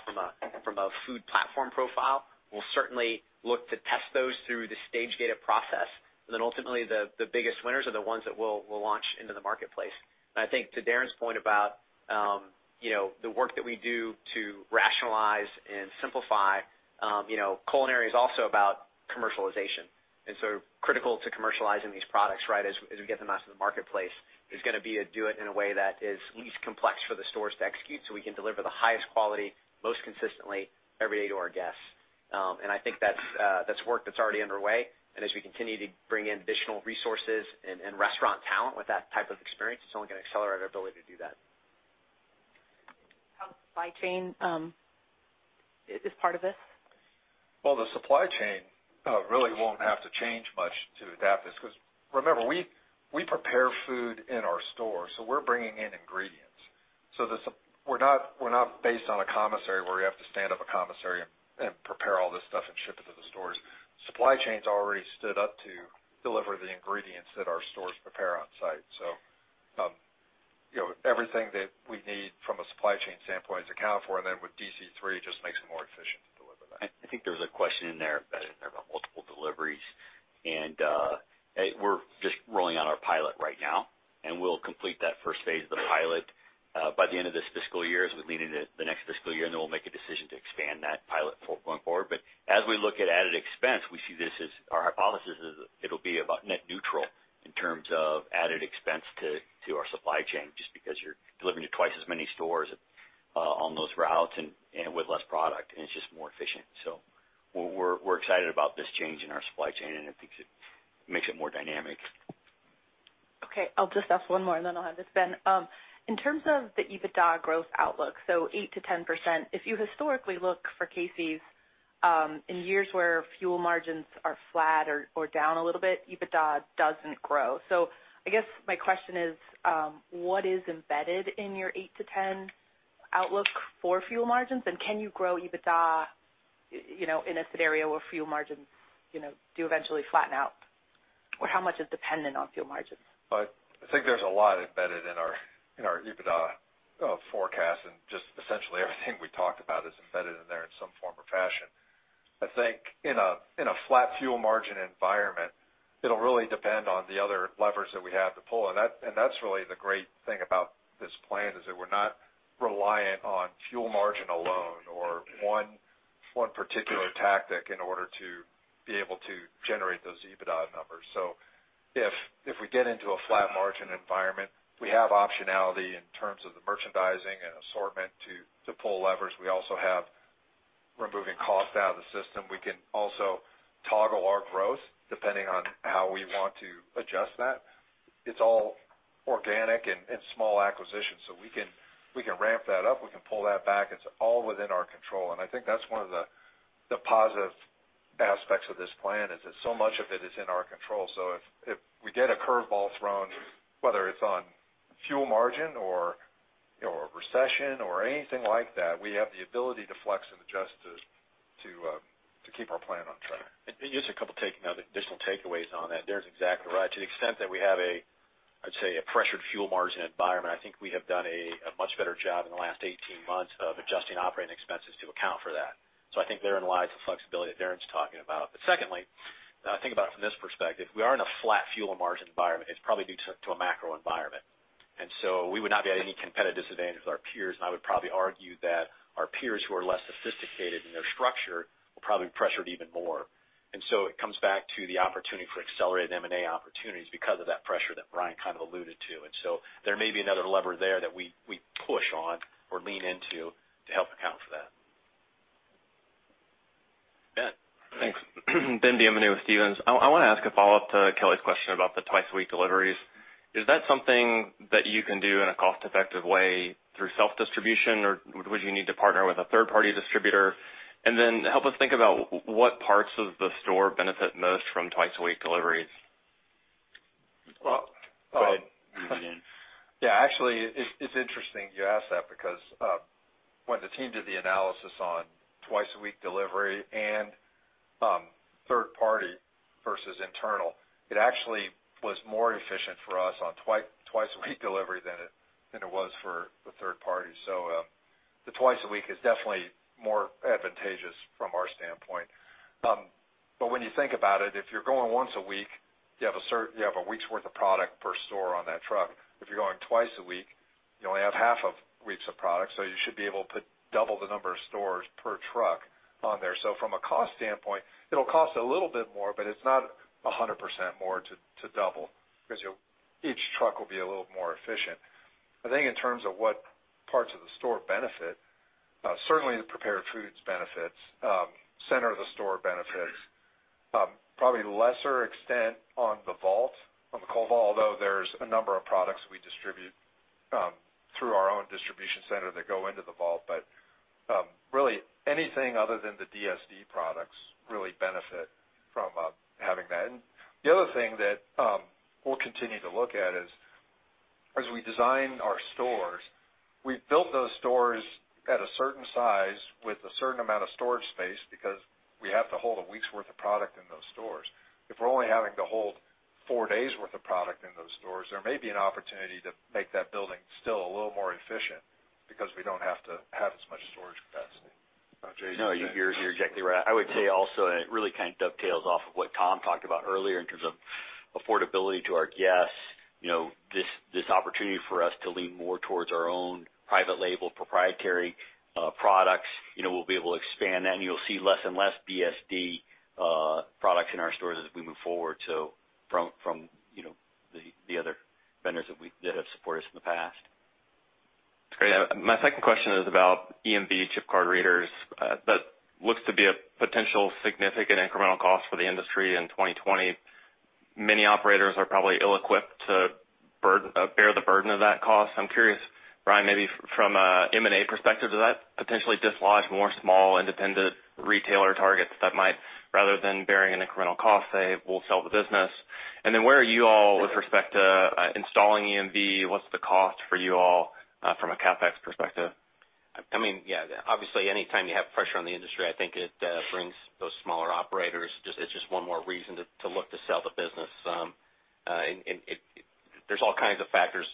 from a food platform profile, we'll certainly look to test those through the stage data process. Ultimately, the biggest winners are the ones that we'll launch into the marketplace. I think to Darren's point about the work that we do to rationalize and simplify, culinary is also about commercialization. Critical to commercializing these products, right, as we get them out to the marketplace, is going to be to do it in a way that is least complex for the stores to execute so we can deliver the highest quality most consistently every day to our guests. I think that's work that's already underway. As we continue to bring in additional resources and restaurant talent with that type of experience, it's only going to accelerate our ability to do that. How supply chain is part of this? The supply chain really won't have to change much to adapt this because remember, we prepare food in our store. We're bringing in ingredients. We're not based on a commissary where we have to stand up a commissary and prepare all this stuff and ship it to the stores. Supply chain is already stood up to deliver the ingredients that our stores prepare on site. Everything that we need from a supply chain standpoint is accounted for. With DC3, it just makes it more efficient to deliver that. I think there was a question in there about multiple deliveries. We're just rolling out our pilot right now. We'll complete that first phase of the pilot by the end of this fiscal year as we lean into the next fiscal year. We'll make a decision to expand that pilot going forward. As we look at added expense, we see this as our hypothesis is it'll be about net neutral in terms of added expense to our supply chain just because you're delivering to twice as many stores on those routes and with less product. It's just more efficient. We're excited about this change in our supply chain, and it makes it more dynamic. Okay. I'll just ask one more, and then I'll hand it to Ben. In terms of the EBITDA growth outlook, 8%-10%, if you historically look for Casey's in years where fuel margins are flat or down a little bit, EBITDA doesn't grow. I guess my question is, what is embedded in your 8-10 outlook for fuel margins? Can you grow EBITDA in a scenario where fuel margins do eventually flatten out? Or how much is dependent on fuel margins? I think there's a lot embedded in our EBITDA forecast, and just essentially everything we talked about is embedded in there in some form or fashion. I think in a flat fuel margin environment, it'll really depend on the other levers that we have to pull. That's really the great thing about this plan, that we're not reliant on fuel margin alone or one particular tactic in order to be able to generate those EBITDA numbers. If we get into a flat margin environment, we have optionality in terms of the merchandising and assortment to pull levers. We also have removing cost out of the system. We can also toggle our growth depending on how we want to adjust that. It's all organic and small acquisitions. We can ramp that up. We can pull that back. It's all within our control. I think that's one of the positive aspects of this plan is that so much of it is in our control. If we get a curveball thrown, whether it's on fuel margin or recession or anything like that, we have the ability to flex and adjust to keep our plan on track. Just a couple of additional takeaways on that. Darren's exactly right. To the extent that we have, I'd say, a pressured fuel margin environment, I think we have done a much better job in the last 18 months of adjusting operating expenses to account for that. I think therein lies the flexibility that Darren's talking about. Secondly, think about it from this perspective. We are in a flat fuel margin environment. It's probably due to a macro environment. We would not be at any competitive disadvantage with our peers. I would probably argue that our peers who are less sophisticated in their structure will probably be pressured even more. It comes back to the opportunity for accelerated M&A opportunities because of that pressure that Brian kind of alluded to. There may be another lever there that we push on or lean into to help account for that. Ben. Thanks. Ben Bienvenu with Stephens Inc. I want to ask a follow-up to Kelly's question about the twice-a-week deliveries. Is that something that you can do in a cost-effective way through self-distribution, or would you need to partner with a third-party distributor? Then help us think about what parts of the store benefit most from twice-a-week deliveries. Yeah. Actually, it's interesting you asked that because when the team did the analysis on twice-a-week delivery and third-party versus internal, it actually was more efficient for us on twice-a-week delivery than it was for the third-party. The twice-a-week is definitely more advantageous from our standpoint. When you think about it, if you're going once a week, you have a week's worth of product per store on that truck. If you're going twice a week, you only have half a week's of product. You should be able to put double the number of stores per truck on there. From a cost standpoint, it'll cost a little bit more, but it's not 100% more to double because each truck will be a little more efficient. I think in terms of what parts of the store benefit, certainly the prepared foods benefits, center of the store benefits, probably lesser extent on the vault, on the cold vault, although there's a number of products we distribute through our own distribution center that go into the vault. Really, anything other than the DSD products really benefit from having that. The other thing that we'll continue to look at is as we design our stores, we've built those stores at a certain size with a certain amount of storage space because we have to hold a week's worth of product in those stores. If we're only having to hold four days' worth of product in those stores, there may be an opportunity to make that building still a little more efficient because we don't have to have as much storage capacity. No, you're exactly right. I would say also, and it really kind of dovetails off of what Tom talked about earlier in terms of affordability to our guests, this opportunity for us to lean more towards our own private label proprietary products. We'll be able to expand that, and you'll see less and less DSD products in our stores as we move forward from the other vendors that have supported us in the past. My second question is about EMV chip card readers. That looks to be a potential significant incremental cost for the industry in 2020. Many operators are probably ill-equipped to bear the burden of that cost. I'm curious, Brian, maybe from an M&A perspective, does that potentially dislodge more small independent retailer targets that might, rather than bearing an incremental cost, say, we'll sell the business? Where are you all with respect to installing EMV? What's the cost for you all from a CapEx perspective? I mean, yeah, obviously, anytime you have pressure on the industry, I think it brings those smaller operators. It's just one more reason to look to sell the business. There's all kinds of factors,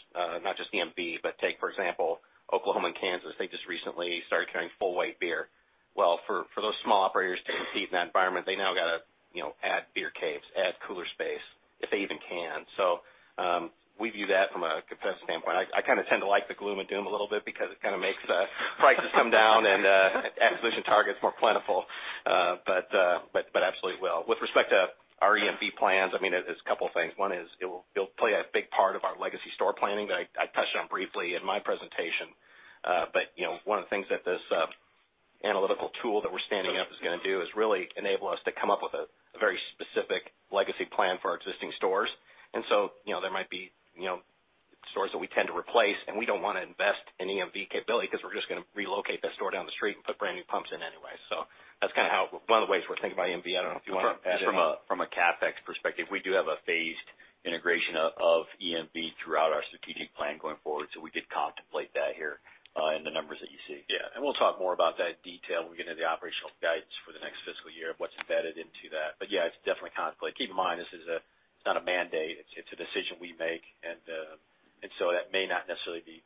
not just EMV, but take, for example, Oklahoma and Kansas. They just recently started carrying full weight beer. For those small operators to compete in that environment, they now got to add beer caves, add cooler space, if they even can. We view that from a competitive standpoint. I kind of tend to like the gloom and doom a little bit because it kind of makes prices come down and acquisition targets more plentiful. Absolutely will. With respect to our EMV plans, I mean, it's a couple of things. One is it'll play a big part of our legacy store planning that I touched on briefly in my presentation. One of the things that this analytical tool that we're standing up is going to do is really enable us to come up with a very specific legacy plan for our existing stores. There might be stores that we tend to replace, and we don't want to invest in EMV capability because we're just going to relocate that store down the street and put brand new pumps in anyway. That's kind of how one of the ways we're thinking about EMV. I don't know if you want to add to that. Just from a CapEx perspective, we do have a phased integration of EMV throughout our strategic plan going forward. We did contemplate that here in the numbers that you see. Yeah. We'll talk more about that in detail when we get into the operational guidance for the next fiscal year of what's embedded into that. Yeah, it's definitely contemplated. Keep in mind, this is not a mandate. It's a decision we make. That may not necessarily be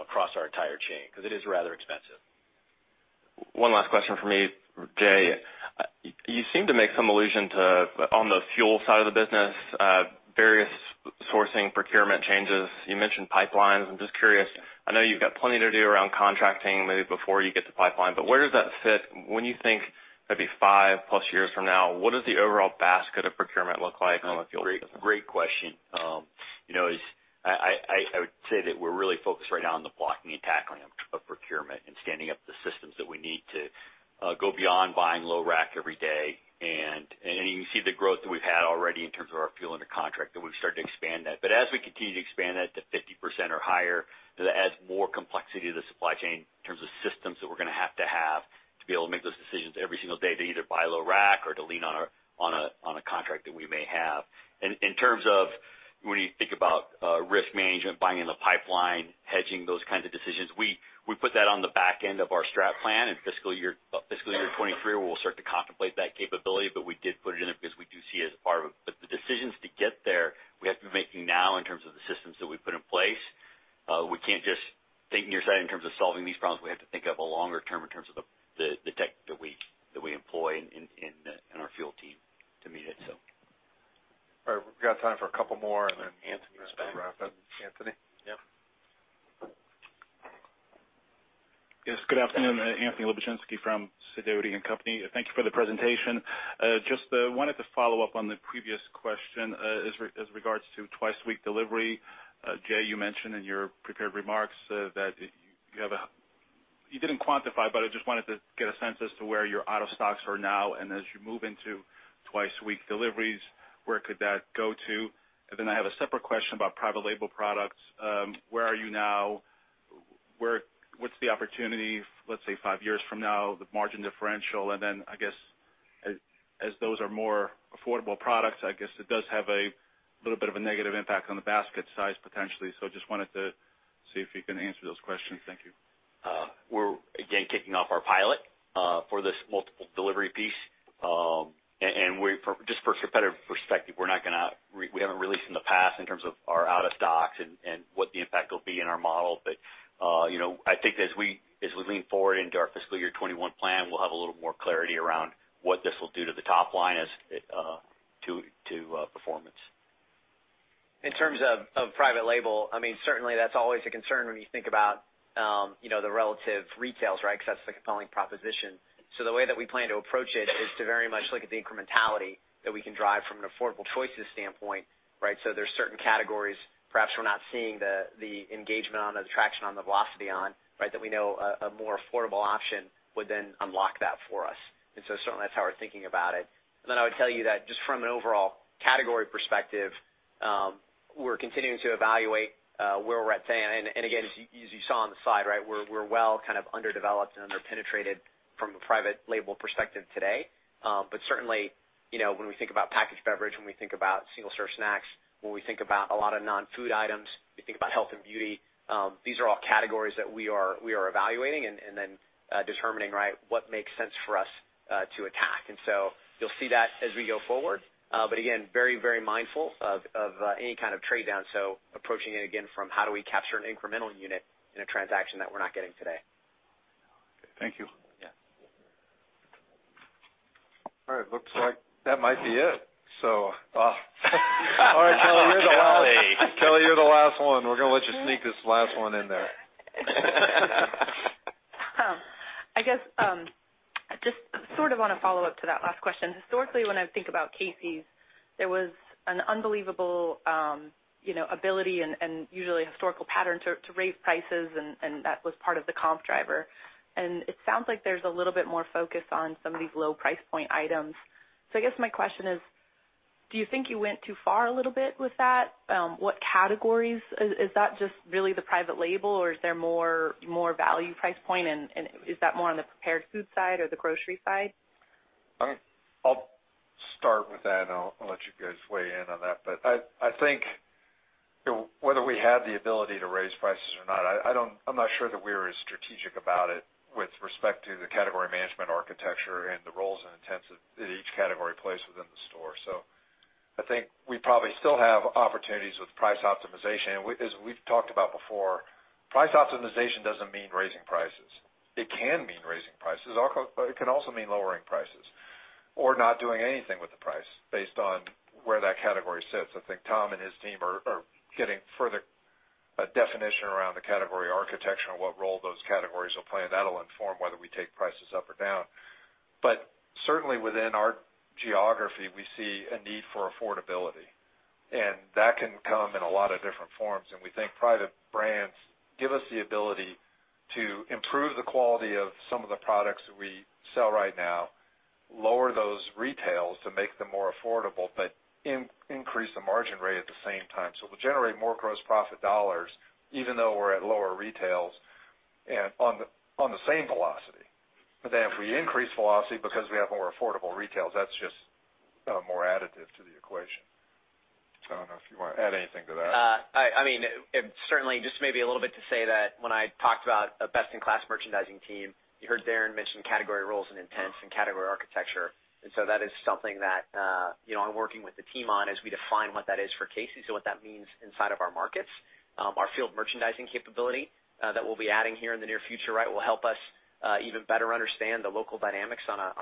across our entire chain because it is rather expensive. One last question for me, Jay. You seem to make some allusion to, on the fuel side of the business, various sourcing procurement changes. You mentioned pipelines. I'm just curious. I know you've got plenty to do around contracting maybe before you get to pipeline. Where does that fit? When you think maybe five plus years from now, what does the overall basket of procurement look like on the fuel business? Great question. I would say that we're really focused right now on the blocking and tackling of procurement and standing up the systems that we need to go beyond buying low rack every day. You can see the growth that we've had already in terms of our fuel under contract that we've started to expand that. As we continue to expand that to 50% or higher, that adds more complexity to the supply chain in terms of systems that we're going to have to have to be able to make those decisions every single day to either buy low rack or to lean on a contract that we may have. In terms of when you think about risk management, buying in the pipeline, hedging, those kinds of decisions, we put that on the back end of our strat plan in fiscal year 2023 where we'll start to contemplate that capability. We did put it in there because we do see it as a part of it. The decisions to get there, we have to be making now in terms of the systems that we put in place. We can't just think nearsighted in terms of solving these problems. We have to think of a longer term in terms of the tech that we employ in our fuel team to meet it. All right. We've got time for a couple more, and then Anthony's going to wrap up. Anthony? Yep. Yes. Good afternoon. Anthony Lebiedzinski from Sidoti & Company. Thank you for the presentation. Just wanted to follow up on the previous question as regards to twice-a-week delivery. Jay, you mentioned in your prepared remarks that you didn't quantify, but I just wanted to get a sense as to where your auto stocks are now. As you move into twice-a-week deliveries, where could that go to? I have a separate question about private label products. Where are you now? What is the opportunity, let's say, five years from now, the margin differential? I guess as those are more affordable products, it does have a little bit of a negative impact on the basket size potentially. I just wanted to see if you can answer those questions. Thank you. We're, again, kicking off our pilot for this multiple delivery piece. Just for a competitive perspective, we have not released in the past in terms of our out-of-stocks and what the impact will be in our model. I think as we lean forward into our fiscal year 2021 plan, we'll have a little more clarity around what this will do to the top line as to performance. In terms of private label, I mean, certainly that's always a concern when you think about the relative retails, right, because that's the compelling proposition. The way that we plan to approach it is to very much look at the incrementality that we can drive from an affordable choices standpoint, right? There are certain categories perhaps we're not seeing the engagement on, the traction on, the velocity on, right, that we know a more affordable option would then unlock that for us. Certainly that's how we're thinking about it. I would tell you that just from an overall category perspective, we're continuing to evaluate where we're at today. As you saw on the slide, we are well kind of underdeveloped and underpenetrated from a private label perspective today. Certainly when we think about packaged beverage, when we think about single-serve snacks, when we think about a lot of non-food items, we think about health and beauty. These are all categories that we are evaluating and then determining what makes sense for us to attack. You will see that as we go forward. Again, very, very mindful of any kind of trade down. Approaching it again from how do we capture an incremental unit in a transaction that we are not getting today. Thank you. All right. Looks like that might be it. All right, Kelly, you are the last one. We are going to let you sneak this last one in there. I guess just sort of on a follow-up to that last question. Historically, when I think about Casey's, there was an unbelievable ability and usually historical pattern to raise prices, and that was part of the comp driver. It sounds like there's a little bit more focus on some of these low price point items. I guess my question is, do you think you went too far a little bit with that? What categories? Is that just really the private label, or is there more value price point? Is that more on the prepared food side or the grocery side? I'll start with that, and I'll let you guys weigh in on that. I think whether we had the ability to raise prices or not, I'm not sure that we were as strategic about it with respect to the category management architecture and the roles and intents that each category plays within the store. I think we probably still have opportunities with price optimization. As we've talked about before, price optimization doesn't mean raising prices. It can mean raising prices. It can also mean lowering prices or not doing anything with the price based on where that category sits. I think Tom and his team are getting further definition around the category architecture and what role those categories will play. That will inform whether we take prices up or down. Certainly within our geography, we see a need for affordability. That can come in a lot of different forms. We think private brands give us the ability to improve the quality of some of the products that we sell right now, lower those retails to make them more affordable, but increase the margin rate at the same time. We will generate more gross profit dollars even though we are at lower retails on the same velocity. If we increase velocity because we have more affordable retails, that is just more additive to the equation. I do not know if you want to add anything to that. I mean, certainly just maybe a little bit to say that when I talked about a best-in-class merchandising team, you heard Darren mention category roles and intents and category architecture. That is something that I am working with the team on as we define what that is for Casey's and what that means inside of our markets. Our field merchandising capability that we'll be adding here in the near future, right, will help us even better understand the local dynamics on a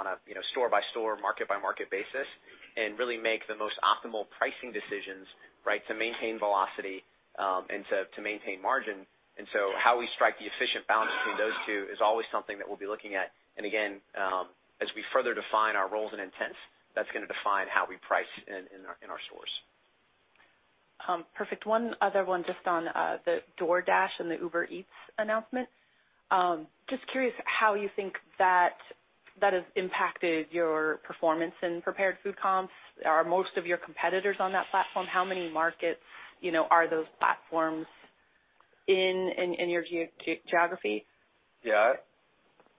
store-by-store, market-by-market basis and really make the most optimal pricing decisions, right, to maintain velocity and to maintain margin. How we strike the efficient balance between those two is always something that we'll be looking at. Again, as we further define our roles and intents, that's going to define how we price in our stores. Perfect. One other one just on the DoorDash and the Uber Eats announcement. Just curious how you think that has impacted your performance in prepared food comps. Are most of your competitors on that platform? How many markets are those platforms in your geography? Yeah.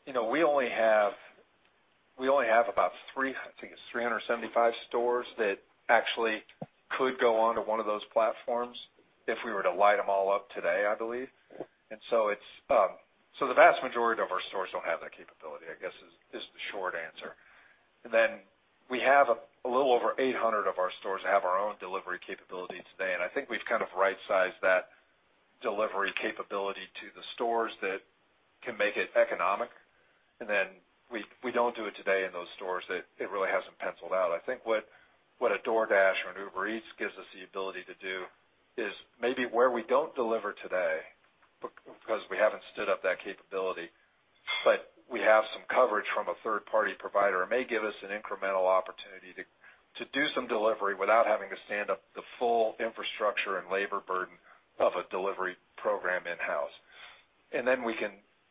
We only have about, I think it's 375 stores that actually could go on to one of those platforms if we were to light them all up today, I believe. The vast majority of our stores don't have that capability, I guess, is the short answer. We have a little over 800 of our stores that have our own delivery capability today. I think we've kind of right-sized that delivery capability to the stores that can make it economic. We don't do it today in those stores that it really hasn't penciled out. I think what a DoorDash or an Uber Eats gives us the ability to do is maybe where we don't deliver today because we haven't stood up that capability, but we have some coverage from a third-party provider and may give us an incremental opportunity to do some delivery without having to stand up the full infrastructure and labor burden of a delivery program in-house.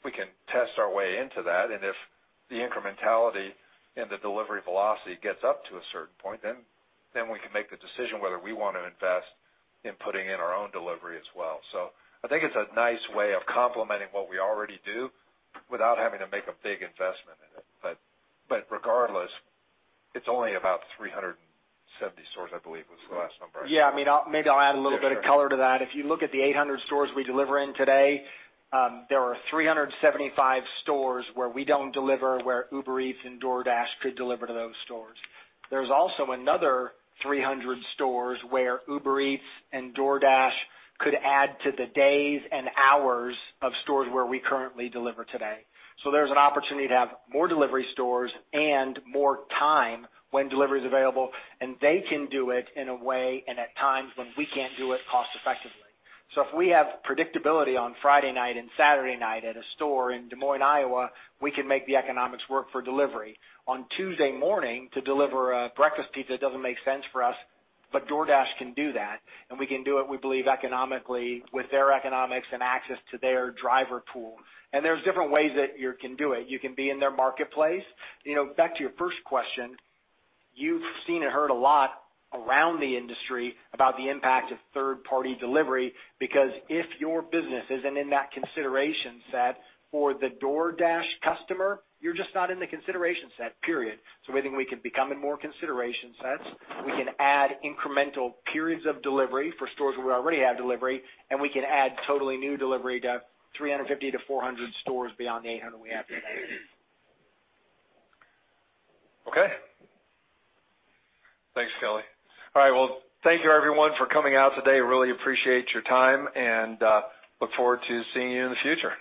We can test our way into that. If the incrementality and the delivery velocity gets up to a certain point, then we can make the decision whether we want to invest in putting in our own delivery as well. I think it's a nice way of complementing what we already do without having to make a big investment in it. Regardless, it's only about 370 stores, I believe, was the last number I saw. Yeah. I mean, maybe I'll add a little bit of color to that. If you look at the 800 stores we deliver in today, there are 375 stores where we don't deliver where Uber Eats and DoorDash could deliver to those stores. There's also another 300 stores where Uber Eats and DoorDash could add to the days and hours of stores where we currently deliver today. There is an opportunity to have more delivery stores and more time when delivery is available. They can do it in a way and at times when we can't do it cost-effectively. If we have predictability on Friday night and Saturday night at a store in Des Moines, Iowa, we can make the economics work for delivery. On Tuesday morning to deliver a breakfast pizza doesn't make sense for us, but DoorDash can do that. We can do it, we believe, economically with their economics and access to their driver pool. There are different ways that you can do it. You can be in their marketplace. Back to your first question, you've seen and heard a lot around the industry about the impact of third-party delivery because if your business isn't in that consideration set for the DoorDash customer, you're just not in the consideration set, period. We think we can become in more consideration sets. We can add incremental periods of delivery for stores where we already have delivery, and we can add totally new delivery to 350-400 stores beyond the 800 we have today. Okay. Thanks, Kelly. All right. Thank you, everyone, for coming out today. Really appreciate your time and look forward to seeing you in the future.